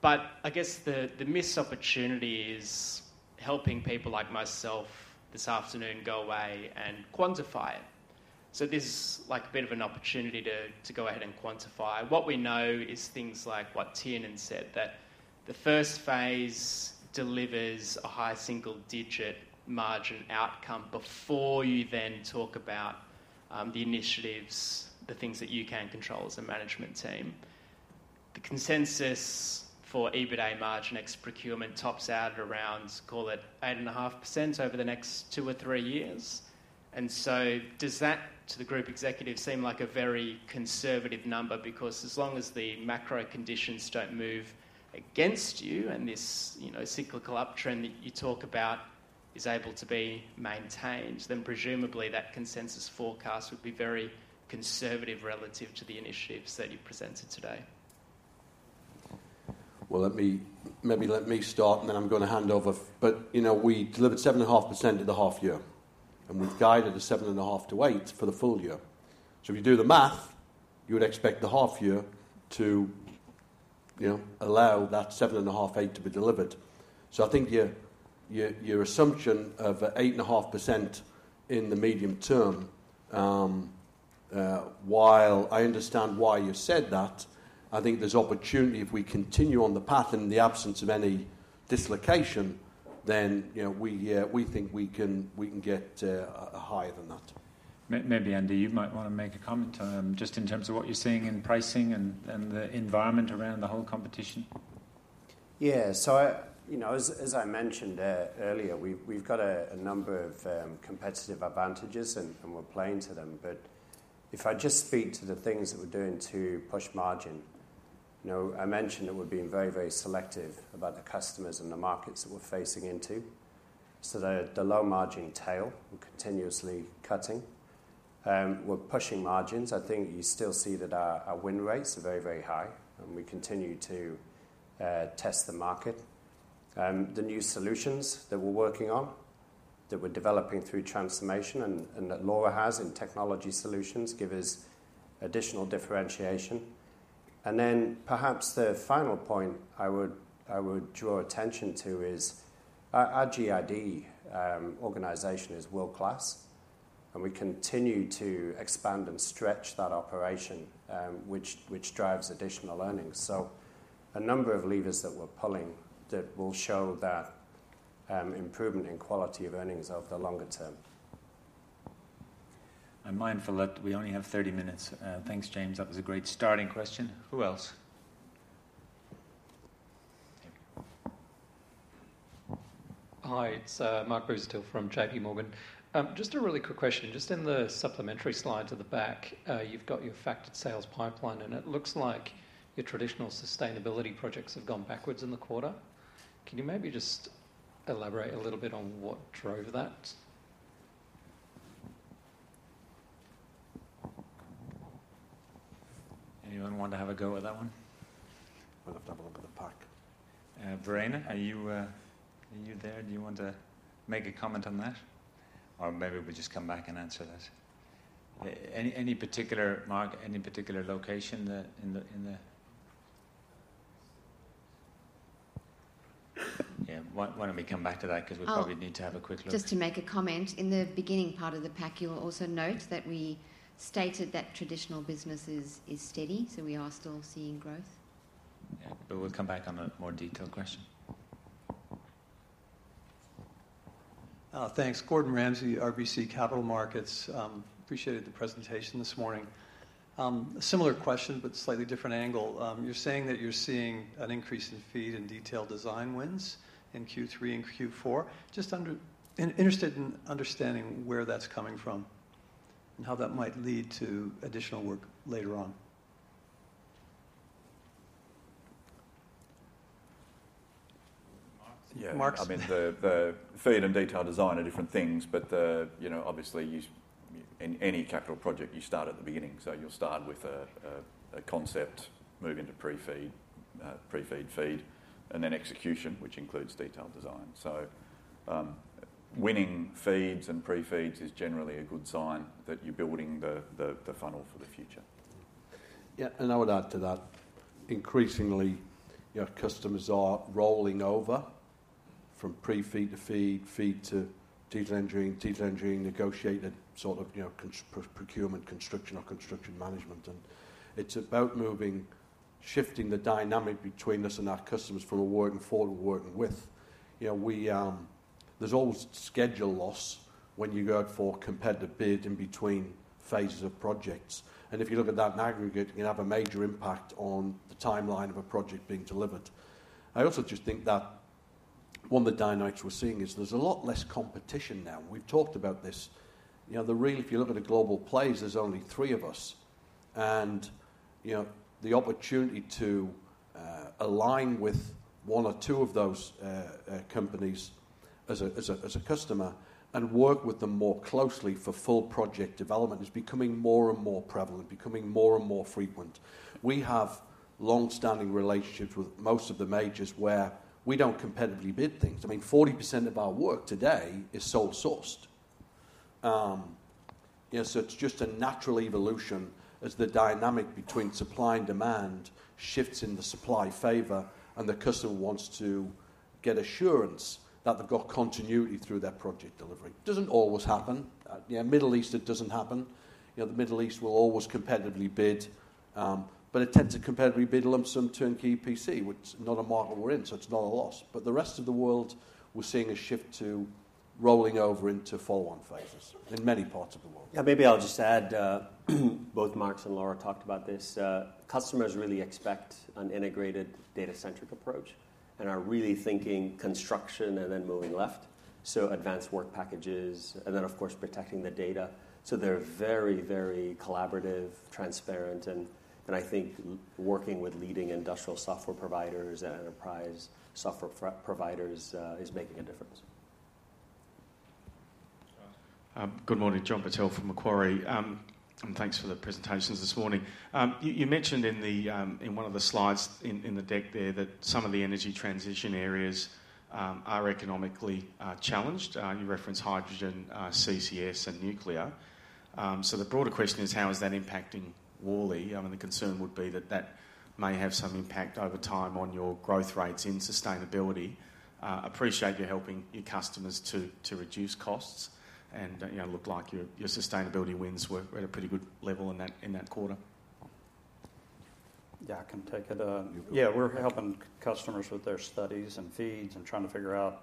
But I guess the missed opportunity is helping people like myself this afternoon go away and quantify it. This is a bit of an opportunity to go ahead and quantify. What we know is things like what Tiernan said, that the first phase delivers a high single-digit margin outcome before you then talk about the initiatives, the things that you can control as a management team. The consensus for EBITDA margin ex procurement tops out around, call it, 8.5% over the next two or three years. And so does that, to the group executives, seem like a very conservative number? Because as long as the macro conditions don't move against you and this cyclical uptrend that you talk about is able to be maintained, then presumably, that consensus forecast would be very conservative relative to the initiatives that you presented today. Well, maybe let me start. And then I'm going to hand over. But we delivered 7.5% of the half-year. And we've guided a 7.5% to 8% for the full year. So if you do the math, you would expect the half-year to allow that 7.5% to 8% to be delivered. So I think your assumption of 8.5% in the medium term, while I understand why you said that, I think there's opportunity if we continue on the path in the absence of any dislocation, then we think we can get higher than that. Maybe, Andy, you might want to make a comment just in terms of what you're seeing in pricing and the environment around the whole competition? Yeah. So as I mentioned earlier, we've got a number of competitive advantages. And we're playing to them. But if I just speak to the things that we're doing to push margin, I mentioned that we're being very, very selective about the customers and the markets that we're facing into. So the low-margin tail continuously cutting. We're pushing margins. I think you still see that our win rates are very, very high. And we continue to test the market. The new solutions that we're working on, that we're developing through transformation and that Laura has in Technology Solutions, give us additional differentiation. And then perhaps the final point I would draw attention to is our GID organization is world-class. And we continue to expand and stretch that operation, which drives additional earnings. A number of levers that we're pulling that will show that improvement in quality of earnings over the longer term. I'm mindful that we only have 30 minutes. Thanks, James. That was a great starting question. Who else? Hi. It's Mark Busuttil from J.P. Morgan. Just a really quick question. Just in the supplementary slide to the back, you've got your factored sales pipeline. And it looks like your traditional sustainability projects have gone backwards in the quarter. Can you maybe just elaborate a little bit on what drove that? Anyone want to have a go at that one? We'll have to have a look at the park. Verena, are you there? Do you want to make a comment on that? Or maybe we'll just come back and answer that. Any particular, Mark, any particular location in the? Yeah. Why don't we come back to that because we probably need to have a quick look? Just to make a comment. In the beginning part of the pack, you'll also note that we stated that traditional business is steady. So we are still seeing growth. Yeah. But we'll come back on a more detailed question. Thanks. Gordon Ramsay, RBC Capital Markets. Appreciated the presentation this morning. A similar question, but slightly different angle. You're saying that you're seeing an increase in feed and detail design wins in Q3 and Q4. Just interested in understanding where that's coming from and how that might lead to additional work later on. Mark? Yeah. I mean, the FEED and detail design are different things. But obviously, in any capital project, you start at the beginning. So you'll start with a concept, move into pre-FEED, pre-FEED FEED, and then execution, which includes detailed design. So winning FEEDs and pre-FEEDs is generally a good sign that you're building the funnel for the future. Yeah. And I would add to that. Increasingly, customers are rolling over from pre-FEED to FEED, FEED to detail engineering, detail engineering, negotiated sort of procurement, construction, or construction management. And it's about shifting the dynamic between us and our customers from a working forward to working with. There's always schedule loss when you go out for competitive bid in between phases of projects. And if you look at that in aggregate, you can have a major impact on the timeline of a project being delivered. I also just think that one of the dynamics we're seeing is there's a lot less competition now. We've talked about this. If you look at a global place, there's only three of us. The opportunity to align with one or two of those companies as a customer and work with them more closely for full project development is becoming more and more prevalent, becoming more and more frequent. We have longstanding relationships with most of the majors where we don't competitively bid things. I mean, 40% of our work today is sole-sourced. It's just a natural evolution as the dynamic between supply and demand shifts in the supply favor. The customer wants to get assurance that they've got continuity through their project delivery. It doesn't always happen. Middle East, it doesn't happen. The Middle East will always competitively bid. But it tends to competitively bid lump sum turnkey PC, which is not a market we're in. So it's not a loss. But the rest of the world, we're seeing a shift to rolling over into follow-on phases in many parts of the world. Yeah. Maybe I'll just add. Both Mark and Laura talked about this. Customers really expect an integrated data-centric approach and are really thinking construction and then moving left. So Advanced Work Packages. And then, of course, protecting the data. So they're very, very collaborative, transparent. And I think working with leading industrial software providers and enterprise software providers is making a difference. Good morning. John Purtell from Macquarie. And thanks for the presentations this morning. You mentioned in one of the slides in the deck there that some of the energy transition areas are economically challenged. You referenced hydrogen, CCS, and nuclear. So the broader question is, how is that impacting Worley? I mean, the concern would be that that may have some impact over time on your growth rates in sustainability. Appreciate you helping your customers to reduce costs. And it looked like your sustainability wins were at a pretty good level in that quarter. Yeah. I can take it. Yeah. We're helping customers with their studies and FEEDs and trying to figure out,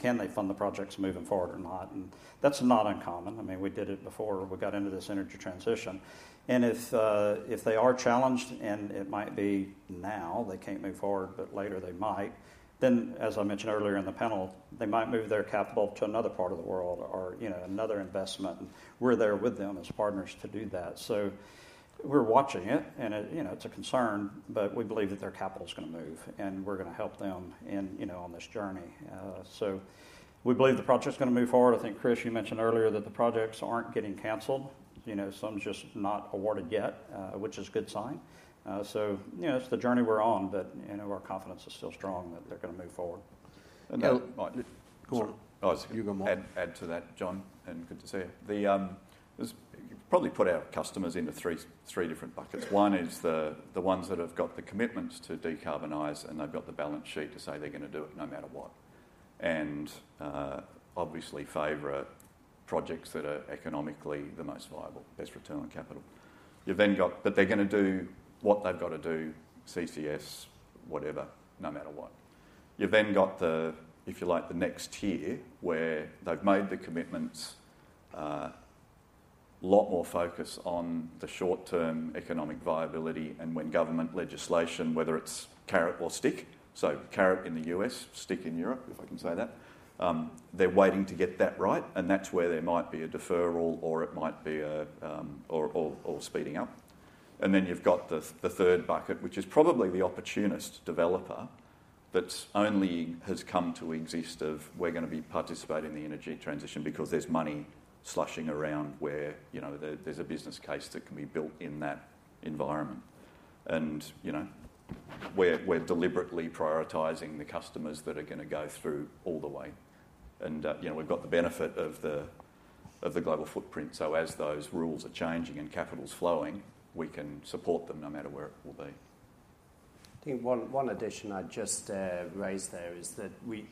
can they fund the projects moving forward or not? And that's not uncommon. I mean, we did it before. We got into this energy transition. And if they are challenged and it might be now they can't move forward, but later they might, then, as I mentioned earlier in the panel, they might move their capital to another part of the world or another investment. And we're there with them as partners to do that. So we're watching it. And it's a concern. But we believe that their capital's going to move. And we're going to help them on this journey. So we believe the project's going to move forward. I think, Chris, you mentioned earlier that the projects aren't getting canceled. Some's just not awarded yet, which is a good sign. So it's the journey we're on. But our confidence is still strong that they're going to move forward. Now, Mark. Oh, sorry. You go on. Add to that, John. Good to see you. You've probably put our customers into three different buckets. One is the ones that have got the commitments to decarbonize. And they've got the balance sheet to say they're going to do it no matter what. And obviously, favorite projects that are economically the most viable, best return on capital. But they're going to do what they've got to do, CCS, whatever, no matter what. You've then got the, if you like, the next tier where they've made the commitments a lot more focus on the short-term economic viability and when government legislation, whether it's carrot or stick so carrot in the US, stick in Europe, if I can say that. They're waiting to get that right. And that's where there might be a deferral or it might be a or speeding up. And then you've got the third bucket, which is probably the opportunist developer that only has come to exist of, "We're going to be participating in the energy transition because there's money sloshing around where there's a business case that can be built in that environment." And we're deliberately prioritizing the customers that are going to go through all the way. And we've got the benefit of the global footprint. So as those rules are changing and capital's flowing, we can support them no matter where it will be. I think one addition I'd just raise there is that we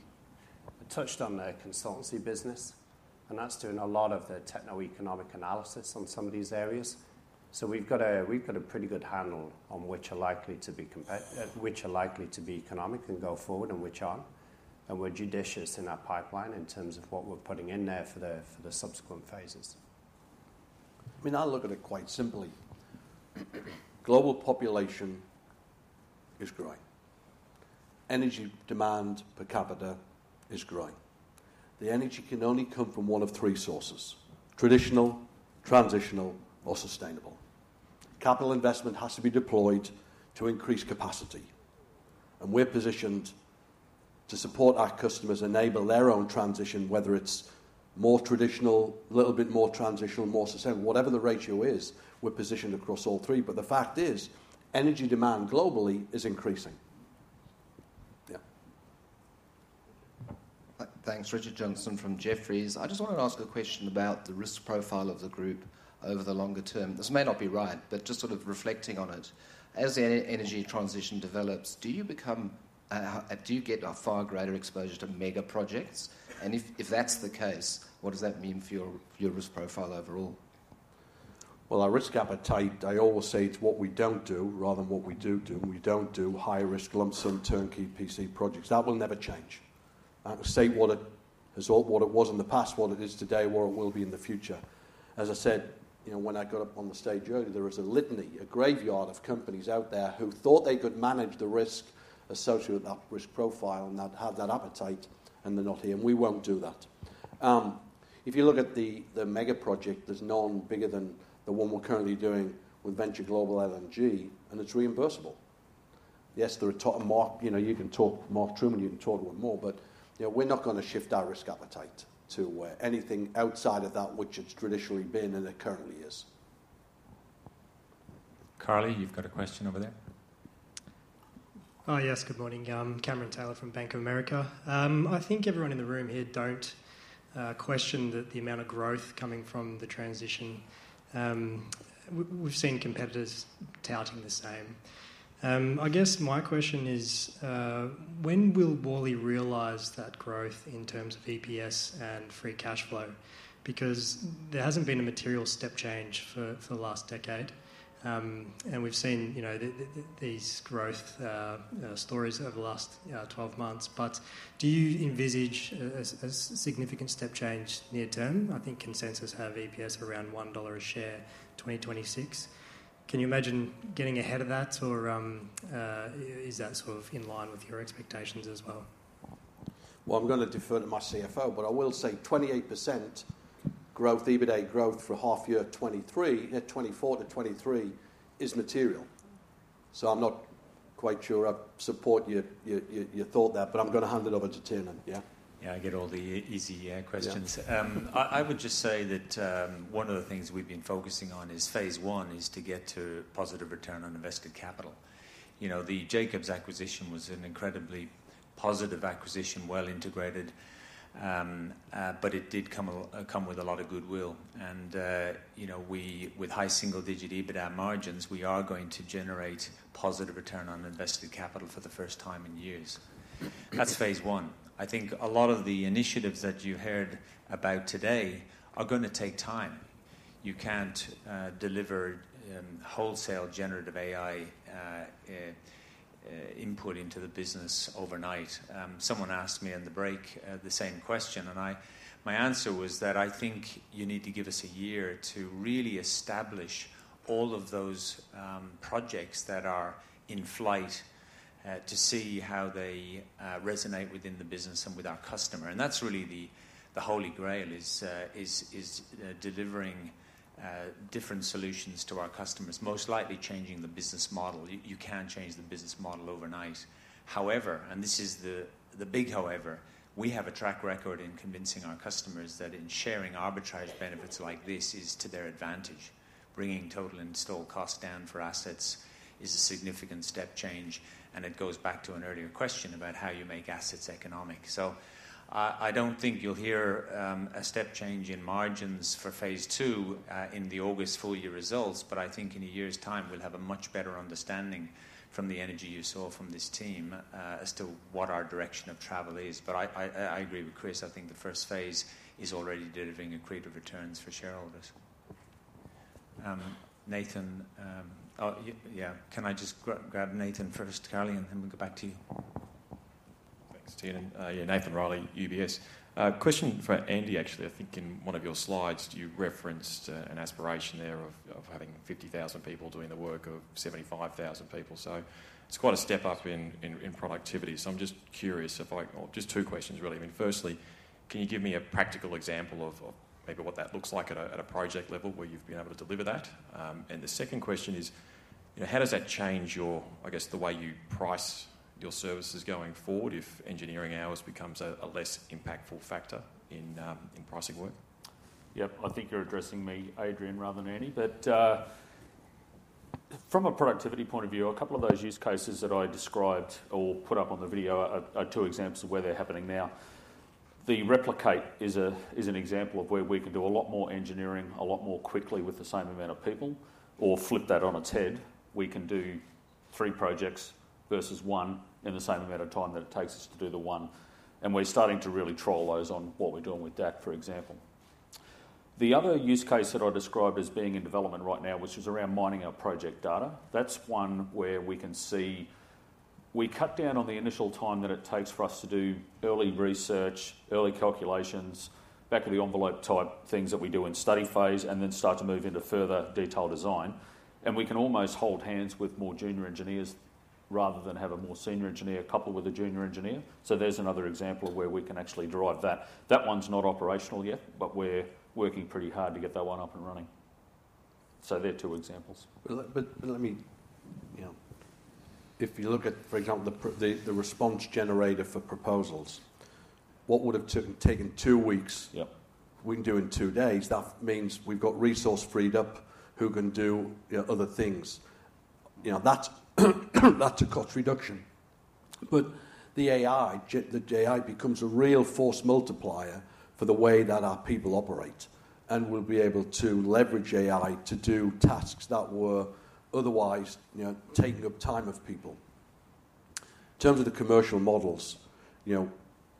touched on the consultancy business. That's doing a lot of the techno-economic analysis on some of these areas. We've got a pretty good handle on which are likely to be which are likely to be economic and go forward and which aren't. We're judicious in our pipeline in terms of what we're putting in there for the subsequent phases. I mean, I look at it quite simply. Global population is growing. Energy demand per capita is growing. The energy can only come from one of three sources: traditional, transitional, or sustainable. Capital investment has to be deployed to increase capacity. We're positioned to support our customers, enable their own transition, whether it's more traditional, a little bit more transitional, more sustainable, whatever the ratio is, we're positioned across all three. The fact is, energy demand globally is increasing. Yeah. Thanks. Richard Johnson from Jefferies. I just want to ask a question about the risk profile of the group over the longer term. This may not be right. But just sort of reflecting on it, as the energy transition develops, do you get a far greater exposure to mega projects? And if that's the case, what does that mean for your risk profile overall? Well, our risk appetite, they always say it's what we don't do rather than what we do do. And we don't do high-risk, lump-sum, turnkey EPC projects. That will never change. That will stay what it was in the past, what it is today, what it will be in the future. As I said, when I got up on the stage earlier, there was a litany, a graveyard of companies out there who thought they could manage the risk associated with that risk profile and have that appetite. And they're not here. And we won't do that. If you look at the mega project, there's none bigger than the one we're currently doing with Venture Global LNG. And it's reimbursable. Yes, there are, Mark. You can talk, Mark Trueman. You can talk to him more. But we're not going to shift our risk appetite to anything outside of that which it's traditionally been and it currently is. Carly, you've got a question over there. Oh, yes. Good morning. Cameron Taylor from Bank of America. I think everyone in the room here don't question the amount of growth coming from the transition. We've seen competitors touting the same. I guess my question is, when will Worley realize that growth in terms of EPS and free cash flow? Because there hasn't been a material step change for the last decade. And we've seen these growth stories over the last 12 months. But do you envisage a significant step change near-term? I think consensus have EPS around $1 a share 2026. Can you imagine getting ahead of that? Or is that sort of in line with your expectations as well? Well, I'm going to defer to my CFO. But I will say 28% growth, EBITDA growth for half-year 2023 yeah, 2024 to 2023 is material. So I'm not quite sure I support your thought there. But I'm going to hand it over to Tiernan. Yeah? Yeah. I get all the easy questions. I would just say that one of the things we've been focusing on is phase one is to get to positive return on invested capital. The Jacobs acquisition was an incredibly positive acquisition, well-integrated. But it did come with a lot of goodwill. And with high single-digit EBITDA margins, we are going to generate positive return on invested capital for the first time in years. That's phase one. I think a lot of the initiatives that you heard about today are going to take time. You can't deliver wholesale generative AI input into the business overnight. Someone asked me in the break the same question. And my answer was that I think you need to give us a year to really establish all of those projects that are in flight to see how they resonate within the business and with our customer. And that's really the holy grail, is delivering different solutions to our customers, most likely changing the business model. You can change the business model overnight. However, and this is the big however. We have a track record in convincing our customers that in sharing arbitrage benefits like this is to their advantage. Bringing total installed cost down for assets is a significant step change. And it goes back to an earlier question about how you make assets economic. So I don't think you'll hear a step change in margins for phase two in the August full-year results. But I think in a year's time, we'll have a much better understanding from the energy you saw from this team as to what our direction of travel is. But I agree with Chris. I think the first phase is already delivering accretive returns for shareholders. Nathan. Oh, yeah. Can I just grab Nathan first, Carly? Then we'll go back to you. Thanks, Tiernan. Yeah. Nathan Rowley, UBS. Question for Andy, actually. I think in one of your slides, you referenced an aspiration there of having 50,000 people doing the work of 75,000 people. So it's quite a step up in productivity. So I'm just curious if I well, just two questions, really. I mean, firstly, can you give me a practical example of maybe what that looks like at a project level where you've been able to deliver that? And the second question is, how does that change your, I guess, the way you price your services going forward if engineering hours becomes a less impactful factor in pricing work? Yep. I think you're addressing me, Adrian, rather than Andy. But from a productivity point of view, a couple of those use cases that I described or put up on the video are two examples of where they're happening now. The Replic8 is an example of where we can do a lot more engineering a lot more quickly with the same amount of people. Or flip that on its head. We can do three projects versus one in the same amount of time that it takes us to do the one. And we're starting to really trial those on what we're doing with DAC, for example. The other use case that I described as being in development right now, which was around mining our project data, that's one where we can see we cut down on the initial time that it takes for us to do early research, early calculations, back-to-the-envelope type things that we do in study phase, and then start to move into further detailed design. And we can almost hold hands with more junior engineers rather than have a more senior engineer coupled with a junior engineer. So there's another example of where we can actually derive that. That one's not operational yet. But we're working pretty hard to get that one up and running. So they're two examples. But let me, if you look at, for example, the response generator for proposals, what would have taken two weeks we can do in two days. That means we've got resource freed up who can do other things. That's a cost reduction. But the AI becomes a real force multiplier for the way that our people operate. And we'll be able to leverage AI to do tasks that were otherwise taking up time of people. In terms of the commercial models,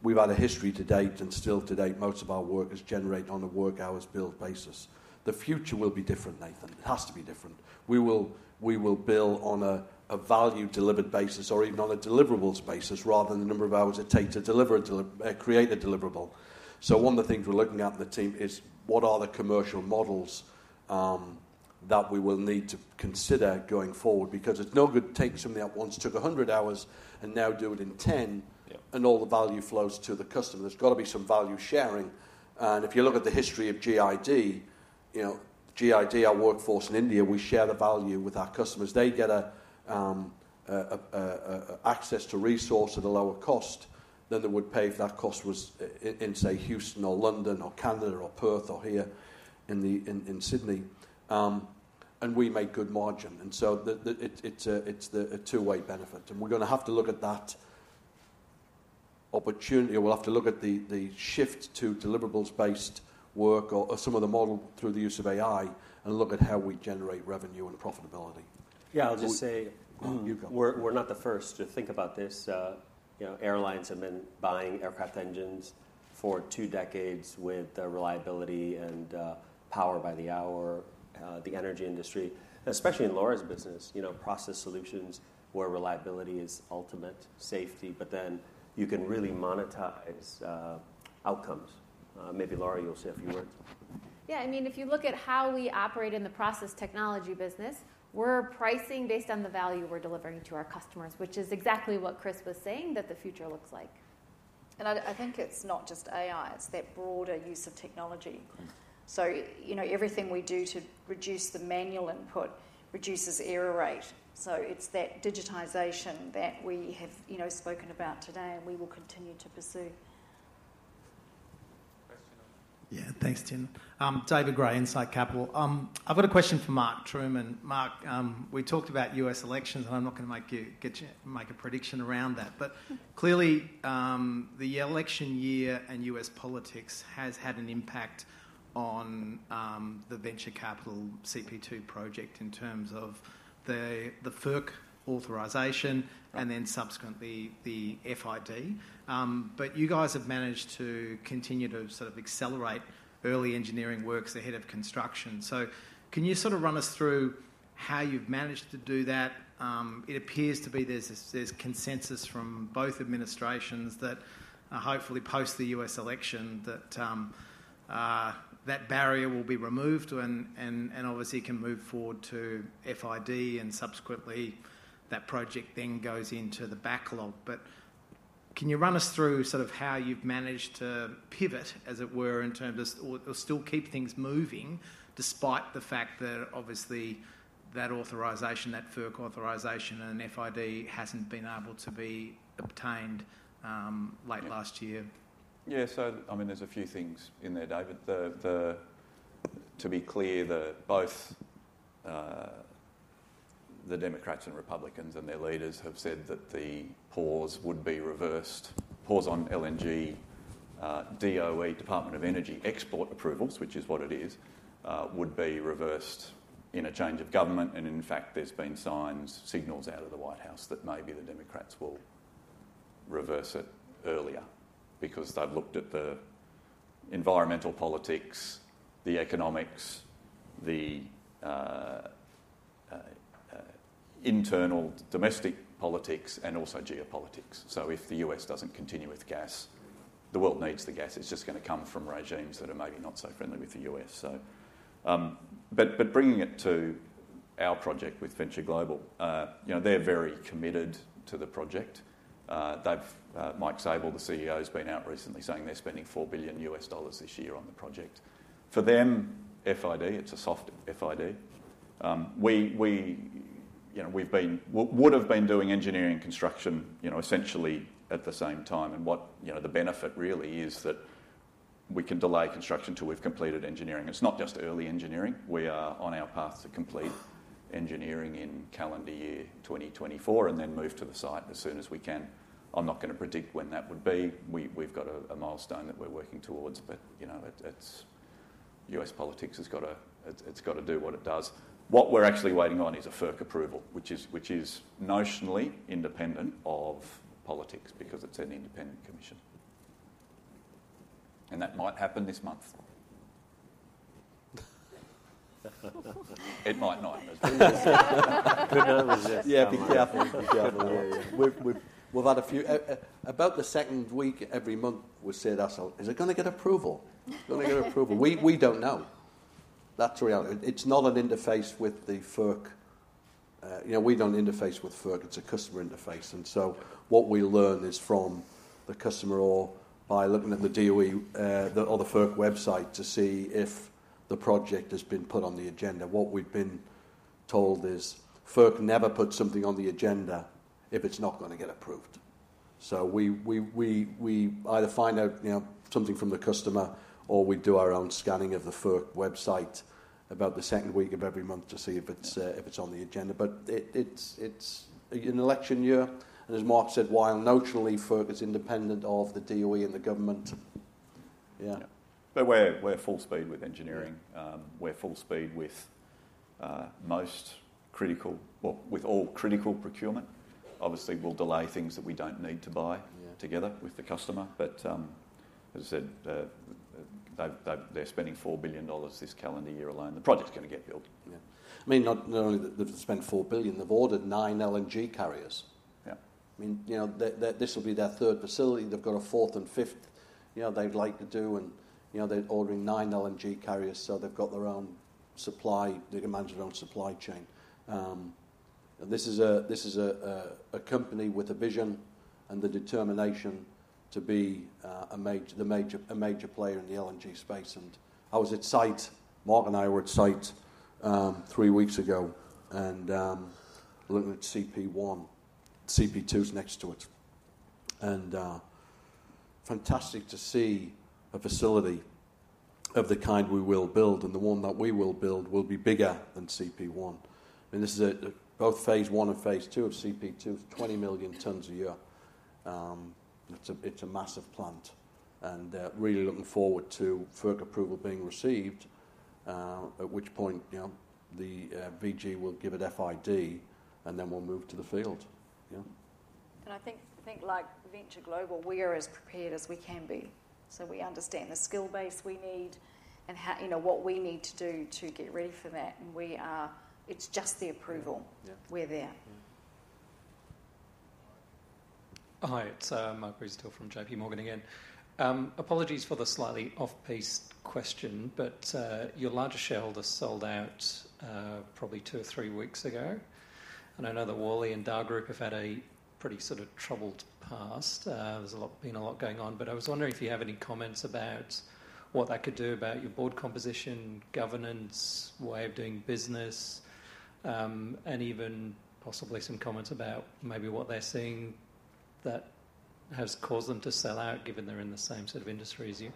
we've had a history to date. Still to date, most of our work is generated on a work-hours billed basis. The future will be different, Nathan. It has to be different. We will bill on a value-delivered basis or even on a deliverables basis rather than the number of hours it takes to create a deliverable. So one of the things we're looking at in the team is, what are the commercial models that we will need to consider going forward? Because it's no good taking something that once took 100 hours and now do it in 10. And all the value flows to the customer. There's got to be some value sharing. And if you look at the history of GID, GID, our workforce in India, we share the value with our customers. They get access to resource at a lower cost than they would pay if that cost was in, say, Houston or London or Canada or Perth or here in Sydney. And we make good margin. And so it's a two-way benefit. And we're going to have to look at that opportunity. We'll have to look at the shift to deliverables-based work or some of the model through the use of AI and look at how we generate revenue and profitability. Yeah. I'll just say. Oh, you go. We're not the first to think about this. Airlines have been buying aircraft engines for two decades with reliability and power by the hour, the energy industry. Especially in Laura's business, process solutions where reliability is ultimate, safety. But then you can really monetize outcomes. Maybe, Laura, you'll say a few words. Yeah. I mean, if you look at how we operate in the process technology business, we're pricing based on the value we're delivering to our customers, which is exactly what Chris was saying that the future looks like. I think it's not just AI. It's that broader use of technology. Everything we do to reduce the manual input reduces error rate. It's that digitization that we have spoken about today. We will continue to pursue. Question on that. Yeah. Thanks, Tiernan. David Gray, Insight Capital. I've got a question for Mark Trueman. Mark, we talked about US elections. And I'm not going to make a prediction around that. But clearly, the election year and US politics has had an impact on the Venture Global CP2 project in terms of the FERC authorization and then subsequently the FID. But you guys have managed to continue to sort of accelerate early engineering works ahead of construction. So can you sort of run us through how you've managed to do that? It appears to be there's consensus from both administrations that, hopefully, post the US election, that barrier will be removed. And obviously, it can move forward to FID. And subsequently, that project then goes into the backlog. Can you run us through sort of how you've managed to pivot, as it were, in terms of or still keep things moving despite the fact that, obviously, that authorization, that FERC authorization and FID hasn't been able to be obtained late last year? Yeah. So I mean, there's a few things in there, David. To be clear, both the Democrats and Republicans and their leaders have said that the pause would be reversed. Pause on LNG, DOE, Department of Energy export approvals, which is what it is, would be reversed in a change of government. And in fact, there's been signs and signals out of the White House that maybe the Democrats will reverse it earlier because they've looked at the environmental politics, the economics, the internal domestic politics, and also geopolitics. So if the US doesn't continue with gas, the world needs the gas. It's just going to come from regimes that are maybe not so friendly with the US, so. But bringing it to our project with Venture Global, they're very committed to the project. Mike Sabel, the CEO, has been out recently saying they're spending $4 billion this year on the project. For them, FID, it's a soft FID. We would have been doing engineering and construction essentially at the same time. The benefit, really, is that we can delay construction till we've completed engineering. It's not just early engineering. We are on our path to complete engineering in calendar year 2024 and then move to the site as soon as we can. I'm not going to predict when that would be. We've got a milestone that we're working towards. U.S. politics has got to do what it does. What we're actually waiting on is a FERC approval, which is notionally independent of politics because it's an independent commission. That might happen this month. It might not. (crosstalk) Good numbers, yes. (crosstalk) Yeah. Be careful. Be careful. Yeah. Yeah. We've had a few about the second week every month. We've said to ourselves, "Is it going to get approval? Is it going to get approval?" We don't know. That's the reality. It's not an interface with the FERC. We don't interface with FERC. It's a customer interface. And so what we learn is from the customer or by looking at the DOE or the FERC website to see if the project has been put on the agenda. What we've been told is, "FERC never puts something on the agenda if it's not going to get approved." So we either find out something from the customer or we do our own scanning of the FERC website about the second week of every month to see if it's on the agenda. But it's an election year. And as Mark said, while notionally, FERC is independent of the DOE and the government. Yeah. But we're full speed with engineering. We're full speed with most critical well, with all critical procurement. Obviously, we'll delay things that we don't need to buy together with the customer. But as I said, they're spending $4 billion this calendar year alone. The project's going to get built. Yeah. I mean, not only that they've spent $4 billion, they've ordered 9 LNG carriers. I mean, this will be their third facility. They've got a fourth and fifth they'd like to do. They're ordering 9 LNG carriers. So they've got their own supply they can manage their own supply chain. This is a company with a vision and the determination to be the major player in the LNG space. I was at site Mark and I were at site 3 weeks ago and looking at CP1. CP2's next to it. Fantastic to see a facility of the kind we will build. The one that we will build will be bigger than CP1. I mean, both phase one and phase two of CP2 is 20 million tons a year. It's a massive plant. Really looking forward to FERC approval being received, at which point the VG will give it FID. And then we'll move to the field. Yeah. I think, like Venture Global, we are as prepared as we can be. We understand the skill base we need and what we need to do to get ready for that. It's just the approval. We're there. Hi. It's Mark Busuttil from J.P. Morgan again. Apologies for the slightly off-piste question. But your largest shareholder sold out probably two or three weeks ago. And I know that Worley and Dar Group have had a pretty sort of troubled past. There's been a lot going on. But I was wondering if you have any comments about what they could do about your board composition, governance, way of doing business, and even possibly some comments about maybe what they're seeing that has caused them to sell out given they're in the same sort of industry as you.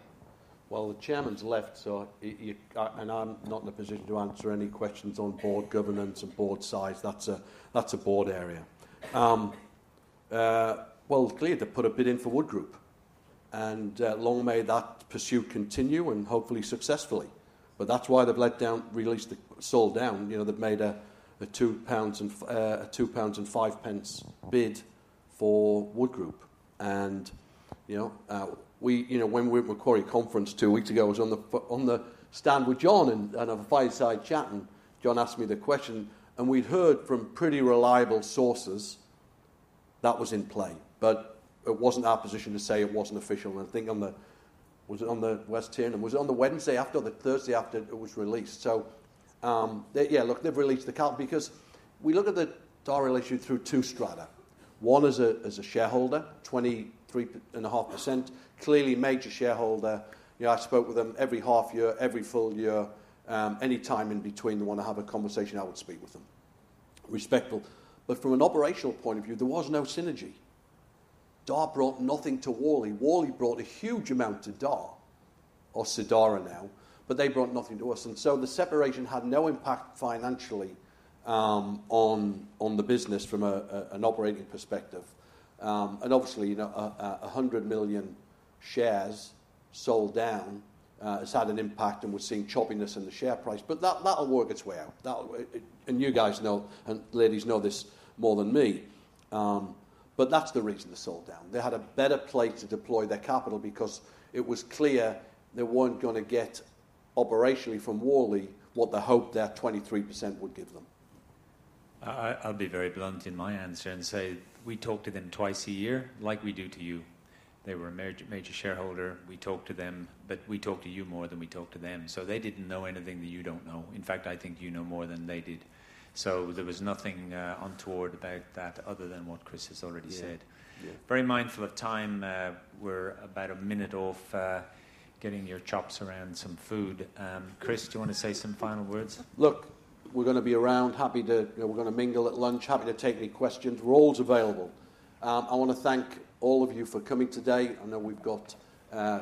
Well, the chairman's left. I'm not in a position to answer any questions on board governance and board size. That's a board area. Well, it's clear they put a bid in for Wood. And long may that pursuit continue and hopefully successfully. But that's why they've let down released the sold down. They've made a 2.05 pounds bid for Wood. And when we were at Macquarie conference 2 weeks ago, I was on the stand with John. And on a fireside chatting, John asked me the question. And we'd heard from pretty reliable sources that was in play. But it wasn't our position to say it wasn't official. And I think on the was it with Tiernan? Was it on the Wednesday after or the Thursday after it was released? So yeah. Look, they've released the because we look at the Sidara issue through two strata. One, as a shareholder, 23.5%, clearly major shareholder. I spoke with them every half year, every full year. Any time in between they want to have a conversation, I would speak with them. Respectful. But from an operational point of view, there was no synergy. Dar brought nothing to Worley. Worley brought a huge amount to Dar or Sidara now. But they brought nothing to us. And so the separation had no impact financially on the business from an operating perspective. And obviously, 100 million shares sold down has had an impact. And we're seeing choppiness in the share price. But that'll work its way out. And you guys know and ladies know this more than me. But that's the reason they sold down. They had a better place to deploy their capital because it was clear they weren't going to get operationally from Worley what they hoped their 23% would give them. I'll be very blunt in my answer and say, we talked to them twice a year like we do to you. They were a major shareholder. We talked to them. But we talked to you more than we talked to them. So they didn't know anything that you don't know. In fact, I think you know more than they did. So there was nothing untoward about that other than what Chris has already said. Very mindful of time. We're about a minute off getting your chops around some food. Chris, do you want to say some final words? Look, we're going to be around. Happy to, we're going to mingle at lunch. Happy to take any questions. We're all available. I want to thank all of you for coming today. I know we've got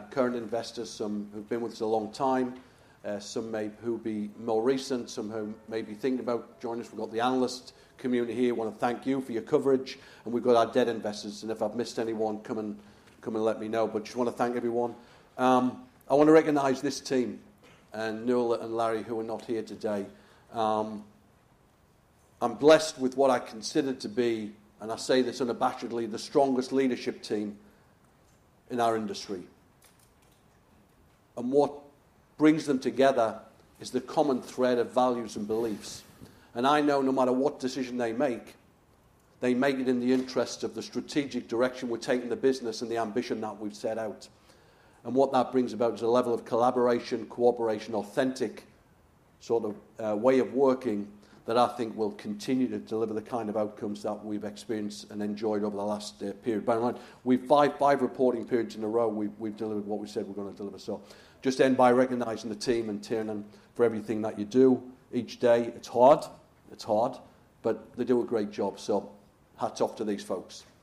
current investors, some who've been with us a long time, some who'll be more recent, some who may be thinking about joining us. We've got the analyst community here. I want to thank you for your coverage. And we've got our debt investors. And if I've missed anyone, come and let me know. But I just want to thank everyone. I want to recognize this team and Nuala and Larry who are not here today. I'm blessed with what I consider to be - and I say this unabashedly - the strongest leadership team in our industry. And what brings them together is the common thread of values and beliefs. I know no matter what decision they make, they make it in the interest of the strategic direction we're taking the business and the ambition that we've set out. And what that brings about is a level of collaboration, cooperation, authentic sort of way of working that I think will continue to deliver the kind of outcomes that we've experienced and enjoyed over the last period. By the way, we've 5 reporting periods in a row. We've delivered what we said we're going to deliver. So just end by recognizing the team and Tiernan for everything that you do each day. It's hard. It's hard. But they do a great job. So hats off to these folks. Thank you.